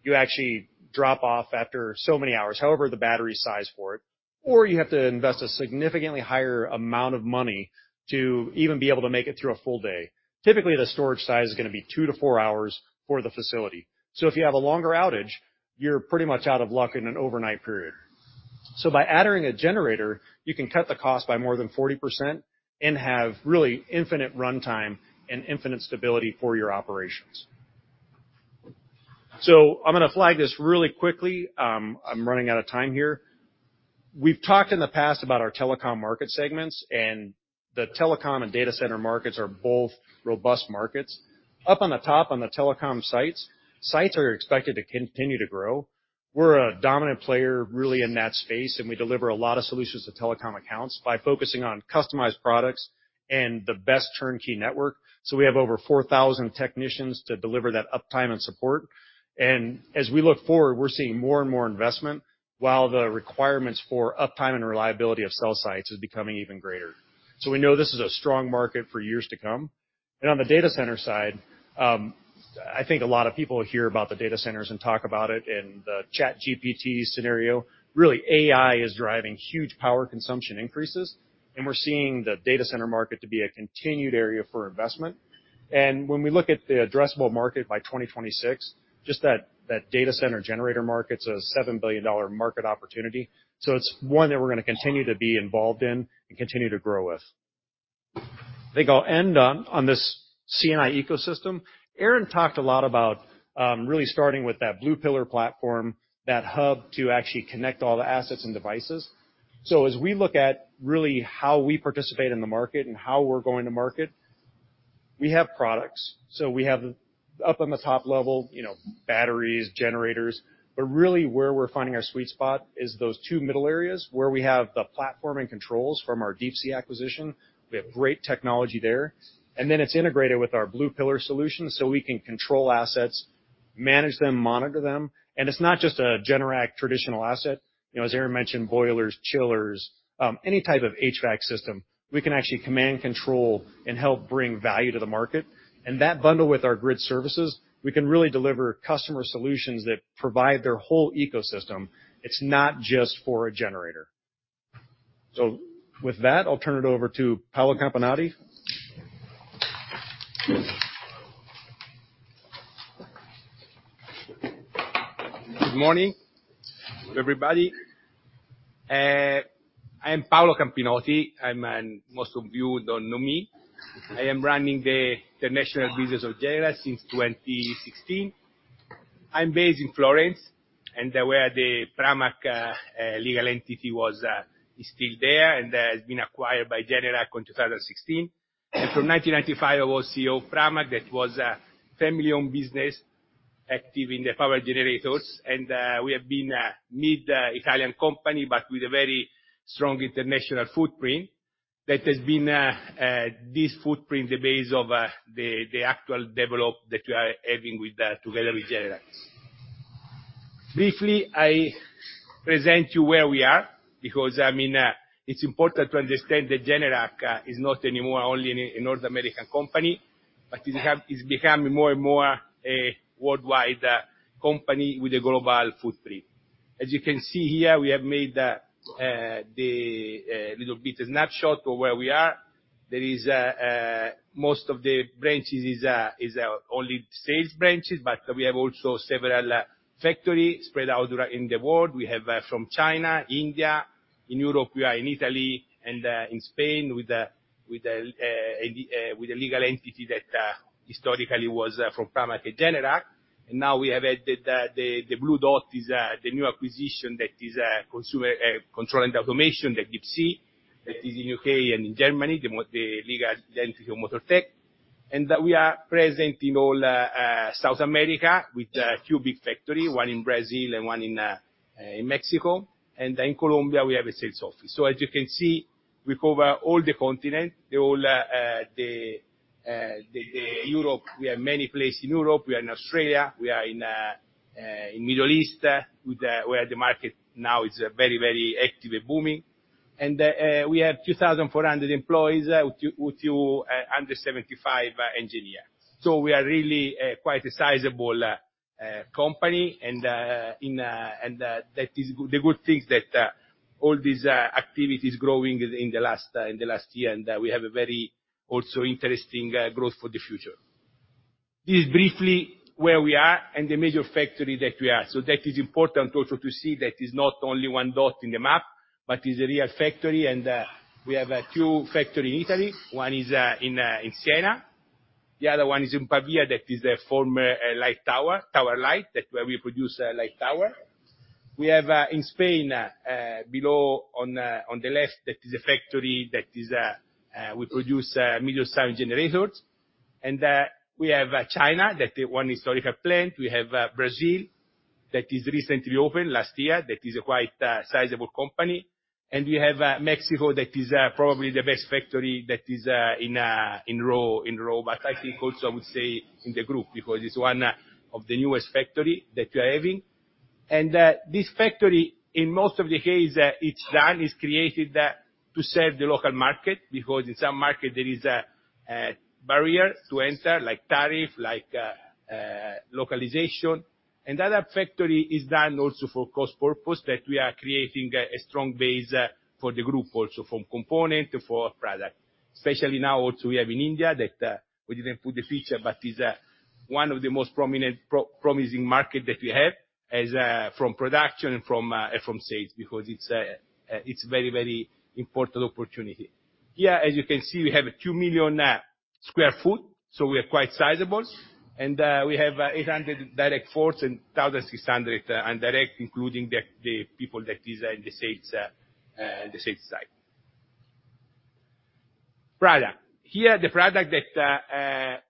you actually drop off after so many hours, however, the battery size for it, or you have to invest a significantly higher amount of money to even be able to make it through a full day. Typically, the storage size is gonna be 2-4 hours for the facility. So if you have a longer outage, you're pretty much out of luck in an overnight period. So by adding a generator, you can cut the cost by more than 40% and have really infinite runtime and infinite stability for your operations. So I'm going to flag this really quickly. I'm running out of time here. We've talked in the past about our telecom market segments, and the telecom and data center markets are both robust markets. Up on the top, on the telecom sites, sites are expected to continue to grow. We're a dominant player, really, in that space, and we deliver a lot of solutions to telecom accounts by focusing on customized products and the best turnkey network. So we have over 4,000 technicians to deliver that uptime and support. As we look forward, we're seeing more and more investment, while the requirements for uptime and reliability of cell sites is becoming even greater. We know this is a strong market for years to come. On the data center side, I think a lot of people hear about the data centers and talk about it, and the ChatGPT scenario. Really, AI is driving huge power consumption increases, and we're seeing the data center market to be a continued area for investment. When we look at the addressable market by 2026, just that, that data center generator market's a $7 billion market opportunity. It's one that we're gonna continue to be involved in and continue to grow with. I think I'll end on this C&I ecosystem. Aaron talked a lot about really starting with that Blue Pillar platform, that hub to actually connect all the assets and devices. So as we look at really how we participate in the market and how we're going to market, we have products. So we have up on the top level, you know, batteries, generators, but really where we're finding our sweet spot is those two middle areas, where we have the platform and controls from our Deep Sea acquisition. We have great technology there, and then it's integrated with our Blue Pillar solutions, so we can control assets, manage them, monitor them, and it's not just a Generac traditional asset. You know, as Aaron mentioned, boilers, chillers, any type of HVAC system, we can actually command, control, and help bring value to the market. And that bundle, with our grid services, we can really deliver customer solutions that provide their whole ecosystem. It's not just for a generator. So with that, I'll turn it over to Paolo Campinoti. Good morning, everybody. I am Paolo Campinoti. I'm... Most of you don't know me. I am running the international business of Generac since 2016. I'm based in Florence, and where the Pramac legal entity was is still there and has been acquired by Generac on 2016. And from 1995, I was CEO of Pramac. That was a family-owned business active in the power generators, and we have been a mid-Italian company, but with a very strong international footprint. That has been this footprint, the base of the actual develop that we are having with together with Generac. Briefly, I present you where we are, because, I mean, it's important to understand that Generac is not anymore only a North American company, but it have- it's becoming more and more a worldwide company with a global footprint. As you can see here, we have made the little bit of snapshot of where we are. There is a most of the branches is only sales branches, but we have also several factories spread out around in the world. We have from China, India. In Europe, we are in Italy and in Spain, with a legal entity that historically was from Pramac and Generac. And now we have added the blue dot is the new acquisition that is consumer control and automation, the Deep Sea, that is in U.K. and in Germany, the legal entity of Motortech. And that we are present in all South America, with a few big factories, one in Brazil and one in Mexico, and in Colombia, we have a sales office. So as you can see, we cover all the continent, the all the Europe. We have many places in Europe, we are in Australia, we are in Middle East, with the where the market now is very, very active and booming. And we have 2,400 employees, with 275 engineers. So we are really quite a sizable company, and in and that is the good things, that all these activities growing in the last in the last year, and we have a very also interesting growth for the future. This is briefly where we are and the major factory that we are. So that is important also to see that it's not only one dot in the map, but it's a real factory, and we have a few factory in Italy. One is in in Siena, the other one is in Pavia. That is a former light tower, Tower Light, that where we produce a light tower. We have in Spain below on on the left, that is a factory that is we produce medium-sized generators. We have China, that one historical plant. We have Brazil, that is recently opened last year. That is a quite sizable company. We have Mexico, that is probably the best factory that is in row. But I think also, I would say in the group, because it's one of the newest factory that we are having. This factory, in most of the case, each one is created to serve the local market, because in some market there is a barrier to enter, like tariff, like localization. The other factory is done also for cost purpose, that we are creating a strong base for the group also, for component, for product. Especially now, also, we have in India that we didn't put the picture, but is one of the most prominent, promising market that we have, as from production and from sales, because it's a it's very, very important opportunity. Here, as you can see, we have a 2 million sq ft, so we are quite sizable. We have 800 direct workforce and 1,600 indirect, including the people that is in the sales, the sales side. Product. Here, the product that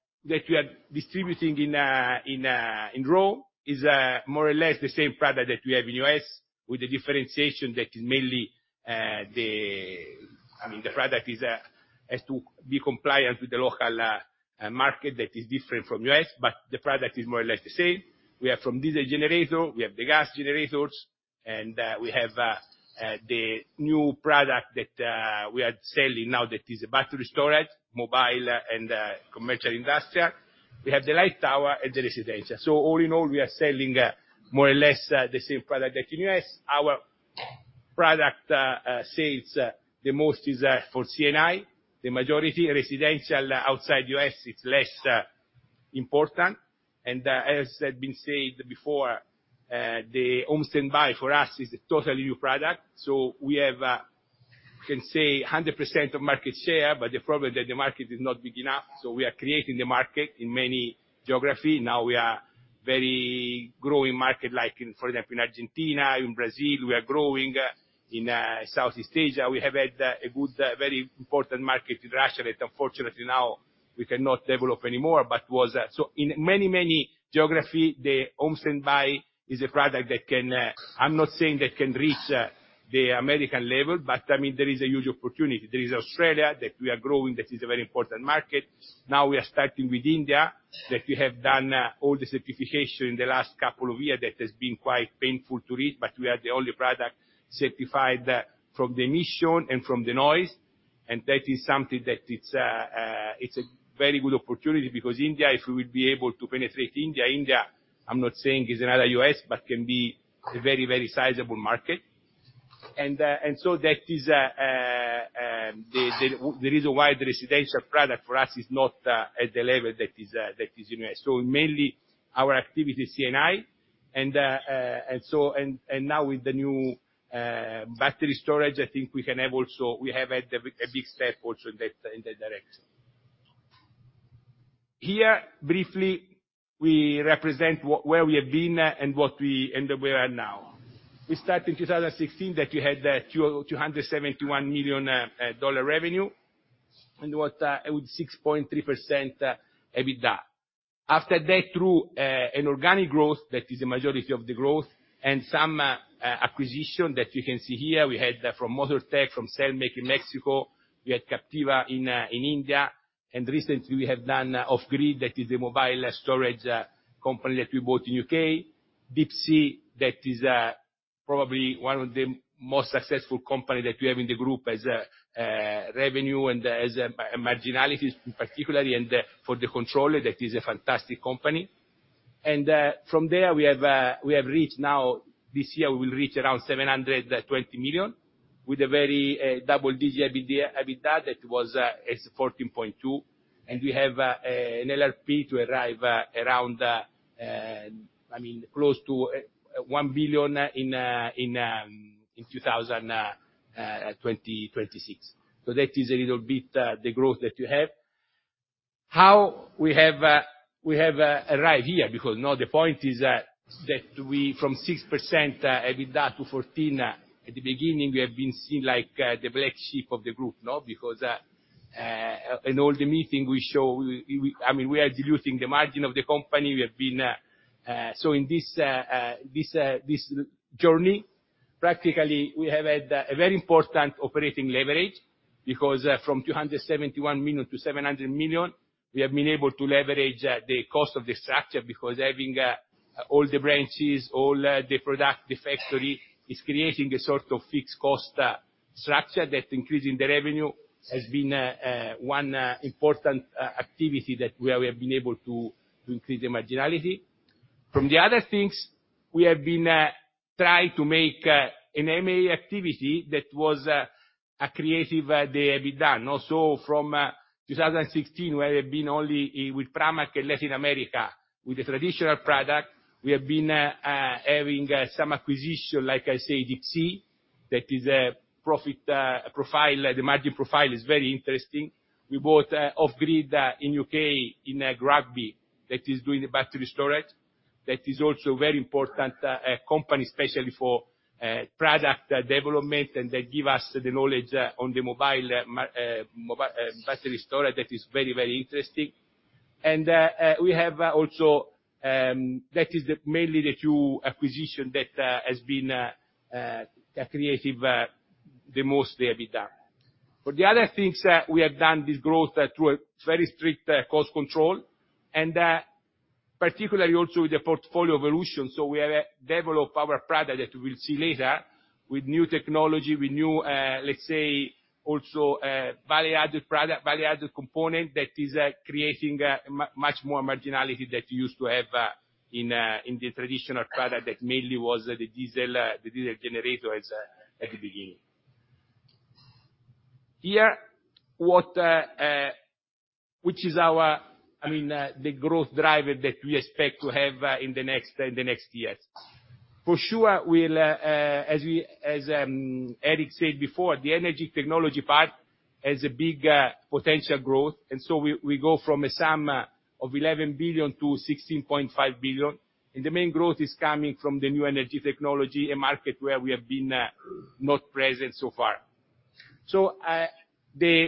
we are distributing in ROW is more or less the same product that we have in U.S., with the differentiation that is mainly the I mean, the product is has to be compliant with the local market. That is different from U.S., but the product is more or less the same. We have from diesel generator, we have the gas generators and, we have, the new product that, we are selling now, that is battery storage, mobile and, commercial industrial. We have the light tower and the residential. So all in all, we are selling, more or less, the same product that in U.S. Our product, sales, the most is, for C&I. The majority residential outside U.S., it's less, important, and as has been said before, the home standby for us is a totally new product, so we have, can say 100% of market share, but the problem that the market is not big enough, so we are creating the market in many geography. Now, we are very growing market like in, for example, in Argentina, in Brazil, we are growing, in Southeast Asia. We have had a good very important market in Russia, that unfortunately, now we cannot develop anymore, but was. So in many, many geography, the home standby is a product that can, I'm not saying that can reach the American level, but, I mean, there is a huge opportunity. There is Australia, that we are growing, that is a very important market. Now, we are starting with India, that we have done all the certification in the last couple of years. That has been quite painful to reach, but we are the only product certified from the emission and from the noise, and that is something that it's, it's a very good opportunity, because India, if we will be able to penetrate India, I'm not saying is another U.S., but can be a very, very sizable market. And so that is the reason why the residential product for us is not at the level that is in U.S. So mainly our activity is C&I, and now with the new battery storage, I think we can have also, we have had a big step also in that direction. Here, briefly, we represent where we have been, and what we, and where we are now. We start in 2016, that we had $271 million revenue, and what with 6.3% EBITDA. After that, through an organic growth, that is the majority of the growth, and some acquisition, that you can see here, we had from Motortech, from Selmec in Mexico, we had Captiva in India, and recently we have done Off Grid, that is the mobile storage company that we bought in UK. Deep Sea, that is probably one of the most successful company that we have in the group as revenue and as marginalities, particularly, and for the controller, that is a fantastic company. From there, we have reached now, this year we will reach around $720 million, with a very double-digit EBITDA. EBITDA that was is 14.2, and we have an LRP to arrive around, I mean, close to $1 billion in 2026. So that is a little bit the growth that you have. How we have arrived here, because now the point is that we from 6% EBITDA to 14, at the beginning, we have been seen like the black sheep of the group, no? Because in all the meeting we show, we, I mean, we are diluting the margin of the company, we have been... So in this journey, practically, we have had a very important operating leverage, because from $271 million to $700 million, we have been able to leverage the cost of the structure, because having all the branches, all the product, the factory, is creating a sort of fixed cost structure that increasing the revenue has been one important activity that we have been able to increase the marginality. From the other things, we have been trying to make an M&A activity that was a creative EBITDA. Also from 2016, we have been only with Pramac in Latin America, with the traditional product. We have been having some acquisition, like I say, Deep Sea, that is a profit profile, the margin profile is very interesting. We bought OffGrid in UK, in Rugby, that is doing the battery storage. That is also very important company, especially for product development, and they give us the knowledge on the mobile battery storage. That is very, very interesting. And we have also... That is mainly the two acquisition that has been creative the most, the EBITDA. But the other things, we have done this growth through a very strict cost control, and particularly also the portfolio evolution. So we have developed our product, that we will see later, with new technology, with new, let's say, also, value-added product, value-added component, that is, creating, much more marginality than we used to have, in, in the traditional product, that mainly was the diesel, the diesel generator as, at the beginning. Here, what, which is our, I mean, the growth driver that we expect to have, in the next, in the next years. For sure, we'll, as we, as, Erik said before, the energy technology part has a big, potential growth, and so we, we go from a sum, of $11 billion to $16.5 billion, and the main growth is coming from the new energy technology, a market where we have been, not present so far. So, the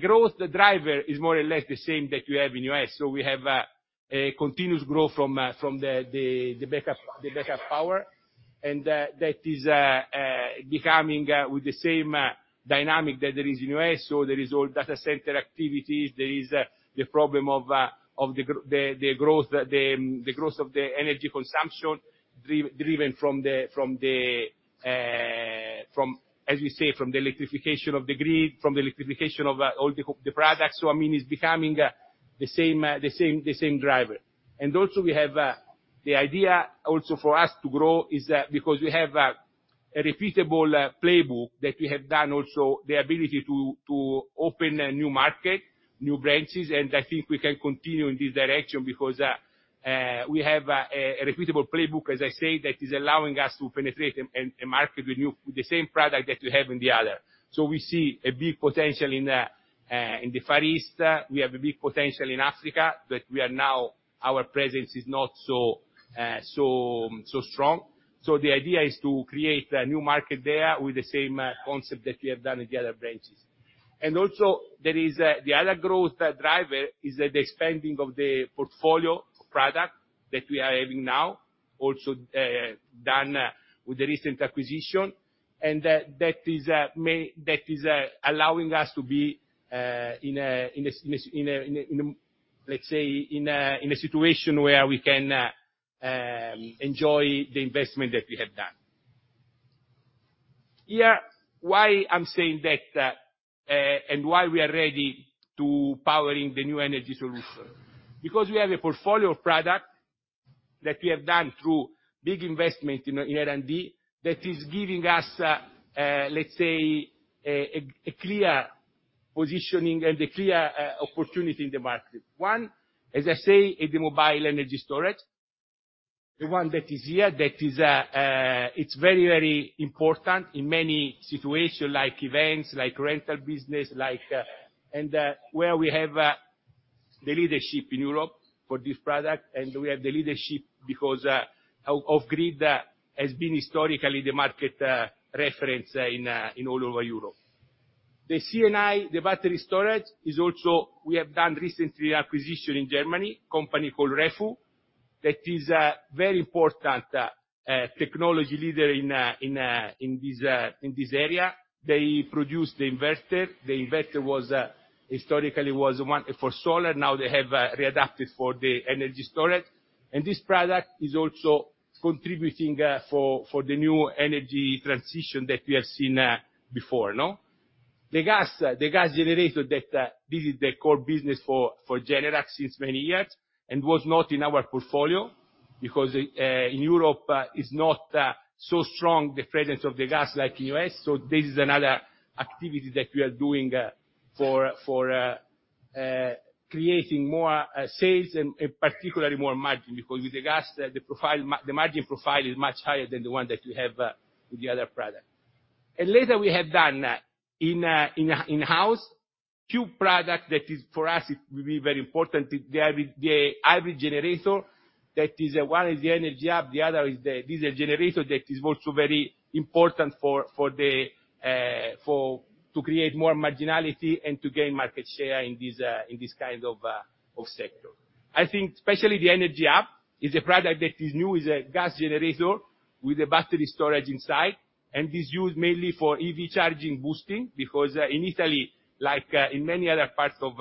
growth driver is more or less the same that we have in the U.S. So we have a continuous growth from the backup power, and that is becoming with the same dynamic that there is in the U.S. So there is all data center activities, there is the problem of the growth of the energy consumption, driven from the, from as we say, from the electrification of the grid, from the electrification of all the products. So, I mean, it's becoming the same driver. And also, we have... The idea also for us to grow is, because we have, a repeatable playbook that we have done, also the ability to open a new market, new branches, and I think we can continue in this direction because, we have, a repeatable playbook, as I said, that is allowing us to penetrate a market with the same product that we have in the other. So we see a big potential in the Far East. We have a big potential in Africa, but we are now—our presence is not so strong. So the idea is to create a new market there with the same concept that we have done in the other branches. And also, there is the other growth driver: the expanding of the portfolio of product that we are having now, also done with the recent acquisition, and that is allowing us to be, let's say, in a situation where we can enjoy the investment that we have done. Here, why I'm saying that, and why we are ready to powering the new energy solution? Because we have a portfolio of product that we have done through big investment in R&D, that is giving us, let's say, a clear positioning and a clear opportunity in the market. One, as I say, is the mobile energy storage. The one that is here, that is, it's very, very important in many situation, like events, like rental business, like... And where we have the leadership in Europe for this product, and we have the leadership because OffGrid has been historically the market reference in all over Europe. The C&I, the battery storage, is also. We have done recently an acquisition in Germany, company called REFU, that is a very important technology leader in this area. They produce the inverter. The inverter was historically one for solar, now they have readapted for the energy storage. And this product is also contributing for the new energy transition that we have seen before, no? The gas, the gas generator, this is the core business for Generac since many years, and was not in our portfolio, because in Europe is not so strong, the presence of the gas, like in U.S. So this is another activity that we are doing for creating more sales and particularly more margin. Because with the gas, the margin profile is much higher than the one that we have with the other product. And later, we have done in-house two product that is, for us, it will be very important. The hybrid, the hybrid generator, that is, one is the Energy Hub, the other is the diesel generator, that is also very important for, for the, to create more marginality and to gain market share in this, in this kind of, of sector. I think especially the Energy Hub is a product that is new, is a gas generator with a battery storage inside, and is used mainly for EV charging boosting. Because, in Italy, like, in many other parts of,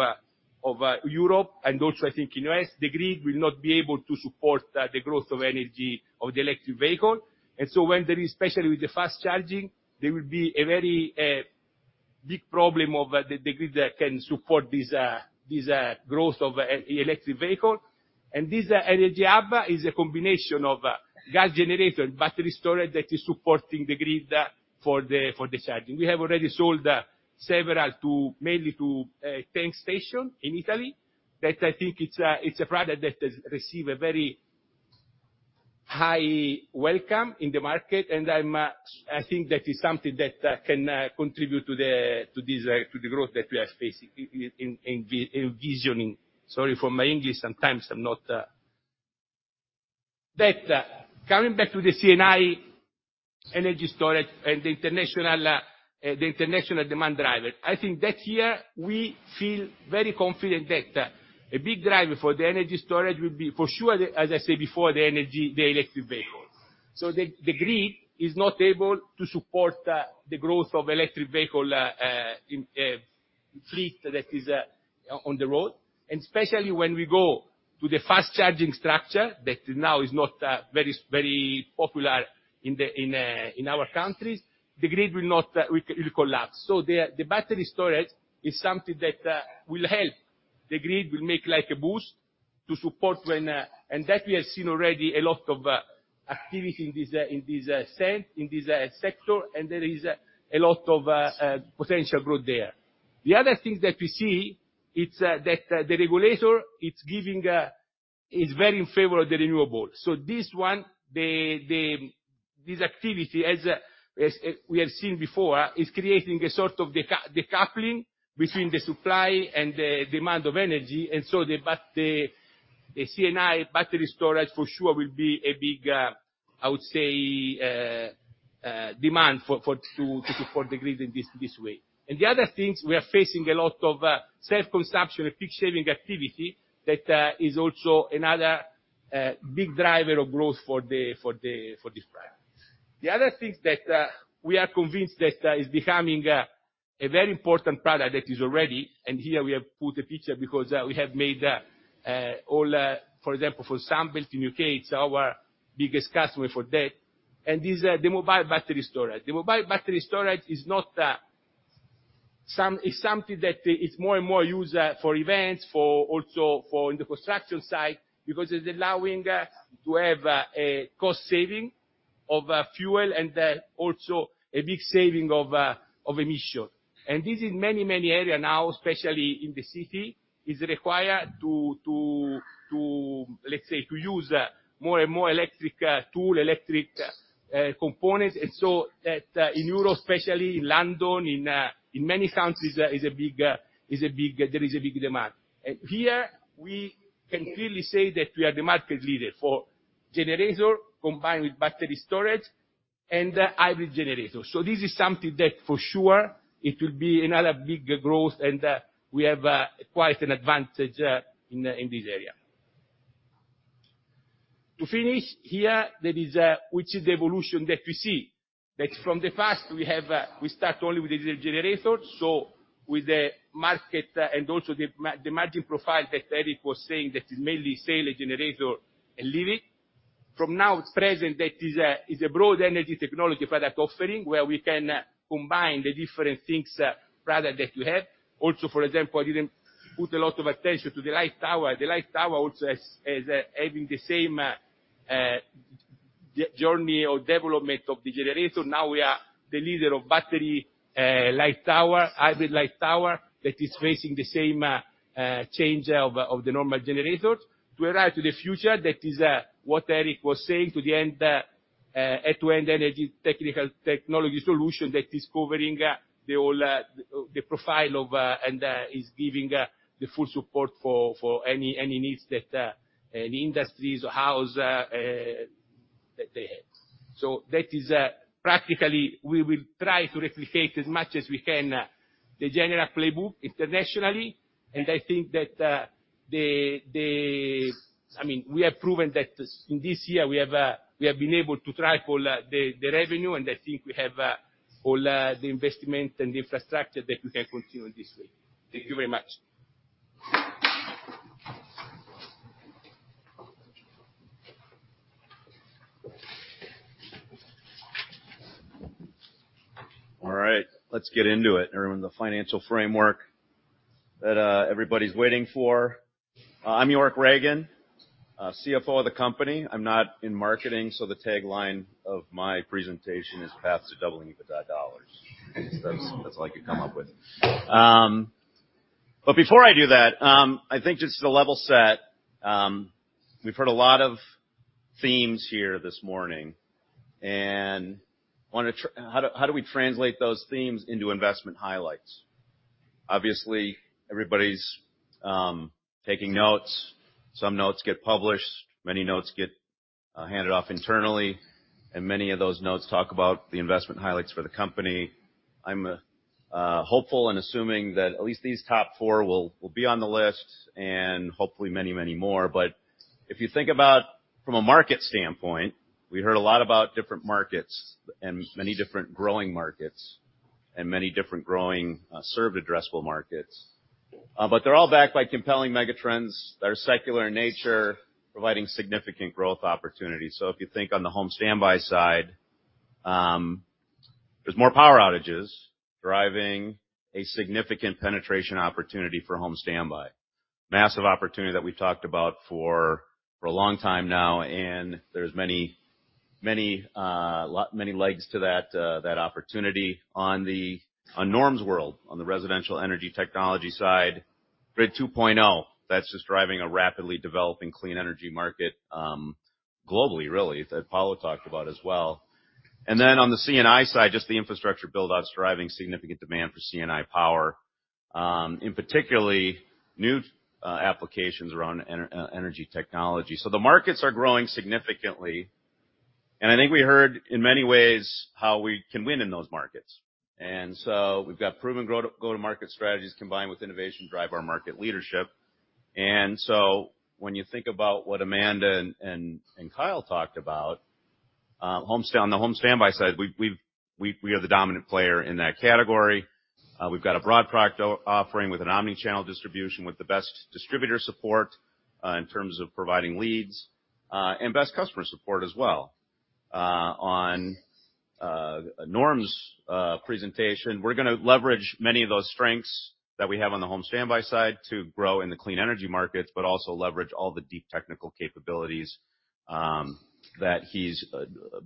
of, Europe, and also I think in U.S., the grid will not be able to support, the growth of energy of the electric vehicle. And so when there is, especially with the fast charging, there will be a very, big problem of, the grid that can support this, this, growth of electric vehicle. This Energy Hub is a combination of gas generator and battery storage that is supporting the grid for the charging. We have already sold several to, mainly to, tank station in Italy. That, I think, it's a, it's a product that has received a very high welcome in the market, and I'm, I think that is something that can contribute to the, to this, to the growth that we are facing in envisioning. Sorry for my English, sometimes I'm not... That, coming back to the C&I energy storage and the international, the international demand driver, I think that here, we feel very confident that a big driver for the energy storage will be for sure, as I said before, the energy, the electric vehicle. So the grid is not able to support the growth of electric vehicle fleet that is on the road. And especially when we go to the fast-charging structure, that now is not very, very popular in our countries, the grid will not will collapse. So the battery storage is something that will help. The grid will make, like, a boost to support when. And that, we have seen already a lot of activity in this in this sense, in this sector, and there is a lot of potential growth there. The other things that we see, it's that the regulator it's giving is very in favor of the renewable. So this one, this activity, as we have seen before, is creating a sort of decoupling between the supply and the demand of energy. And so the C&I battery storage, for sure will be a big, I would say, demand to support the grid in this way. And the other things, we are facing a lot of self-consumption and peak-shaving activity. That is also another big driver of growth for this product. The other things that we are convinced that is becoming... A very important product that is already, and here we have put a picture because we have made all, for example, for Sunbelt in UK, it's our biggest customer for that, and this is the mobile battery storage. The mobile battery storage is not, is something that is more and more used for events, also for in the construction site, because it's allowing to have a cost saving of fuel and also a big saving of emission. And this in many, many area now, especially in the city, is required to, let's say, to use more and more electric tool, electric components. And so that in Europe, especially in London, in many countries, is a big, is a big, there is a big demand. Here, we can clearly say that we are the market leader for generator, combined with battery storage and hybrid generator. So this is something that for sure it will be another big growth, and we have quite an advantage in this area. To finish, here there is a which is the evolution that we see, that from the past we have we start only with the diesel generator, so with the market and also the margin profile that Erik was saying, that is mainly sale generator and leasing. From now present, that is a broad energy technology product offering, where we can combine the different things product that we have. Also, for example, I didn't put a lot of attention to the light tower. The light tower also has, is having the same journey or development of the generator. Now, we are the leader of battery light tower, hybrid light tower, that is facing the same change of the normal generators. To arrive to the future, that is what Erik was saying to the end, end-to-end energy technical technology solution that is covering the whole the profile of and is giving the full support for any needs that any industries or house that they have. So that is practically, we will try to replicate as much as we can the general playbook internationally. And I think that the the... I mean, we have proven that in this year, we have been able to triple the revenue, and I think we have all the investment and infrastructure that we can continue this way. Thank you very much. All right, let's get into it, everyone. The financial framework that everybody's waiting for. I'm York Ragen, CFO of the company. I'm not in marketing, so the tagline of my presentation is Path to Doubling EBITDA Dollars. That's all I could come up with. But before I do that, I think just to level set, we've heard a lot of themes here this morning, and I wanna. How do we translate those themes into investment highlights? Obviously, everybody's taking notes. Some notes get published, many notes get handed off internally, and many of those notes talk about the investment highlights for the company. I'm hopeful and assuming that at least these top four will be on the list, and hopefully many, many more. But if you think about from a market standpoint, we heard a lot about different markets and many different growing markets, and many different growing, served addressable markets. But they're all backed by compelling megatrends that are secular in nature, providing significant growth opportunities. So if you think on the home standby side, there's more power outages, driving a significant penetration opportunity for home standby. Massive opportunity that we've talked about for a long time now, and there's many, many, many legs to that, that opportunity. On Norm's world, on the residential energy technology side, Grid 2.0, that's just driving a rapidly developing clean energy market, globally, really, that Paolo talked about as well. Then on the C&I side, just the infrastructure build-out is driving significant demand for C&I power, in particularly new, energy technology. So the markets are growing significantly, and I think we heard in many ways how we can win in those markets. And so we've got proven go-to-market strategies, combined with innovation, drive our market leadership. And so when you think about what Amanda and Kyle talked about, home stand... On the home standby side, we are the dominant player in that category. We've got a broad product offering with an omni-channel distribution, with the best distributor support, in terms of providing leads, and best customer support as well. On Norm's presentation, we're gonna leverage many of those strengths that we have on the home standby side to grow in the clean energy markets, but also leverage all the deep technical capabilities that he's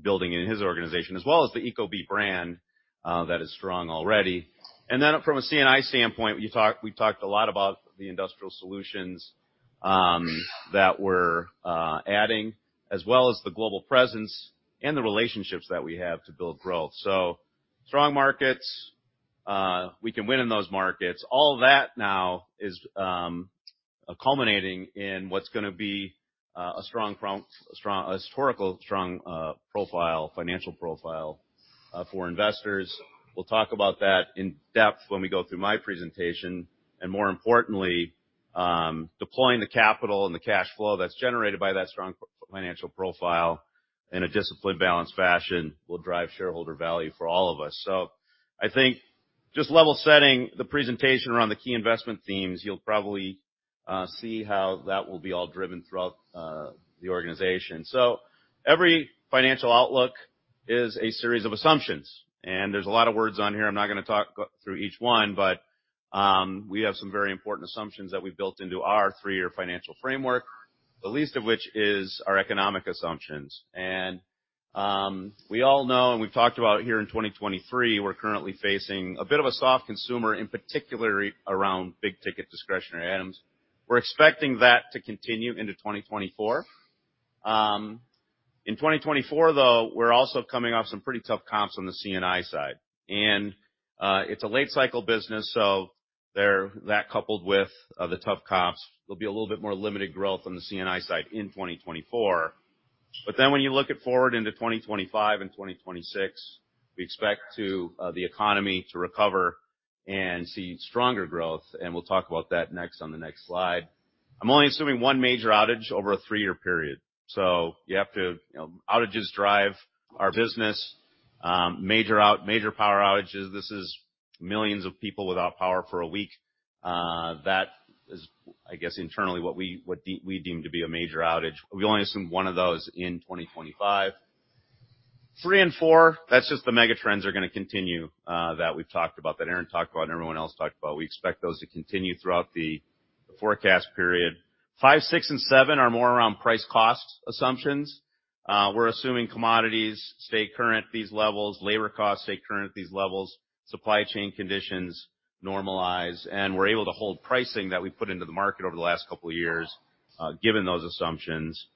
building in his organization, as well as the ecobee brand that is strong already. And then from a C&I standpoint, we talked a lot about the industrial solutions that we're adding, as well as the global presence and the relationships that we have to build growth. So strong markets, we can win in those markets. All that now is culminating in what's gonna be a strong, historically strong financial profile for investors. We'll talk about that in depth when we go through my presentation, and more importantly, deploying the capital and the cash flow that's generated by that strong financial profile in a disciplined, balanced fashion will drive shareholder value for all of us. So I think just level setting the presentation around the key investment themes, you'll probably see how that will be all driven throughout the organization. So every financial outlook is a series of assumptions, and there's a lot of words on here. I'm not gonna talk through each one, but we have some very important assumptions that we built into our three-year financial framework, the least of which is our economic assumptions. We all know, and we've talked about here in 2023, we're currently facing a bit of a soft consumer, in particular, around big-ticket discretionary items. We're expecting that to continue into 2024. In 2024, though, we're also coming off some pretty tough comps on the C&I side, and it's a late cycle business, so that coupled with the tough comps, there'll be a little bit more limited growth on the C&I side in 2024. But then when you look at forward into 2025 and 2026, we expect to the economy to recover and see stronger growth, and we'll talk about that next on the next slide. I'm only assuming one major outage over a three-year period, so you have to... You know, outages drive our business. Major power outages, this is millions of people without power for a week. That is, I guess, internally, what we, what we deem to be a major outage. We only assume one of those in 2025. 3 and 4, that's just the mega trends are gonna continue, that we've talked about, that Aaron talked about and everyone else talked about. We expect those to continue throughout the forecast period. 5, 6, and 7 are more around price costs assumptions. We're assuming commodities stay current at these levels, labor costs stay current at these levels, supply chain conditions normalize, and we're able to hold pricing that we put into the market over the last couple of years, given those assumptions.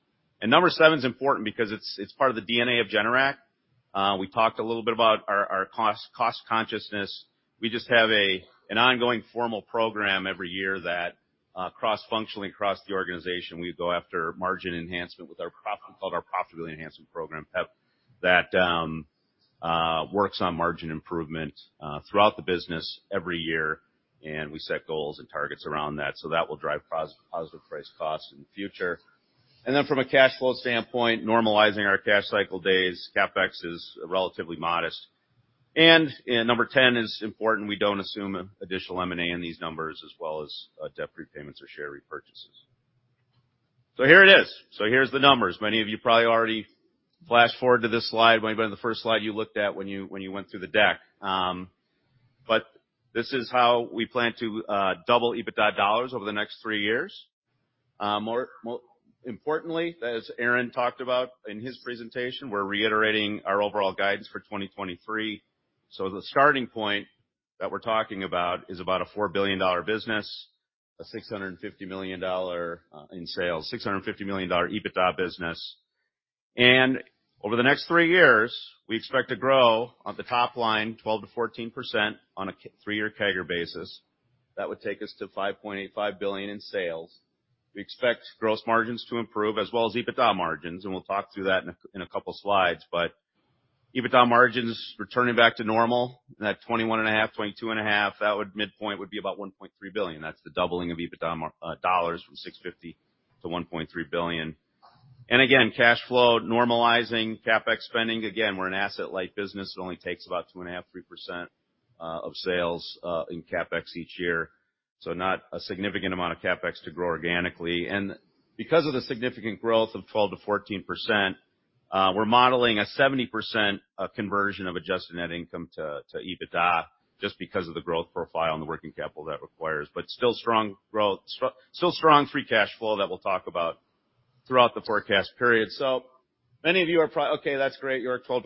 And number 7 is important because it's part of the DNA of Generac. We talked a little bit about our cost consciousness. We just have an ongoing formal program every year that, cross-functionally across the organization, we go after margin enhancement with our profit, called our profitability enhancement program, PEP, that works on margin improvement throughout the business every year, and we set goals and targets around that. So that will drive positive price costs in the future. And then from a cash flow standpoint, normalizing our cash cycle days, CapEx is relatively modest. And number 10 is important. We don't assume additional M&A in these numbers, as well as debt repayments or share repurchases. So here it is. So here's the numbers. Many of you probably already flashed forward to this slide. Might have been the first slide you looked at when you went through the deck. But this is how we plan to double EBITDA dollars over the next three years. More importantly, as Aaron talked about in his presentation, we're reiterating our overall guidance for 2023. So the starting point that we're talking about is about a $4 billion business, a $650 million in sales, $650 million EBITDA business. And over the next three years, we expect to grow on the top line 12%-14% on a three-year CAGR basis. That would take us to $5.85 billion in sales. We expect gross margins to improve, as well as EBITDA margins, and we'll talk through that in a couple of slides. But EBITDA margins returning back to normal, that 21.5%-22.5%, that would, midpoint, would be about $1.3 billion. That's the doubling of EBITDA dollars from $650 million to $1.3 billion. And again, cash flow, normalizing CapEx spending. Again, we're an asset-light business. It only takes about 2.5%-3% of sales in CapEx each year. So not a significant amount of CapEx to grow organically. And because of the significant growth of 12%-14%, we're modeling a 70% conversion of adjusted net income to EBITDA just because of the growth profile and the working capital that requires. But still strong growth, still strong free cash flow that we'll talk about throughout the forecast period. So many of you are prob— "Okay, that's great. You're at 12%-14%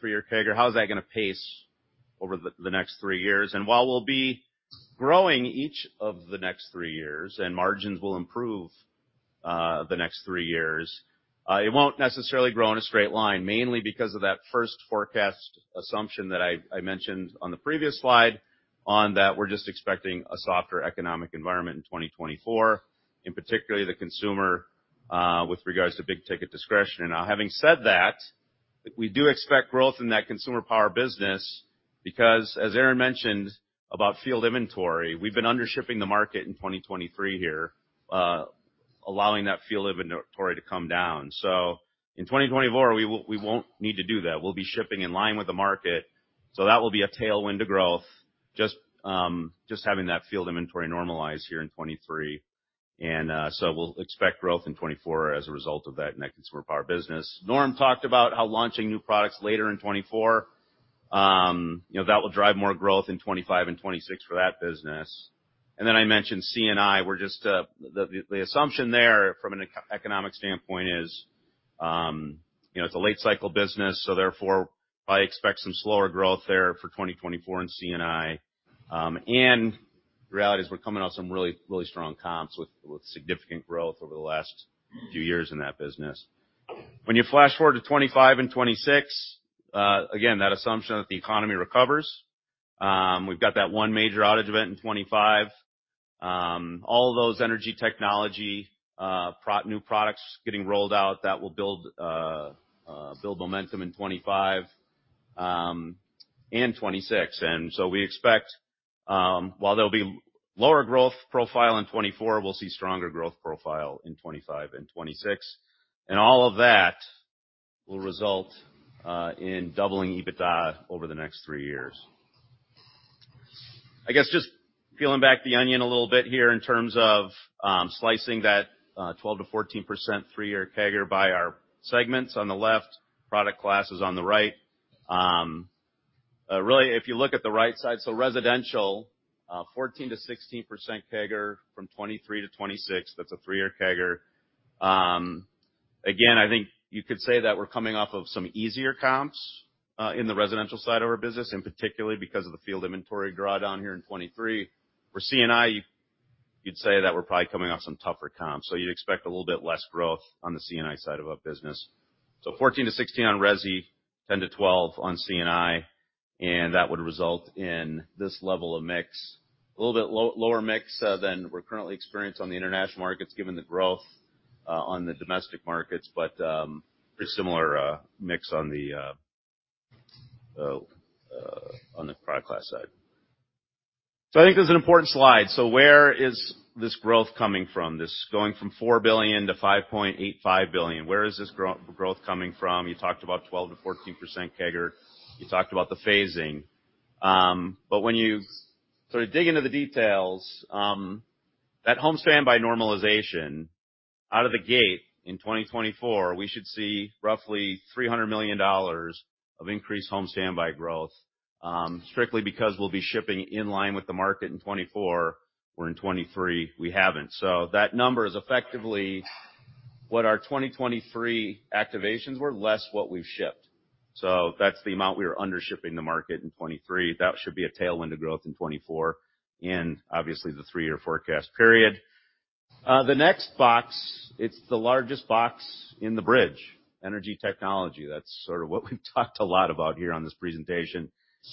three-year CAGR. How's that gonna pace over the next three years?" And while we'll be growing each of the next three years and margins will improve the next three years, it won't necessarily grow in a straight line, mainly because of that first forecast assumption that I mentioned on the previous slide, on that we're just expecting a softer economic environment in 2024, in particular the consumer, with regards to big-ticket discretionary. Now, having said that, we do expect growth in that consumer power business because, as Aaron mentioned about field inventory, we've been under-shipping the market in 2023 here, allowing that field inventory to come down. So in 2024, we won't need to do that. We'll be shipping in line with the market, so that will be a tailwind to growth, just, just having that field inventory normalized here in 2023. And, so we'll expect growth in 2024 as a result of that in that consumer power business. Norm talked about how launching new products later in 2024, you know, that will drive more growth in 2025 and 2026 for that business. And then I mentioned C&I. We're just, the assumption there from a macro-economic standpoint is, you know, it's a late cycle business, so therefore, I expect some slower growth there for 2024 in C&I. And the reality is we're coming off some really, really strong comps with significant growth over the last few years in that business. When you flash forward to 25 and 26, again, that assumption that the economy recovers, we've got that one major outage event in 25. All those energy technology new products getting rolled out, that will build momentum in 25 and 26. And so we expect, while there'll be lower growth profile in 2024, we'll see stronger growth profile in 2025 and 2026. And all of that will result in doubling EBITDA over the next three years. I guess, just peeling back the onion a little bit here in terms of slicing that 12%-14% three-year CAGR by our segments on the left, product classes on the right. Really, if you look at the right side, so residential, 14%-16% CAGR from 2023 to 2026, that's a three-year CAGR. Again, I think you could say that we're coming off of some easier comps in the residential side of our business, and particularly because of the field inventory drawdown here in 2023. For C&I, you'd say that we're probably coming off some tougher comps, so you'd expect a little bit less growth on the C&I side of our business. So 14-16 on resi, 10-12 on C&I, and that would result in this level of mix. A little bit lower mix than we're currently experienced on the international markets, given the growth on the domestic markets, but pretty similar mix on the product class side. So I think this is an important slide. So where is this growth coming from? This going from $4 billion-$5.85 billion. Where is this growth coming from? You talked about 12%-14% CAGR. You talked about the phasing. But when you sort of dig into the details, that home standby normalization out of the gate in 2024, we should see roughly $300 million of increased home standby growth, strictly because we'll be shipping in line with the market in 2024, where in 2023, we haven't. So that number is effectively what our 2023 activations were, less what we've shipped. So that's the amount we were under shipping the market in 2023. That should be a tailwind to growth in 2024, and obviously, the three-year forecast period. The next box, it's the largest box in the bridge: energy technology. That's sort of what we've talked a lot about here on this presentation.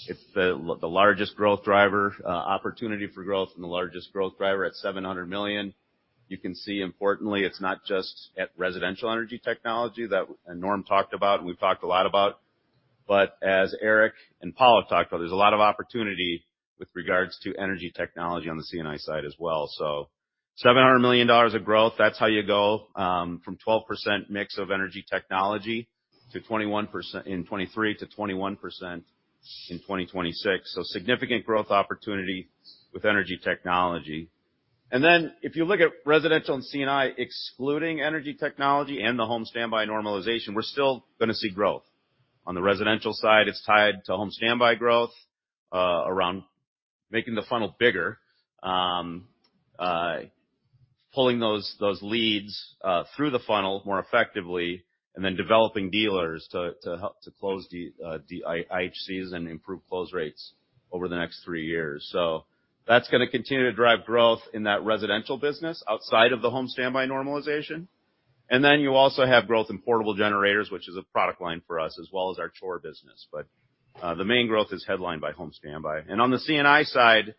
It's the largest growth driver, opportunity for growth and the largest growth driver at $700 million. You can see, importantly, it's not just at residential energy technology that, and Norm talked about, and we've talked a lot about, but as Eric and Paulo talked about, there's a lot of opportunity with regards to energy technology on the C&I side as well. So $700 million of growth, that's how you go from 12% mix of energy technology to 21% in 2023, to 21% in 2026. So significant growth opportunity with energy technology. And then, if you look at residential and C&I, excluding energy technology and the home standby normalization, we're still gonna see growth. On the residential side, it's tied to home standby growth, around making the funnel bigger, pulling those leads through the funnel more effectively, and then developing dealers to help to close the IHCs and improve close rates over the next three years. So that's gonna continue to drive growth in that residential business outside of the home standby normalization. And then you also have growth in portable generators, which is a product line for us, as well as our core business. But the main growth is headlined by home standby. And on the C&I side,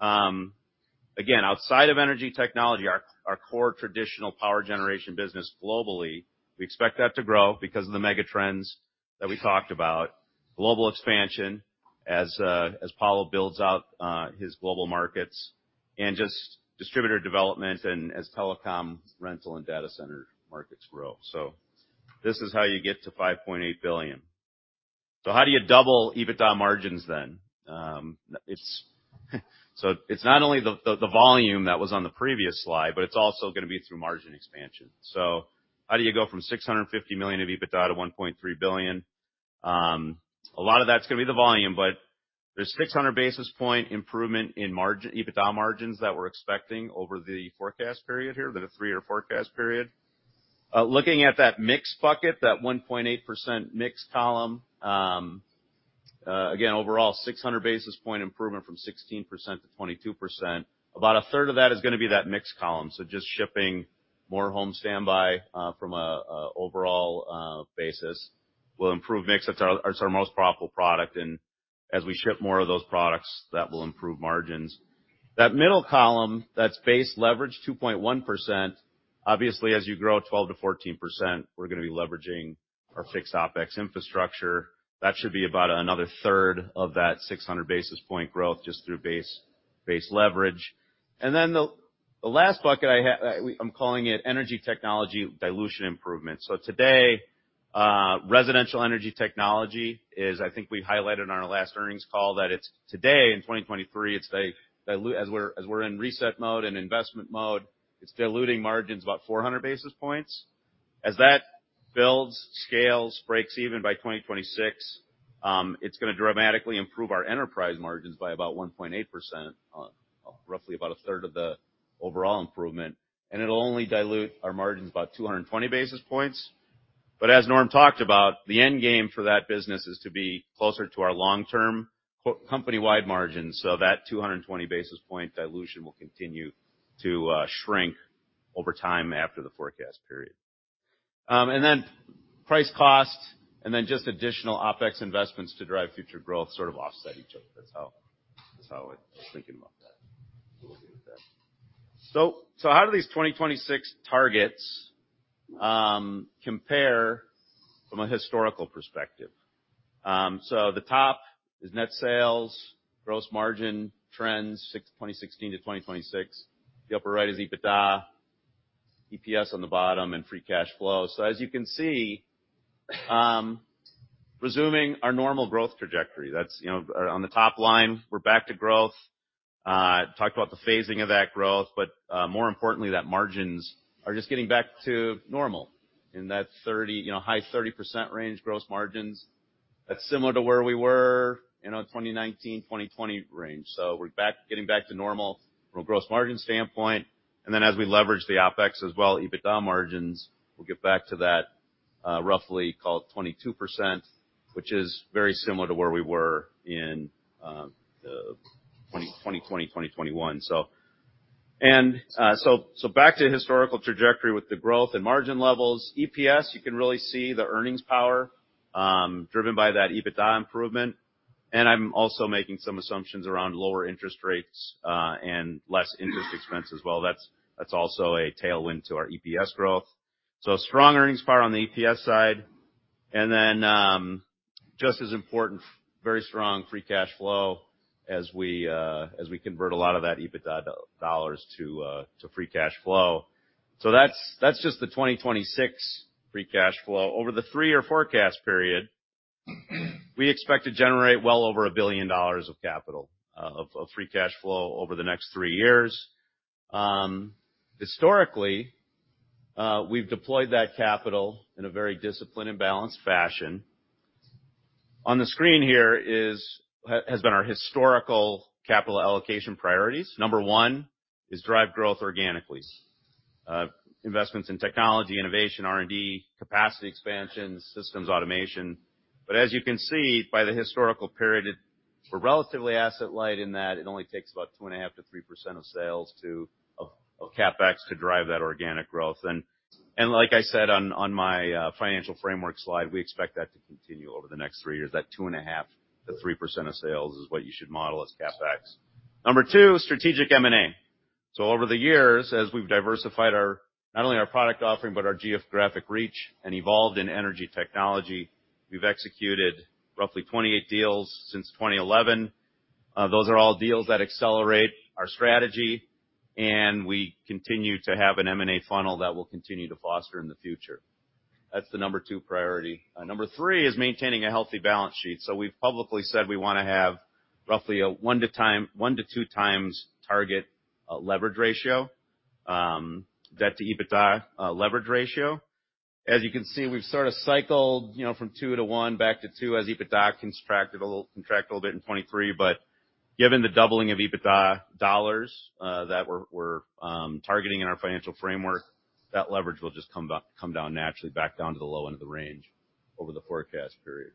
again, outside of energy technology, our core traditional power generation business globally, we expect that to grow because of the mega trends that we talked about. Global expansion, as Paolo builds out his global markets, and just distributor development and as telecom, rental, and data center markets grow. So this is how you get to $5.8 billion. So how do you double EBITDA margins then? It's... So it's not only the volume that was on the previous slide, but it's also gonna be through margin expansion. So how do you go from $650 million of EBITDA to $1.3 billion? A lot of that's gonna be the volume, but there's 600 basis point improvement in margin, EBITDA margins that we're expecting over the forecast period here, the three-year forecast period. Looking at that mix bucket, that 1.8% mix column, again, overall, 600 basis point improvement from 16%-22%. About a third of that is gonna be that mix column. So just shipping more home standby from an overall basis will improve mix. It's our most profitable product, and as we ship more of those products, that will improve margins. That middle column, that's base leverage, 2.1%. Obviously, as you grow 12%-14%, we're gonna be leveraging our fixed OpEx infrastructure. That should be about another third of that 600 basis points growth, just through base leverage. And then the last bucket I'm calling it energy technology dilution improvement. So today, residential energy technology is... I think we highlighted in our last earnings call that it's today, in 2023, it's diluting as we're in reset mode and investment mode, it's diluting margins about 400 basis points. As that builds, scales, breaks even by 2026, it's gonna dramatically improve our enterprise margins by about 1.8%, roughly about a third of the overall improvement, and it'll only dilute our margins by 220 basis points. But as Norm talked about, the end game for that business is to be closer to our long-term company-wide margins. So that 220 basis point dilution will continue to shrink over time after the forecast period. And then price cost, and then just additional OpEx investments to drive future growth, sort of offset each other. That's how, that's how I'm thinking about that. So we'll deal with that. So, so how do these 2026 targets compare from a historical perspective. So the top is net sales, gross margin trends, 2016 to 2026. The upper right is EBITDA, EPS on the bottom, and free cash flow. So as you can see, resuming our normal growth trajectory, that's, you know, on the top line, we're back to growth. Talked about the phasing of that growth, but, more importantly, that margins are just getting back to normal in that 30, you know, high 30% range, gross margins. That's similar to where we were in our 2019, 2020 range. So we're back, getting back to normal from a gross margin standpoint, and then as we leverage the OpEx as well, EBITDA margins will get back to that, roughly called 22%, which is very similar to where we were in the 2020, 2021. So back to historical trajectory with the growth and margin levels. EPS, you can really see the earnings power, driven by that EBITDA improvement, and I'm also making some assumptions around lower interest rates, and less interest expense as well. That's also a tailwind to our EPS growth. So strong earnings power on the EPS side, and then, just as important, very strong free cash flow as we, as we convert a lot of that EBITDA dollars to free cash flow. So that's just the 2026 free cash flow. Over the three-year forecast period, we expect to generate well over $1 billion of free cash flow over the next three years. Historically, we've deployed that capital in a very disciplined and balanced fashion. On the screen here is our historical capital allocation priorities. Number one is drive growth organically. Investments in technology, innovation, R&D, capacity expansions, systems automation. But as you can see, by the historical period, we're relatively asset light in that it only takes about 2.5%-3% of sales to, of CapEx to drive that organic growth. And like I said, on my financial framework slide, we expect that to continue over the next three years. That 2.5%-3% of sales is what you should model as CapEx. Number 2, strategic M&A. So over the years, as we've diversified our... not only our product offering, but our geographic reach and evolved in energy technology, we've executed roughly 28 deals since 2011. Those are all deals that accelerate our strategy, and we continue to have an M&A funnel that will continue to foster in the future. That's the number 2 priority. Number three is maintaining a healthy balance sheet. So we've publicly said we wanna have roughly a 1-2 times target leverage ratio, debt-to-EBITDA leverage ratio. As you can see, we've sort of cycled, you know, from 2 to 1 back to 2 as EBITDA contracted a little bit in 2023, but given the doubling of EBITDA dollars that we're targeting in our financial framework, that leverage will just come back down naturally back down to the low end of the range over the forecast period.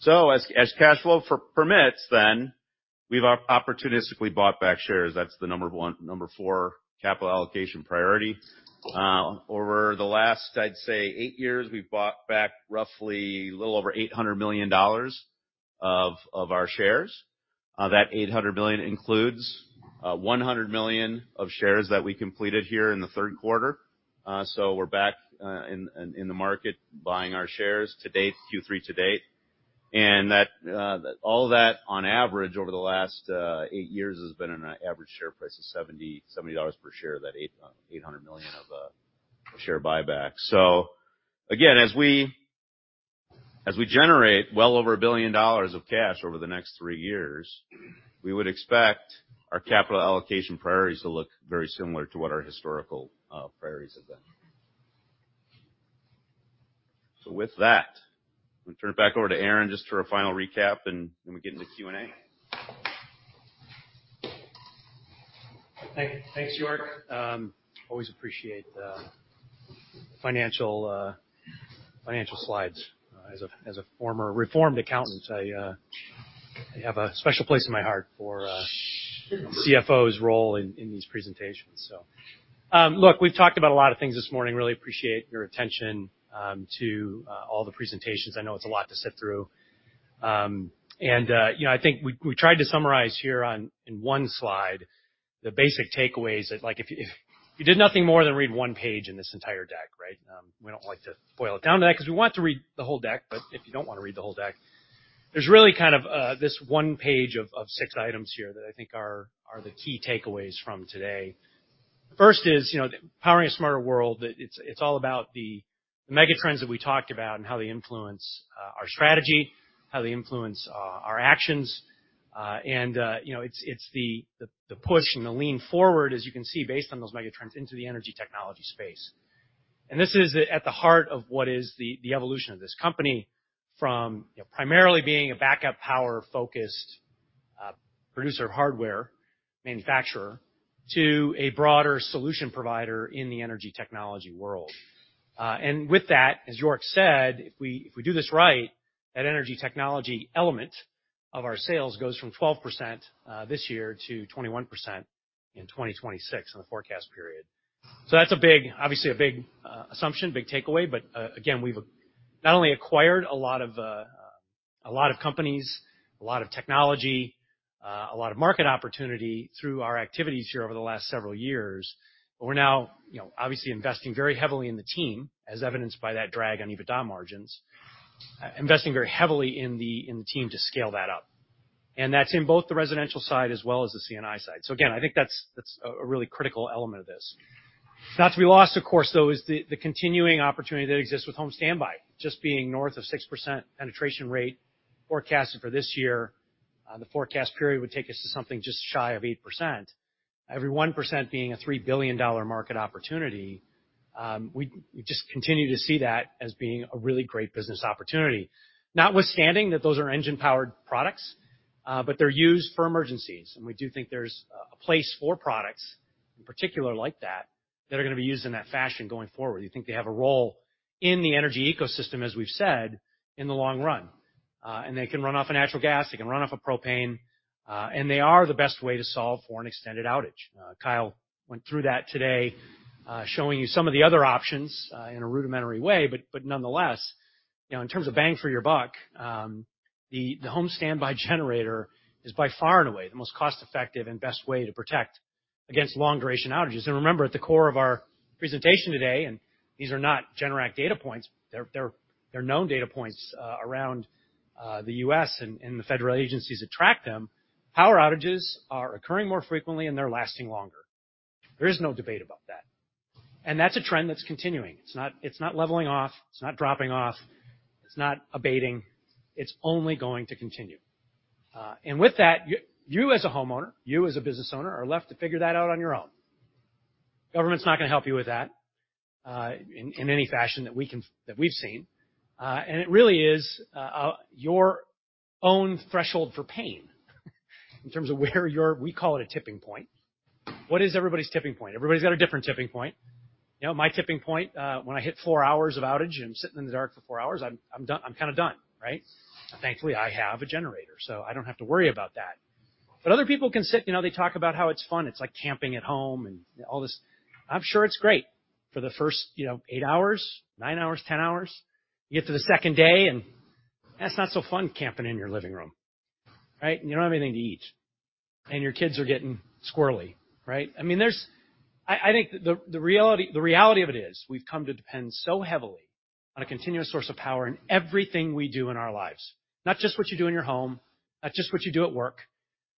So as cash flow permits, then we've opportunistically bought back shares. That's the number four capital allocation priority. Over the last, I'd say, eight years, we've bought back roughly a little over $800 million of our shares. That $800 million includes $100 million of shares that we completed here in the third quarter. So we're back in the market buying our shares to date, Q3 to date. And that all that, on average, over the last 8 years, has been an average share price of $70 per share, that $800 million of share buyback. So again, as we generate well over $1 billion of cash over the next 3 years, we would expect our capital allocation priorities to look very similar to what our historical priorities have been. So with that, I'm gonna turn it back over to Aaron just for a final recap, and then we get into Q&A. Thanks, York. Always appreciate the financial slides. As a former reformed accountant, I have a special place in my heart for CFO's role in these presentations. So, look, we've talked about a lot of things this morning. Really appreciate your attention to all the presentations. I know it's a lot to sit through. You know, I think we tried to summarize here, in one slide, the basic takeaways that, like, if you did nothing more than read one page in this entire deck, right? We don't like to boil it down to that 'cause we want to read the whole deck, but if you don't wanna read the whole deck, there's really kind of this one page of six items here that I think are the key takeaways from today. First is, you know, powering a smarter world, it's all about the megatrends that we talked about and how they influence our strategy, how they influence our actions, and, you know, it's the push and the lean forward, as you can see, based on those megatrends, into the energy technology space. And this is at the heart of what is the evolution of this company from, you know, primarily being a backup power-focused producer of hardware manufacturer to a broader solution provider in the energy technology world. And with that, as York said, if we, if we do this right, that energy technology element of our sales goes from 12% this year to 21% in 2026 in the forecast period. So that's a big, obviously, a big assumption, big takeaway, but again, we've not only acquired a lot of a lot of companies, a lot of technology, a lot of market opportunity through our activities here over the last several years. But we're now, you know, obviously investing very heavily in the team, as evidenced by that drag on EBITDA margins, investing very heavily in the team to scale that up. And that's in both the residential side as well as the C&I side. So again, I think that's a really critical element of this. Not to be lost, of course, though, is the continuing opportunity that exists with home standby, just being north of 6% penetration rate forecasted for this year. The forecast period would take us to something just shy of 8%. Every 1% being a $3 billion market opportunity, we just continue to see that as being a really great business opportunity. Notwithstanding that those are engine-powered products, but they're used for emergencies, and we do think there's a place for products, in particular, like that, that are gonna be used in that fashion going forward. We think they have a role in the energy ecosystem, as we've said, in the long run. And they can run off of natural gas, they can run off of propane, and they are the best way to solve for an extended outage. Kyle went through that today, showing you some of the other options, in a rudimentary way, but nonetheless, you know, in terms of bang for your buck, the home standby generator is by far and away, the most cost-effective and best way to protect against long-duration outages. And remember, at the core of our presentation today, and these are not Generac data points, they're known data points, around the U.S. and the federal agencies that track them. Power outages are occurring more frequently, and they're lasting longer. There is no debate about that. And that's a trend that's continuing. It's not leveling off, it's not dropping off, it's not abating. It's only going to continue. And with that, you as a homeowner, you as a business owner, are left to figure that out on your own. Government's not gonna help you with that, in any fashion that we can—that we've seen. And it really is, your own threshold for pain, in terms of where your... We call it a tipping point. What is everybody's tipping point? Everybody's got a different tipping point. You know, my tipping point, when I hit 4 hours of outage, and I'm sitting in the dark for 4 hours, I'm kinda done, right? Thankfully, I have a generator, so I don't have to worry about that. But other people can sit, you know, they talk about how it's fun, it's like camping at home and all this. I'm sure it's great for the first, you know, 8 hours, 9 hours, 10 hours. You get to the second day, and that's not so fun camping in your living room, right? You don't have anything to eat, and your kids are getting squirrely, right? I mean, I think the reality of it is, we've come to depend so heavily on a continuous source of power in everything we do in our lives. Not just what you do in your home, not just what you do at work,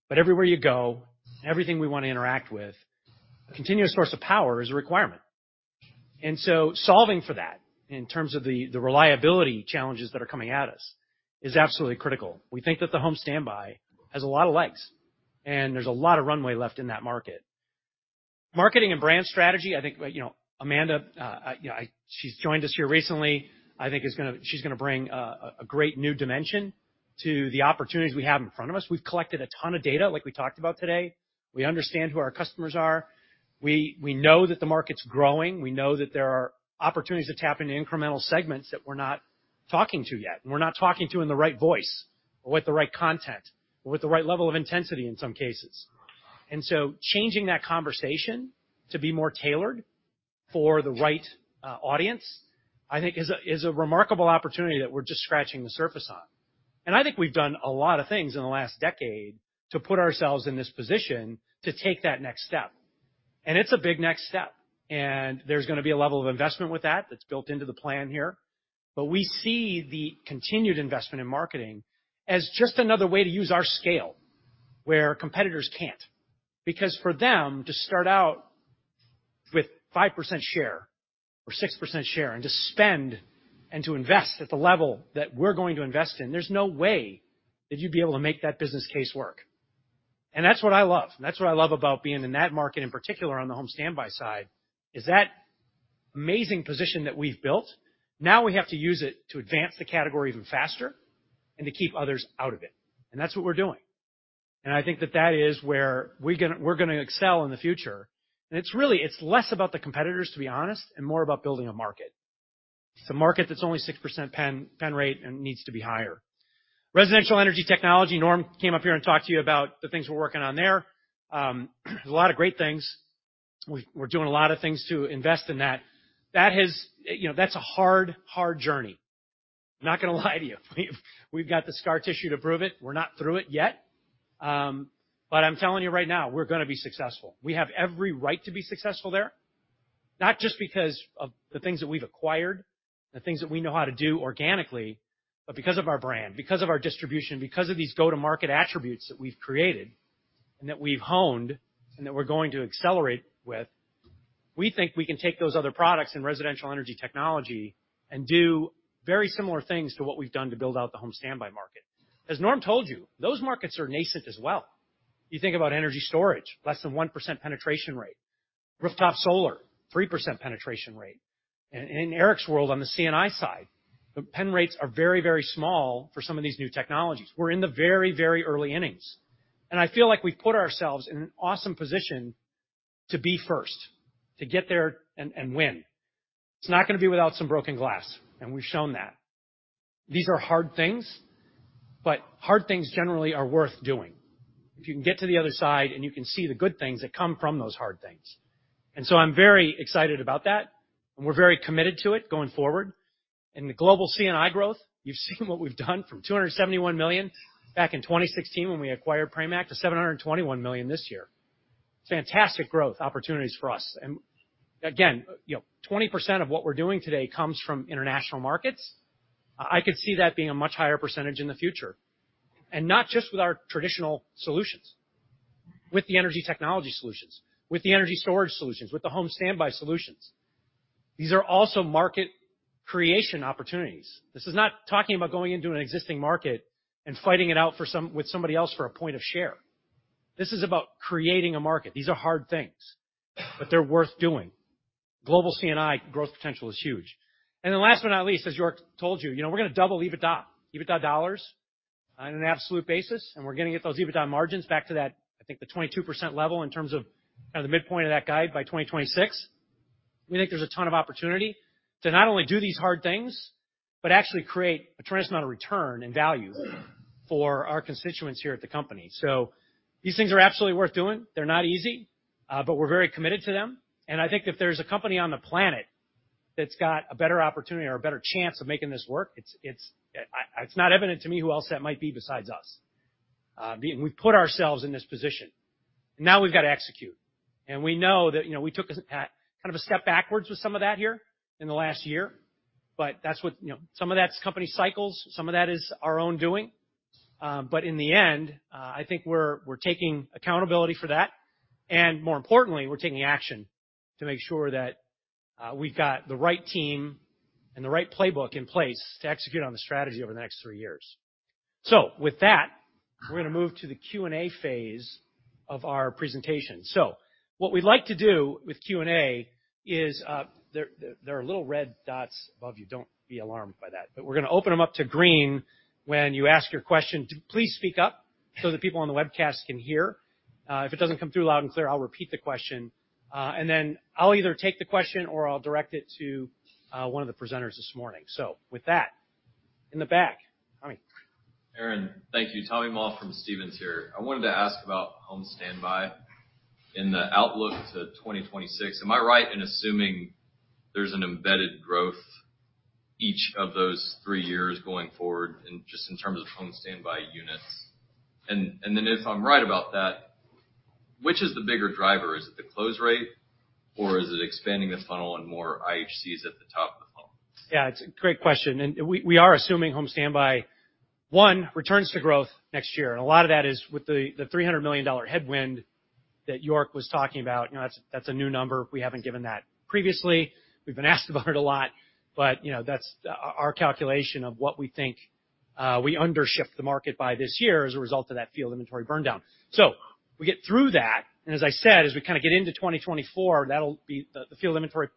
but everywhere you go, everything we want to interact with, a continuous source of power is a requirement. And so solving for that in terms of the reliability challenges that are coming at us is absolutely critical. We think that the home standby has a lot of legs, and there's a lot of runway left in that market. Marketing and brand strategy, I think, well, you know, Amanda, you know, she's joined us here recently. I think she's gonna bring a great new dimension to the opportunities we have in front of us. We've collected a ton of data, like we talked about today. We understand who our customers are. We know that the market's growing, we know that there are opportunities to tap into incremental segments that we're not talking to yet, and we're not talking to in the right voice or with the right content or with the right level of intensity, in some cases. And so changing that conversation to be more tailored for the right audience, I think is a remarkable opportunity that we're just scratching the surface on. And I think we've done a lot of things in the last decade to put ourselves in this position to take that next step. It's a big next step, and there's gonna be a level of investment with that, that's built into the plan here. But we see the continued investment in marketing as just another way to use our scale, where competitors can't. Because for them to start out with 5% share or 6% share, and to spend and to invest at the level that we're going to invest in, there's no way that you'd be able to make that business case work. And that's what I love. That's what I love about being in that market, in particular, on the home standby side, is that amazing position that we've built. Now we have to use it to advance the category even faster and to keep others out of it. And that's what we're doing. And I think that that is where we're gonna, we're gonna excel in the future. And it's really, it's less about the competitors, to be honest, and more about building a market. It's a market that's only 6% pen rate and needs to be higher. Residential energy technology. Norm came up here and talked to you about the things we're working on there. A lot of great things. We're doing a lot of things to invest in that. That has... You know, that's a hard, hard journey. I'm not gonna lie to you. We've, we've got the scar tissue to prove it. We're not through it yet. But I'm telling you right now, we're gonna be successful. We have every right to be successful there, not just because of the things that we've acquired, the things that we know how to do organically, but because of our brand, because of our distribution, because of these go-to-market attributes that we've created and that we've honed, and that we're going to accelerate with. We think we can take those other products in residential energy technology and do very similar things to what we've done to build out the home standby market. As Norm told you, those markets are nascent as well. You think about energy storage, less than 1% penetration rate. Rooftop solar, 3% penetration rate. And in Eric's world, on the C&I side, the pen rates are very, very small for some of these new technologies. We're in the very, very early innings. And I feel like we've put ourselves in an awesome position to be first, to get there and, and win. It's not gonna be without some broken glass, and we've shown that. These are hard things, but hard things generally are worth doing.... if you can get to the other side, and you can see the good things that come from those hard things. And so I'm very excited about that, and we're very committed to it going forward. In the global C&I growth, you've seen what we've done from $271 million back in 2016 when we acquired Pramac to $721 million this year. Fantastic growth opportunities for us. And again, you know, 20% of what we're doing today comes from international markets. I could see that being a much higher percentage in the future, and not just with our traditional solutions, with the energy technology solutions, with the energy storage solutions, with the home standby solutions. These are also market creation opportunities. This is not talking about going into an existing market and fighting it out for some- with somebody else for a point of share. This is about creating a market. These are hard things, but they're worth doing. Global C&I growth potential is huge. And then last but not least, as York told you, you know, we're gonna double EBITDA, EBITDA dollars on an absolute basis, and we're gonna get those EBITDA margins back to that, I think, the 22% level in terms of kind of the midpoint of that guide by 2026. We think there's a ton of opportunity to not only do these hard things, but actually create a tremendous amount of return and value for our constituents here at the company. So these things are absolutely worth doing. They're not easy, but we're very committed to them, and I think if there's a company on the planet that's got a better opportunity or a better chance of making this work, it's not evident to me who else that might be besides us. We've put ourselves in this position, and now we've got to execute. And we know that, you know, we took a kind of a step backwards with some of that here in the last year, but that's what... You know, some of that's company cycles, some of that is our own doing. But in the end, I think we're, we're taking accountability for that, and more importantly, we're taking action to make sure that, we've got the right team and the right playbook in place to execute on the strategy over the next three years. So with that, we're gonna move to the Q&A phase of our presentation. So what we'd like to do with Q&A is, there, there are little red dots above you. Don't be alarmed by that. But we're gonna open them up to green when you ask your question. Please speak up so that people on the webcast can hear. If it doesn't come through loud and clear, I'll repeat the question, and then I'll either take the question or I'll direct it to, one of the presenters this morning. So with that, in the back. Tommy. Aaron, thank you. Tommy Moll from Stephens here. I wanted to ask about home standby in the outlook to 2026. Am I right in assuming there's an embedded growth each of those three years going forward, and just in terms of home standby units? And, and then if I'm right about that, which is the bigger driver? Is it the close rate, or is it expanding the funnel and more IHCs at the top of the funnel? Yeah, it's a great question, and we are assuming home standby one returns to growth next year, and a lot of that is with the $300 million headwind that York was talking about. You know, that's a new number. We haven't given that previously. We've been asked about it a lot, but you know, that's our calculation of what we think we undershipped the market by this year as a result of that field inventory burndown. So we get through that, and as I said, as we kinda get into 2024, that'll be the field inventory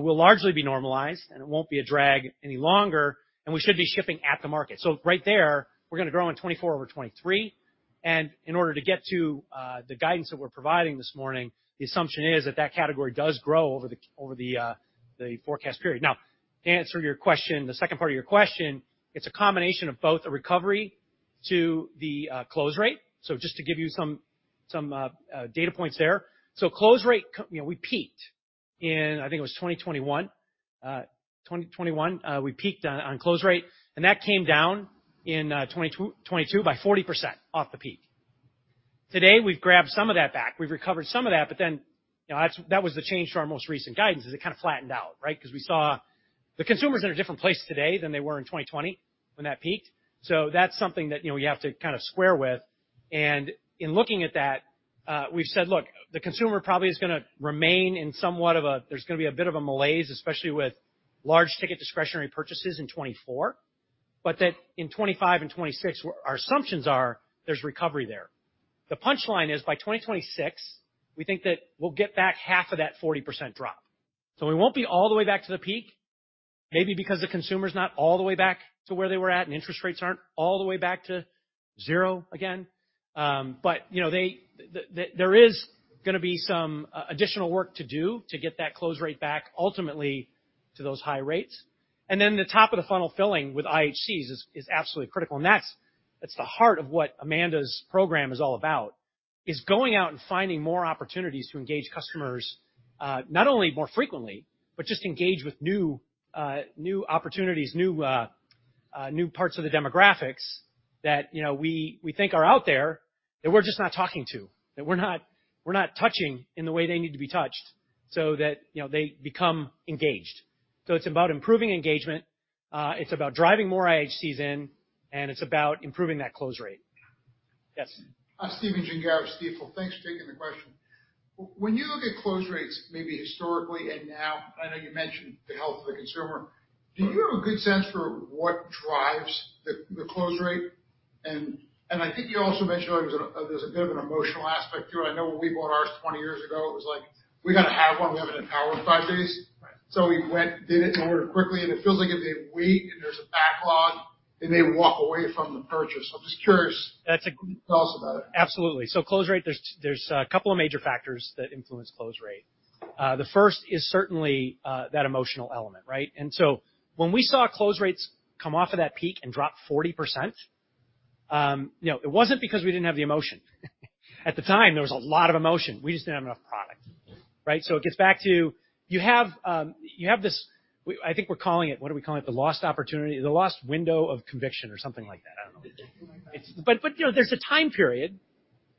will largely be normalized, and it won't be a drag any longer, and we should be shipping at the market. So right there, we're gonna grow in 2024 over 2023, and in order to get to the guidance that we're providing this morning, the assumption is that that category does grow over the forecast period. Now, to answer your question, the second part of your question, it's a combination of both a recovery to the close rate. So just to give you some data points there. So close rate, you know, we peaked in, I think it was 2021. 2021, we peaked on close rate, and that came down in 2022 by 40% off the peak. Today, we've grabbed some of that back. We've recovered some of that, but then, you know, that was the change to our most recent guidance, is it kinda flattened out, right? Because we saw the consumers are in a different place today than they were in 2020 when that peaked. So that's something that, you know, we have to kinda square with. And in looking at that, we've said: Look, the consumer probably is gonna remain in somewhat of a... There's gonna be a bit of a malaise, especially with large-ticket discretionary purchases in 2024, but that in 2025 and 2026, our assumptions are there's recovery there. The punchline is, by 2026, we think that we'll get back half of that 40% drop. So we won't be all the way back to the peak, maybe because the consumer is not all the way back to where they were at, and interest rates aren't all the way back to zero again. But, you know, they... There is gonna be some additional work to do to get that close rate back ultimately to those high rates. And then the top of the funnel filling with IHCs is absolutely critical, and that's the heart of what Amanda's program is all about, is going out and finding more opportunities to engage customers, not only more frequently, but just engage with new opportunities, new parts of the demographics that, you know, we think are out there, that we're just not talking to, that we're not touching in the way they need to be touched so that, you know, they become engaged. So it's about improving engagement, it's about driving more IHCs in, and it's about improving that close rate. Yes. Stephen Gengaro of Stifel. Thanks for taking the question. When you look at close rates, maybe historically and now, I know you mentioned the health of the consumer, do you have a good sense for what drives the close rate? I think you also mentioned there's a bit of an emotional aspect to it. I know when we bought ours 20 years ago, it was like: We gotta have one. We have it in power in 5 days. Right. So we went, did it, and ordered quickly, and it feels like if they wait and there's a backlog, they may walk away from the purchase. So I'm just curious... That's a- Tell us about it. Absolutely. So close rate, there's a couple of major factors that influence close rate. The first is certainly that emotional element, right? And so when we saw close rates come off of that peak and drop 40%, you know, it wasn't because we didn't have the emotion. At the time, there was a lot of emotion. We just didn't have enough product, right? So it gets back to you have this, I think we're calling it. What are we calling it? The lost opportunity, the lost window of conviction or something like that, I don't know. But you know, there's a time period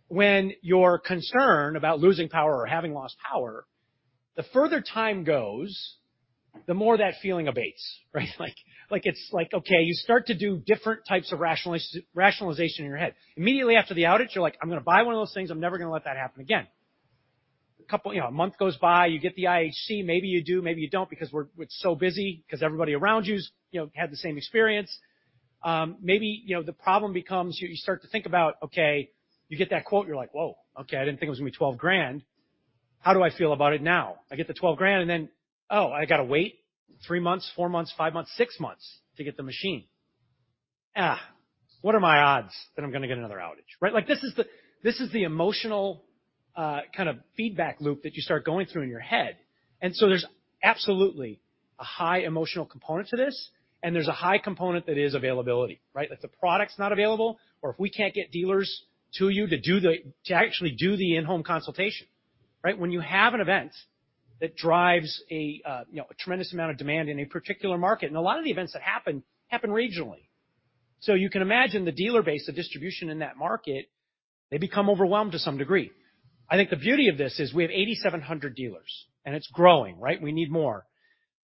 when your concern about losing power or having lost power, the further time goes, the more that feeling abates, right? Like, it's like, okay, you start to do different types of rationalization in your head. Immediately after the outage, you're like: I'm gonna buy one of those things. I'm never gonna let that happen again. A couple, you know, a month goes by, you get the IHC, maybe you do, maybe you don't, because we're so busy 'cause everybody around you is, you know, had the same experience. Maybe, you know, the problem becomes you, you start to think about, okay, you get that quote, you're like: Whoa! Okay, I didn't think it was gonna be $12,000. How do I feel about it now? I get the $12,000, and then, oh, I gotta wait 3 months, 4 months, 5 months, 6 months to get the machine. What are my odds that I'm gonna get another outage, right? Like, this is the emotional kind of feedback loop that you start going through in your head. And so there's absolutely a high emotional component to this, and there's a high component that is availability, right? If the product's not available or if we can't get dealers to you to do the... to actually do the in-home consultation, right? When you have an event that drives a, you know, a tremendous amount of demand in a particular market, and a lot of the events that happen happen regionally. So you can imagine the dealer base, the distribution in that market, they become overwhelmed to some degree. I think the beauty of this is we have 8,700 dealers, and it's growing, right? We need more.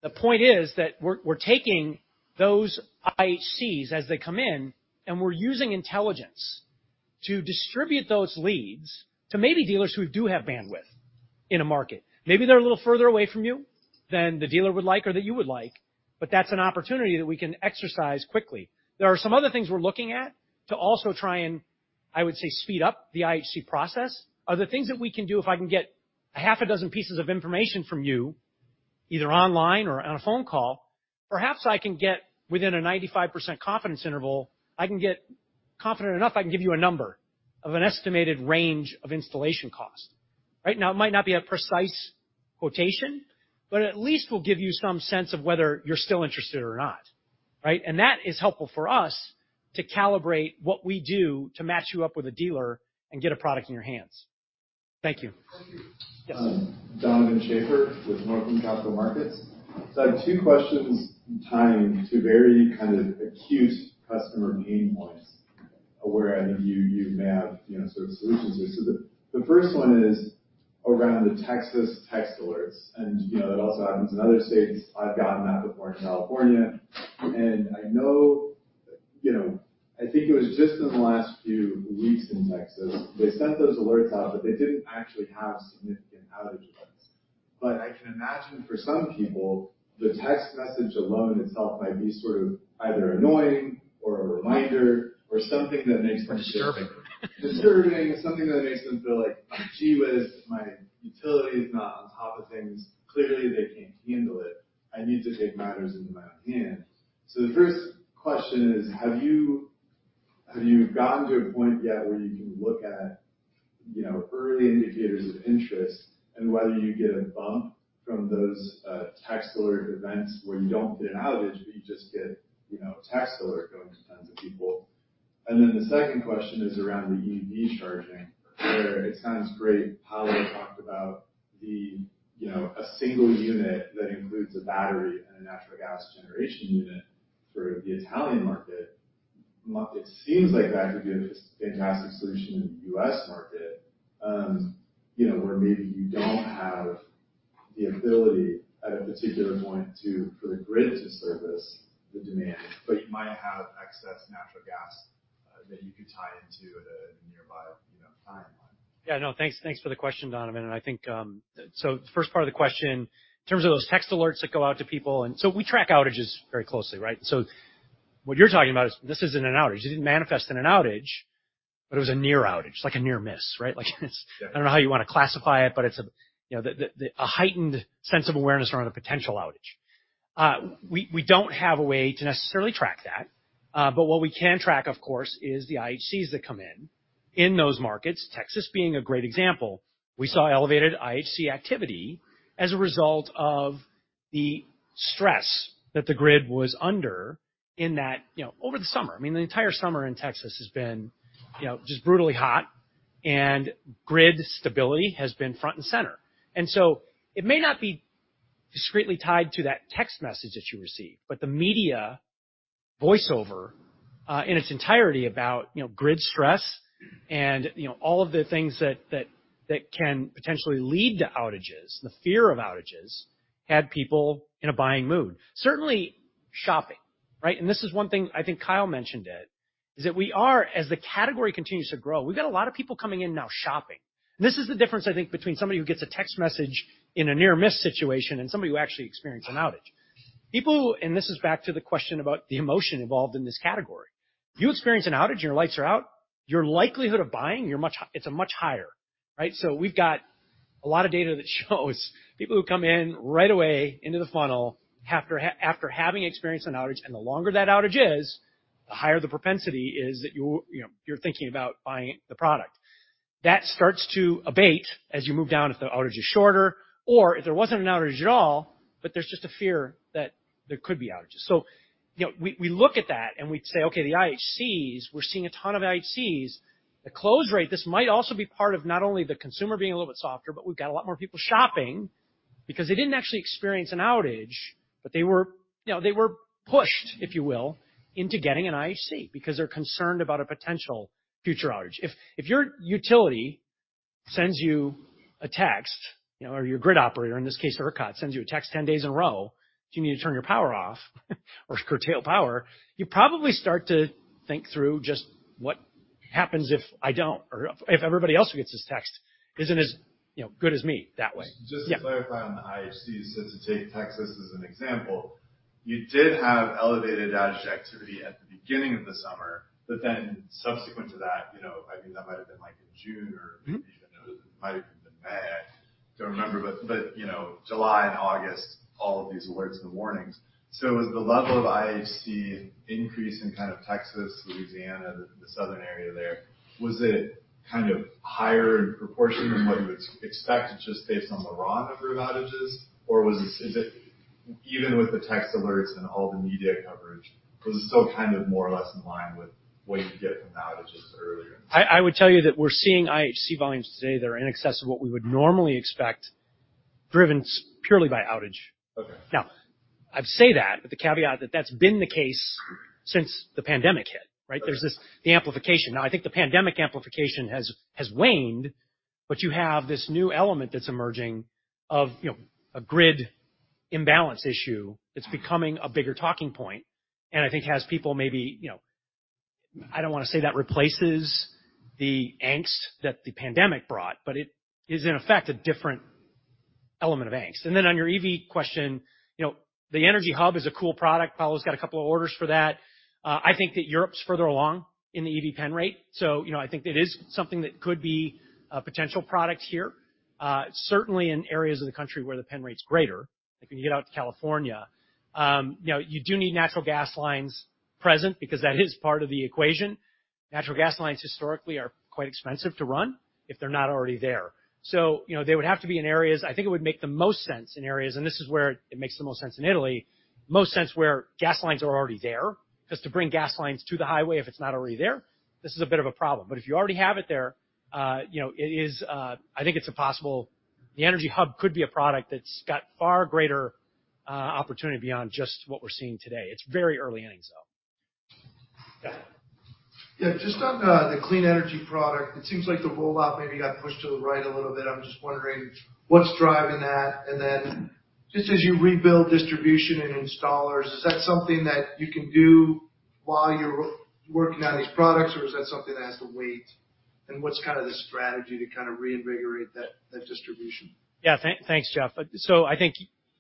The point is that we're taking those IHCs as they come in, and we're using intelligence to distribute those leads to maybe dealers who do have bandwidth in a market. Maybe they're a little further away from you than the dealer would like or that you would like, but that's an opportunity that we can exercise quickly. There are some other things we're looking at to also try and, I would say, speed up the IHC process. Other things that we can do, if I can get 6 pieces of information from you, either online or on a phone call, perhaps I can get within a 95% confidence interval, I can get confident enough, I can give you a number of an estimated range of installation cost. Right? Now, it might not be a precise quotation, but at least we'll give you some sense of whether you're still interested or not, right? That is helpful for us to calibrate what we do to match you up with a dealer and get a product in your hands. Thank you. Thank you. Yes. Donovan Schafer with Northland Capital Markets. So I have two questions tying to very kind of acute customer pain points, where I think you may have, you know, sort of solutions to. So the first one is around the Texas text alerts, and, you know, it also happens in other states. I've gotten that before in California, and I know... You know, I think it was just in the last few weeks in Texas, they sent those alerts out, but they didn't actually have significant outage events. But I can imagine for some people, the text message alone itself might be sort of either annoying or a reminder or something that makes them- Disturbing. disturbing, something that makes them feel like, gee whiz, my utility is not on top of things. Clearly, they can't handle it. I need to take matters into my own hands. So the first question is, have you, have you gotten to a point yet where you can look at, you know, early indicators of interest and whether you get a bump from those text alert events where you don't get an outage, but you just get, you know, a text alert going to tons of people? And then the second question is around the EV charging, where it sounds great. Paolo talked about the, you know, a single unit that includes a battery and a natural gas generation unit for the Italian market. It seems like that could be a fantastic solution in the U.S. market, you know, where maybe you don't have the ability at a particular point to—for the grid to service the demand, but you might have excess natural gas, that you could tie into at a, the nearby, you know, timeline. Yeah, I know. Thanks, thanks for the question, Donovan, and I think... So the first part of the question, in terms of those text alerts that go out to people, and so we track outages very closely, right? So what you're talking about is this isn't an outage. It didn't manifest in an outage, but it was a near outage, like a near miss, right? Like, it's- Yeah. I don't know how you want to classify it, but it's, you know, a heightened sense of awareness around a potential outage. We don't have a way to necessarily track that, but what we can track, of course, is the IHCs that come in, in those markets, Texas being a great example. We saw elevated IHC activity as a result of the stress that the grid was under in that, you know, over the summer. I mean, the entire summer in Texas has been, you know, just brutally hot and grid stability has been front and center. So it may not be discreetly tied to that text message that you received, but the media voice over, in its entirety about, you know, grid stress and, you know, all of the things that can potentially lead to outages, the fear of outages, had people in a buying mood. Certainly, shopping, right? This is one thing, I think Kyle mentioned it, is that we are, as the category continues to grow, we've got a lot of people coming in now, shopping. This is the difference, I think, between somebody who gets a text message in a near-miss situation and somebody who actually experienced an outage. People... This is back to the question about the emotion involved in this category. You experience an outage, and your lights are out, your likelihood of buying, you're much, it's a much higher, right? So we've got a lot of data that shows people who come in right away into the funnel after after having experienced an outage, and the longer that outage is. The higher the propensity is that you're, you know, you're thinking about buying the product. That starts to abate as you move down, if the outage is shorter or if there wasn't an outage at all, but there's just a fear that there could be outages. So, you know, we look at that, and we say, okay, the IHCs, we're seeing a ton of IHCs. The close rate, this might also be part of not only the consumer being a little bit softer, but we've got a lot more people shopping because they didn't actually experience an outage, but they were, you know, they were pushed, if you will, into getting an IHC because they're concerned about a potential future outage. If, if your utility sends you a text, you know, or your grid operator, in this case, ERCOT, sends you a text 10 days in a row, you need to turn your power off or curtail power, you probably start to think through just what happens if I don't or if everybody else who gets this text isn't as, you know, good as me that way. Just to clarify on the IHC, so to take Texas as an example, you did have elevated outage activity at the beginning of the summer, but then subsequent to that, you know, I mean, that might have been like in June or- Mm-hmm. Maybe it might even been May. I don't remember, but you know, July and August, all of these alerts and warnings. So was the level of IHC increase in kind of Texas, Louisiana, the southern area there, was it kind of higher in proportion than what you would expect just based on the raw number of outages? Or was it, is it even with the text alerts and all the media coverage, was it still kind of more or less in line with what you'd get from outages earlier? I would tell you that we're seeing IHC volumes today that are in excess of what we would normally expect, driven purely by outage. Okay. Now, I'd say that, but the caveat, that that's been the case since the pandemic hit, right? Okay. There's this, the amplification. Now, I think the pandemic amplification has, has waned, but you have this new element that's emerging of, you know, a grid imbalance issue that's becoming a bigger talking point, and I think has people maybe, you know... I don't wanna say that replaces the angst that the pandemic brought, but it is, in effect, a different element of angst. And then on your EV question, you know, the EnergyHub is a cool product. Paolo's got a couple of orders for that. I think that Europe's further along in the EV pen rate, so you know, I think it is something that could be a potential product here, certainly in areas of the country where the pen rate's greater, like when you get out to California. You know, you do need natural gas lines present because that is part of the equation. Natural gas lines, historically, are quite expensive to run if they're not already there. So you know, they would have to be in areas... I think it would make the most sense in areas, and this is where it makes the most sense in Italy, most sense where gas lines are already there. 'Cause to bring gas lines to the highway, if it's not already there, this is a bit of a problem. But if you already have it there, you know, it is, I think it's a possible—the EnergyHub could be a product that's got far greater opportunity beyond just what we're seeing today. It's very early innings, though. Yeah. Yeah, just on the clean energy product, it seems like the rollout maybe got pushed to the right a little bit. I'm just wondering what's driving that? And then just as you rebuild distribution and installers, is that something that you can do while you're working on these products, or is that something that has to wait? And what's kind of the strategy to kind of reinvigorate that distribution? Yeah. Thanks, Jeff. So I think,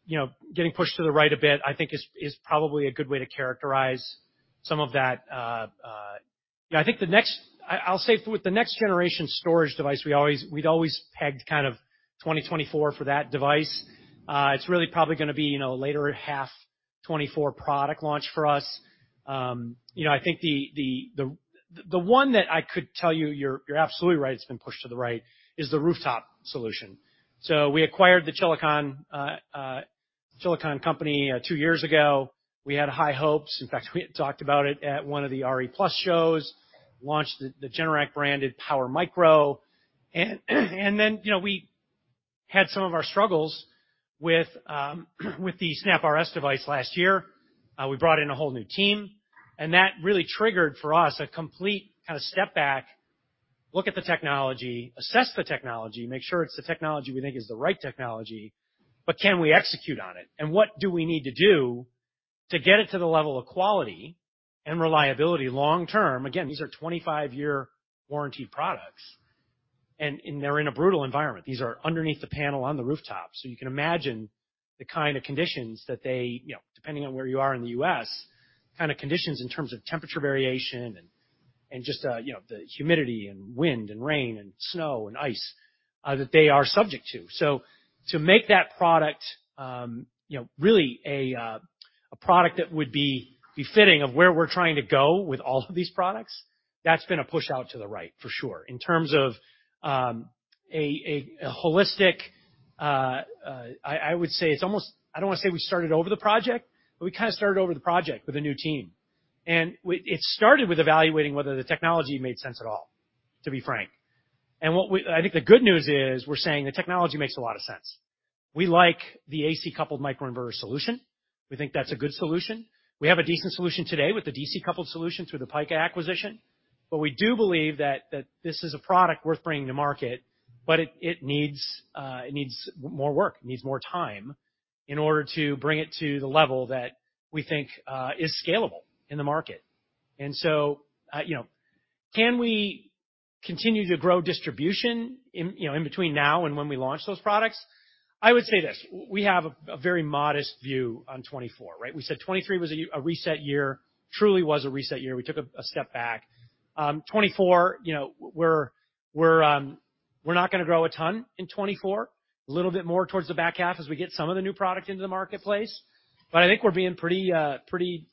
you know, getting pushed to the right a bit, I think is probably a good way to characterize some of that. I think the next - I'll say with the next generation storage device, we always - we'd always pegged kind of 2024 for that device. It's really probably gonna be, you know, later half 2024 product launch for us. You know, I think the one that I could tell you, you're absolutely right, it's been pushed to the right, is the rooftop solution. So we acquired the Chilicon company two years ago. We had high hopes. In fact, we had talked about it at one of the RE+ shows, launched the Generac-branded PWRmicro. Then, you know, we had some of our struggles with the SnapRS device last year. We brought in a whole new team, and that really triggered for us a complete kind of step back, look at the technology, assess the technology, make sure it's the technology we think is the right technology, but can we execute on it? And what do we need to do to get it to the level of quality and reliability long term? Again, these are 25-year warranty products, and they're in a brutal environment. These are underneath the panel on the rooftop, so you can imagine the kind of conditions that they, you know, depending on where you are in the U.S., kind of conditions in terms of temperature variation and just, you know, the humidity and wind, and rain, and snow and ice, that they are subject to. So to make that product, you know, really a product that would be befitting of where we're trying to go with all of these products, that's been a push out to the right, for sure. In terms of a holistic... I would say it's almost, I don't want to say we started over the project, but we kind of started over the project with a new team. And it started with evaluating whether the technology made sense at all, to be frank. I think the good news is, we're saying the technology makes a lot of sense. We like the AC-coupled microinverter solution. We think that's a good solution. We have a decent solution today with the DC-coupled solution through the Pika acquisition, but we do believe that, that this is a product worth bringing to market, but it, it needs, it needs more work, needs more time in order to bring it to the level that we think is scalable in the market. And so, you know, can we continue to grow distribution in, you know, in between now and when we launch those products? I would say this: We have a very modest view on 2024, right? We said 2023 was a reset year. Truly was a reset year. We took a step back. 2024, you know, we're not gonna grow a ton in 2024, a little bit more towards the back half as we get some of the new product into the marketplace. But I think we're being pretty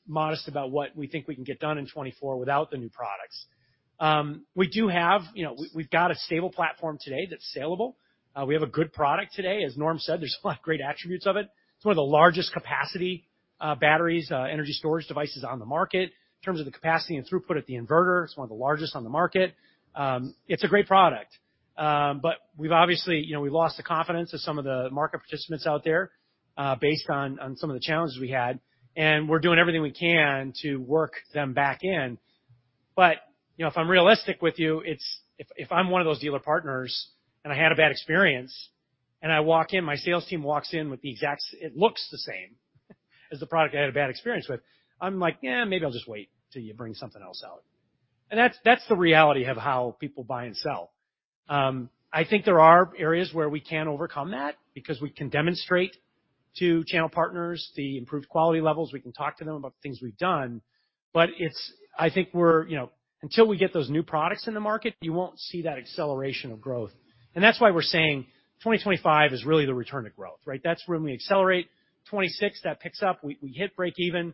modest about what we think we can get done in 2024 without the new products. We do have, you know, we've got a stable platform today that's salable. We have a good product today. As Norm said, there's a lot of great attributes of it. It's one of the largest capacity batteries, energy storage devices on the market. In terms of the capacity and throughput of the inverter, it's one of the largest on the market. It's a great product, but we've obviously, you know, we've lost the confidence of some of the market participants out there, based on some of the challenges we had, and we're doing everything we can to work them back in. But, you know, if I'm realistic with you, it's—if I'm one of those dealer partners, and I had a bad experience, and I walk in, my sales team walks in with the exact—it looks the same as the product I had a bad experience with, I'm like: Yeah, maybe I'll just wait till you bring something else out. And that's, that's the reality of how people buy and sell. I think there are areas where we can overcome that because we can demonstrate to channel partners the improved quality levels. We can talk to them about the things we've done, but it's. I think we're, you know... Until we get those new products in the market, you won't see that acceleration of growth. And that's why we're saying 2025 is really the return to growth, right? That's when we accelerate. 2026, that picks up. We, we hit breakeven,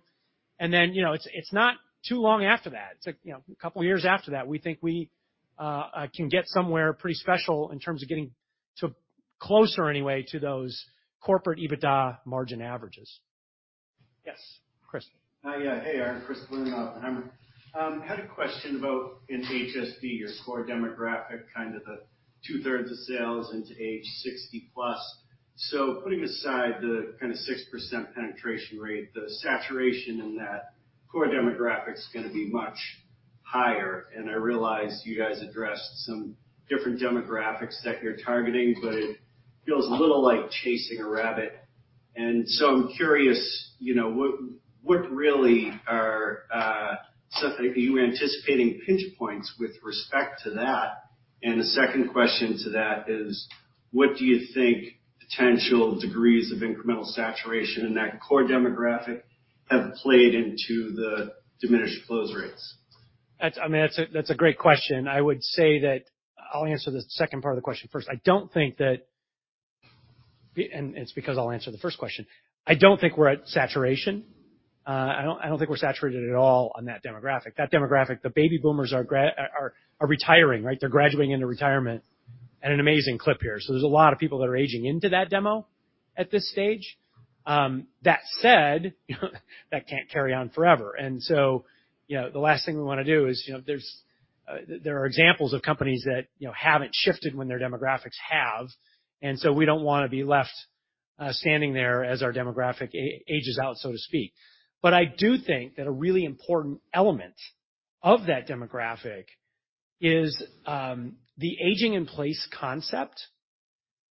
and then, you know, it's, it's not too long after that. It's like, you know, a couple of years after that, we think we can get somewhere pretty special in terms of getting to closer, anyway, to those corporate EBITDA margin averages. Yes, Chris. Yeah. Hey, Aaron, Kris, Oppenheimer. I had a question about in HSB, your core demographic, kind of the two-thirds of sales into age 60+. So putting aside the kinda 6% penetration rate, the saturation in that core demographic is gonna be much higher, and I realize you guys addressed some different demographics that you're targeting, but it feels a little like chasing a rabbit. And so I'm curious, you know, what, what really are, so are you anticipating pinch points with respect to that? And the second question to that is, what do you think potential degrees of incremental saturation in that core demographic have played into the diminished close rates? That's, I mean, that's a great question. I would say that... I'll answer the second part of the question first. I don't think that, and it's because I'll answer the first question. I don't think we're at saturation. I don't think we're saturated at all on that demographic. That demographic, the baby boomers, are retiring, right? They're graduating into retirement at an amazing clip here. So there's a lot of people that are aging into that demo at this stage. That said, that can't carry on forever. And so, you know, the last thing we wanna do is, you know, there's... There are examples of companies that, you know, haven't shifted when their demographics have, and so we don't wanna be left, standing there as our demographic ages out, so to speak. But I do think that a really important element of that demographic is the aging in place concept,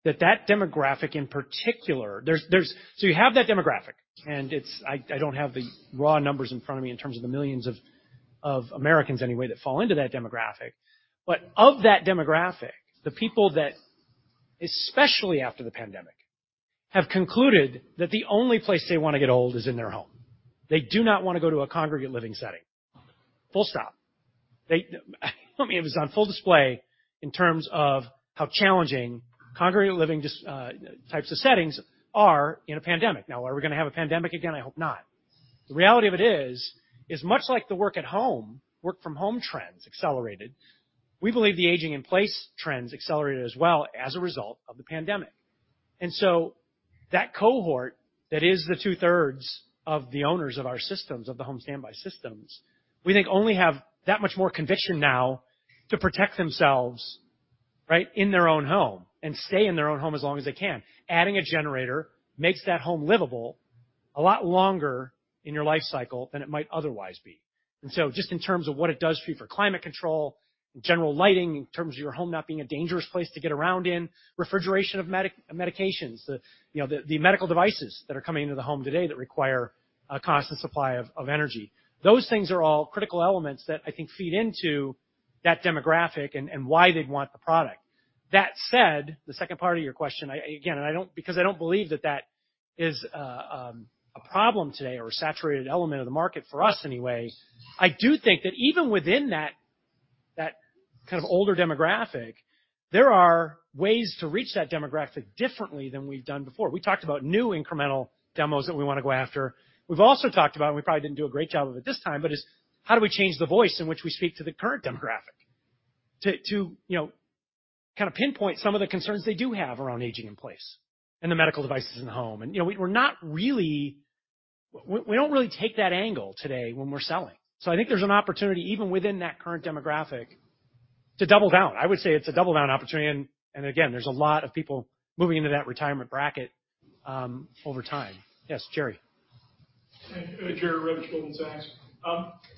that that demographic, in particular, there's so you have that demographic, and it's I don't have the raw numbers in front of me in terms of the millions of Americans anyway, that fall into that demographic. But of that demographic, the people that, especially after the pandemic, have concluded that the only place they wanna get old is in their home. They do not wanna go to a congregate living setting. Full stop. They, I mean, it was on full display in terms of how challenging congregate living, just, types of settings are in a pandemic. Now, are we gonna have a pandemic again? I hope not. The reality of it is much like the work at home, work from home trends accelerated, we believe the aging in place trends accelerated as well as a result of the pandemic. And so that cohort, that is the two-thirds of the owners of our systems, of the home standby systems, we think only have that much more conviction now to protect themselves, right? In their own home and stay in their own home as long as they can. Adding a generator makes that home livable a lot longer in your life cycle than it might otherwise be. So just in terms of what it does for you, for climate control, general lighting, in terms of your home not being a dangerous place to get around in, refrigeration of medications, you know, the medical devices that are coming into the home today that require a constant supply of energy. Those things are all critical elements that I think feed into that demographic and why they'd want the product. That said, the second part of your question, I... Again, I don't—because I don't believe that that is a problem today or a saturated element of the market for us anyway. I do think that even within that, that kind of older demographic, there are ways to reach that demographic differently than we've done before. We talked about new incremental demos that we wanna go after. We've also talked about, and we probably didn't do a great job of it this time, but is: How do we change the voice in which we speak to the current demographic? To you know, kinda pinpoint some of the concerns they do have around aging in place and the medical devices in the home. And, you know, we're not really - we don't really take that angle today when we're selling. So I think there's an opportunity, even within that current demographic, to double down. I would say it's a double down opportunity, and again, there's a lot of people moving into that retirement bracket over time. Yes, Jerry. Hey, Jerry Revich, Goldman Sachs.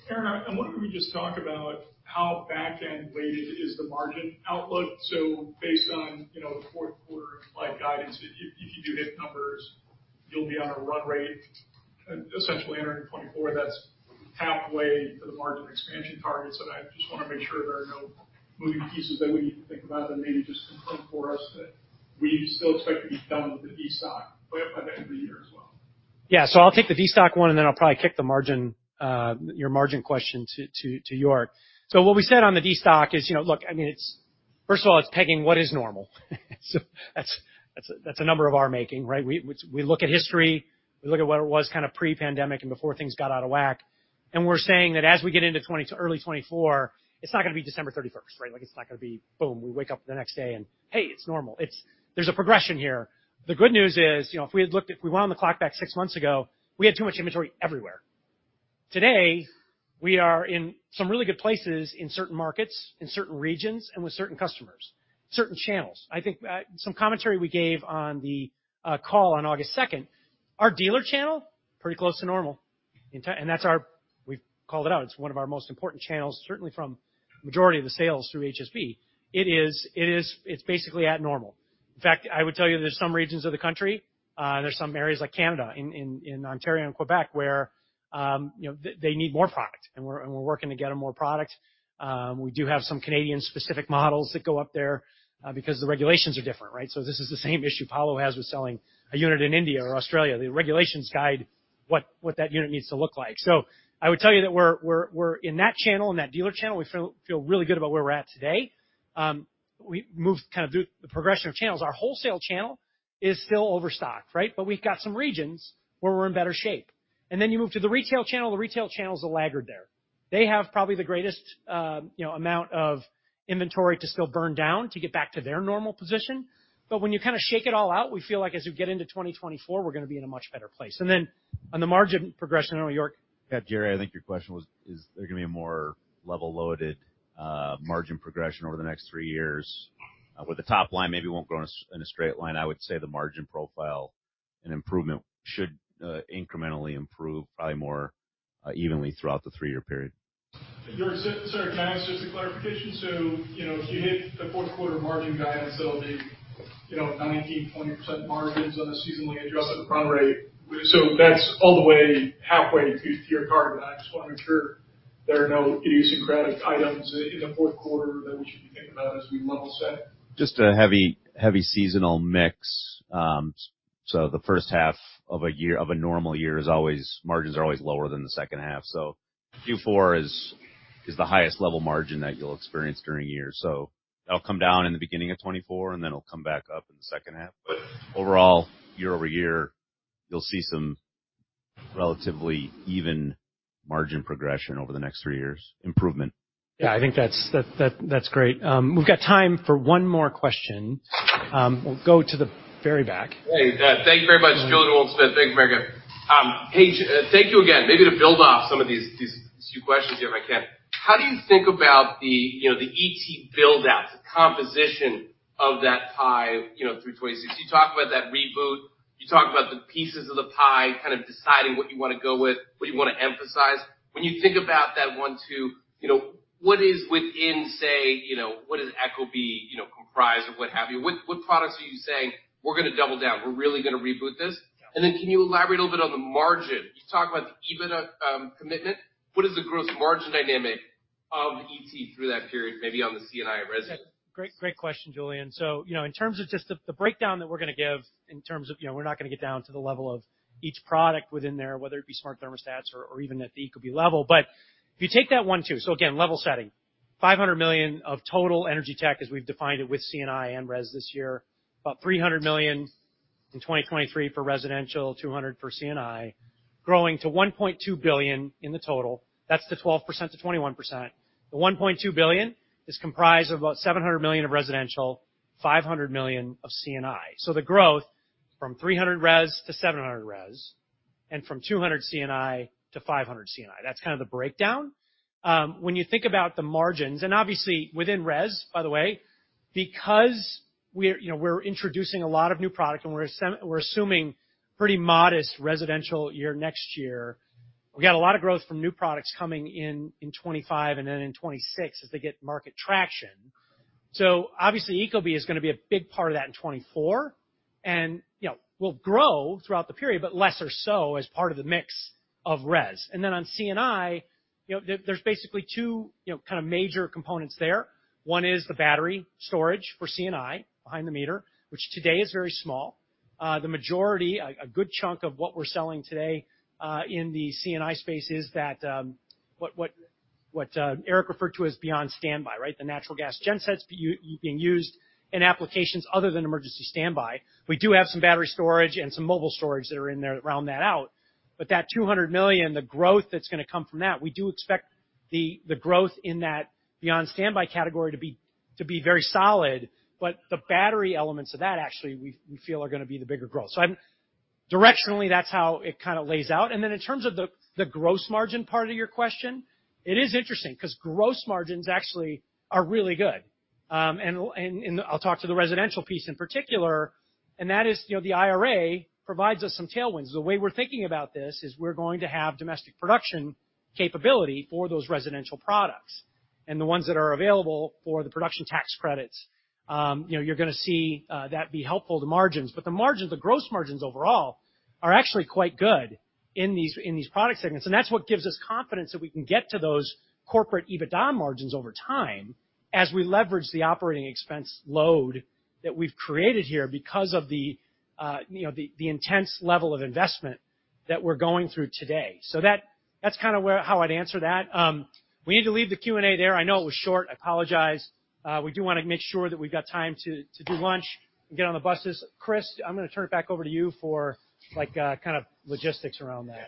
Aaron, I wonder if we just talk about how backend weighted is the margin outlook. So based on, you know, the fourth quarter implied guidance, if you do hit numbers, you'll be on a run rate, essentially entering 2024, that's halfway to the margin expansion targets. And I just wanna make sure there are no moving pieces that we need to think about, and maybe just confirm for us that we still expect to be done with the destocI by the end of the year as well.... Yeah, so I'll take the destock one, and then I'll probably kick the margin, your margin question to York. So what we said on the destock is, you know, look, I mean, it's, first of all, it's pegging what is normal? So that's a number of our making, right? We look at history, we look at what it was kind of pre-pandemic and before things got out of whack, and we're saying that as we get into early 2024, it's not gonna be December 31, right? Like, it's not gonna be, boom, we wake up the next day and, hey, it's normal. It's, there's a progression here. The good news is, you know, if we wound the clock back 6 months ago, we had too much inventory everywhere. Today, we are in some really good places in certain markets, in certain regions, and with certain customers, certain channels. I think, some commentary we gave on the call on August second, our dealer channel, pretty close to normal. And that's our... We've called it out. It's one of our most important channels, certainly from majority of the sales through HSB. It is, it's basically at normal. In fact, I would tell you there's some regions of the country, and there's some areas like Canada, in Ontario and Quebec, where, you know, they need more product, and we're working to get them more product. We do have some Canadian-specific models that go up there, because the regulations are different, right? So this is the same issue Paolo has with selling a unit in India or Australia. The regulations guide what that unit needs to look like. So I would tell you that we're in that channel, in that dealer channel, we feel really good about where we're at today. We moved kind of through the progression of channels. Our wholesale channel is still overstocked, right? But we've got some regions where we're in better shape. And then you move to the retail channel, the retail channel is a laggard there. They have probably the greatest, you know, amount of inventory to still burn down to get back to their normal position. But when you kind of shake it all out, we feel like as you get into 2024, we're gonna be in a much better place. And then on the margin progression, I know York? Yeah, Gary, I think your question was, is there gonna be a more level-loaded margin progression over the next three years? With the top line, maybe it won't grow in a straight line. I would say the margin profile and improvement should incrementally improve, probably more evenly throughout the three-year period. York, sir, can I ask just a clarification? So, you know, if you hit the fourth quarter margin guidance, that'll be, you know, 19%-20% margins on a seasonally adjusted run rate. So that's all the way halfway to your target. I just want to make sure there are no idiosyncratic items in the fourth quarter that we should be thinking about as we level set. Just a heavy, heavy seasonal mix. So the first half of a year, of a normal year is always... margins are always lower than the second half. So Q4 is, is the highest level margin that you'll experience during a year. So that'll come down in the beginning of 2024, and then it'll come back up in the second half. But overall, year-over-year, you'll see some relatively even margin progression over the next three years. Improvement. Yeah, I think that's great. We've got time for one more question. We'll go to the very back. Hey, thank you very much, Julian Smith. Thank you very much. Hey, thank you again. Maybe to build off some of these, these few questions here, if I can. How do you think about the, you know, the ET build out, the composition of that pie, you know, through 2026? You talk about that reboot, you talk about the pieces of the pie, kind of deciding what you want to go with, what you want to emphasize. When you think about that one, two, you know, what is within, say, you know, what does ecobee, you know, comprise or what have you? What, what products are you saying, "We're gonna double down. We're really gonna reboot this? Yeah. Then can you elaborate a little bit on the margin? You talk about the EBITDA commitment. What is the gross margin dynamic of ET through that period, maybe on the C&I residential? Great, great question, Julian. So, you know, in terms of just the breakdown that we're gonna give in terms of... You know, we're not gonna get down to the level of each product within there, whether it be smart thermostats or, or even at the ecobee level. But if you take that one, two, so again, level setting, $500 million of total energy tech, as we've defined it, with C&I and Res this year, about $300 million in 2023 for residential, $200 million for C&I, growing to $1.2 billion in the total. That's the 12%-21%. The $1.2 billion is comprised of about $700 million of residential, $500 million of C&I. So the growth from $300 million Res to $700 million Res and from $200 million C&I to $500 million C&I. That's kind of the breakdown. When you think about the margins, and obviously within Res, by the way, because we're, you know, we're introducing a lot of new product and we're assuming pretty modest residential year next year, we got a lot of growth from new products coming in in 2025 and then in 2026 as they get market traction. So obviously, ecobee is gonna be a big part of that in 2024, and, you know, will grow throughout the period, but less or so as part of the mix of Res. And then on C&I, you know, there, there's basically two, you know, kind of major components there. One is the battery storage for C&I behind the meter, which today is very small. The majority, a good chunk of what we're selling today, in the C&I space is that, what Erik referred to as Beyond Standby, right? The natural gas gen sets being used in applications other than emergency standby. We do have some battery storage and some mobile storage that are in there that round that out. But that $200 million, the growth that's gonna come from that, we do expect the growth in that Beyond Standby category to be very solid, but the battery elements of that, actually, we feel are gonna be the bigger growth. So I'm directionally, that's how it kind of lays out. And then in terms of the gross margin part of your question, it is interesting because gross margins actually are really good. And I'll talk to the residential piece in particular, and that is, you know, the IRA provides us some tailwinds. The way we're thinking about this is we're going to have domestic production capability for those residential products and the ones that are available for the production tax credits. You know, you're gonna see that be helpful to margins, but the margins, the gross margins overall, are actually quite good in these product segments, and that's what gives us confidence that we can get to those corporate EBITDA margins over time as we leverage the operating expense load that we've created here because of the intense level of investment that we're going through today. So that, that's kind of where - how I'd answer that. We need to leave the Q&A there. I know it was short. I apologize. We do want to make sure that we've got time to do lunch and get on the buses. Chris, I'm gonna turn it back over to you for, like, kind of logistics around that.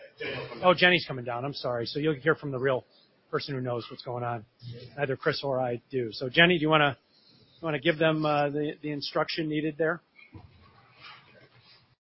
Oh, Jenny's coming down. I'm sorry. So you'll hear from the real person who knows what's going on, neither Chris or I do. So, Jenny, do you wanna give them the instruction needed there?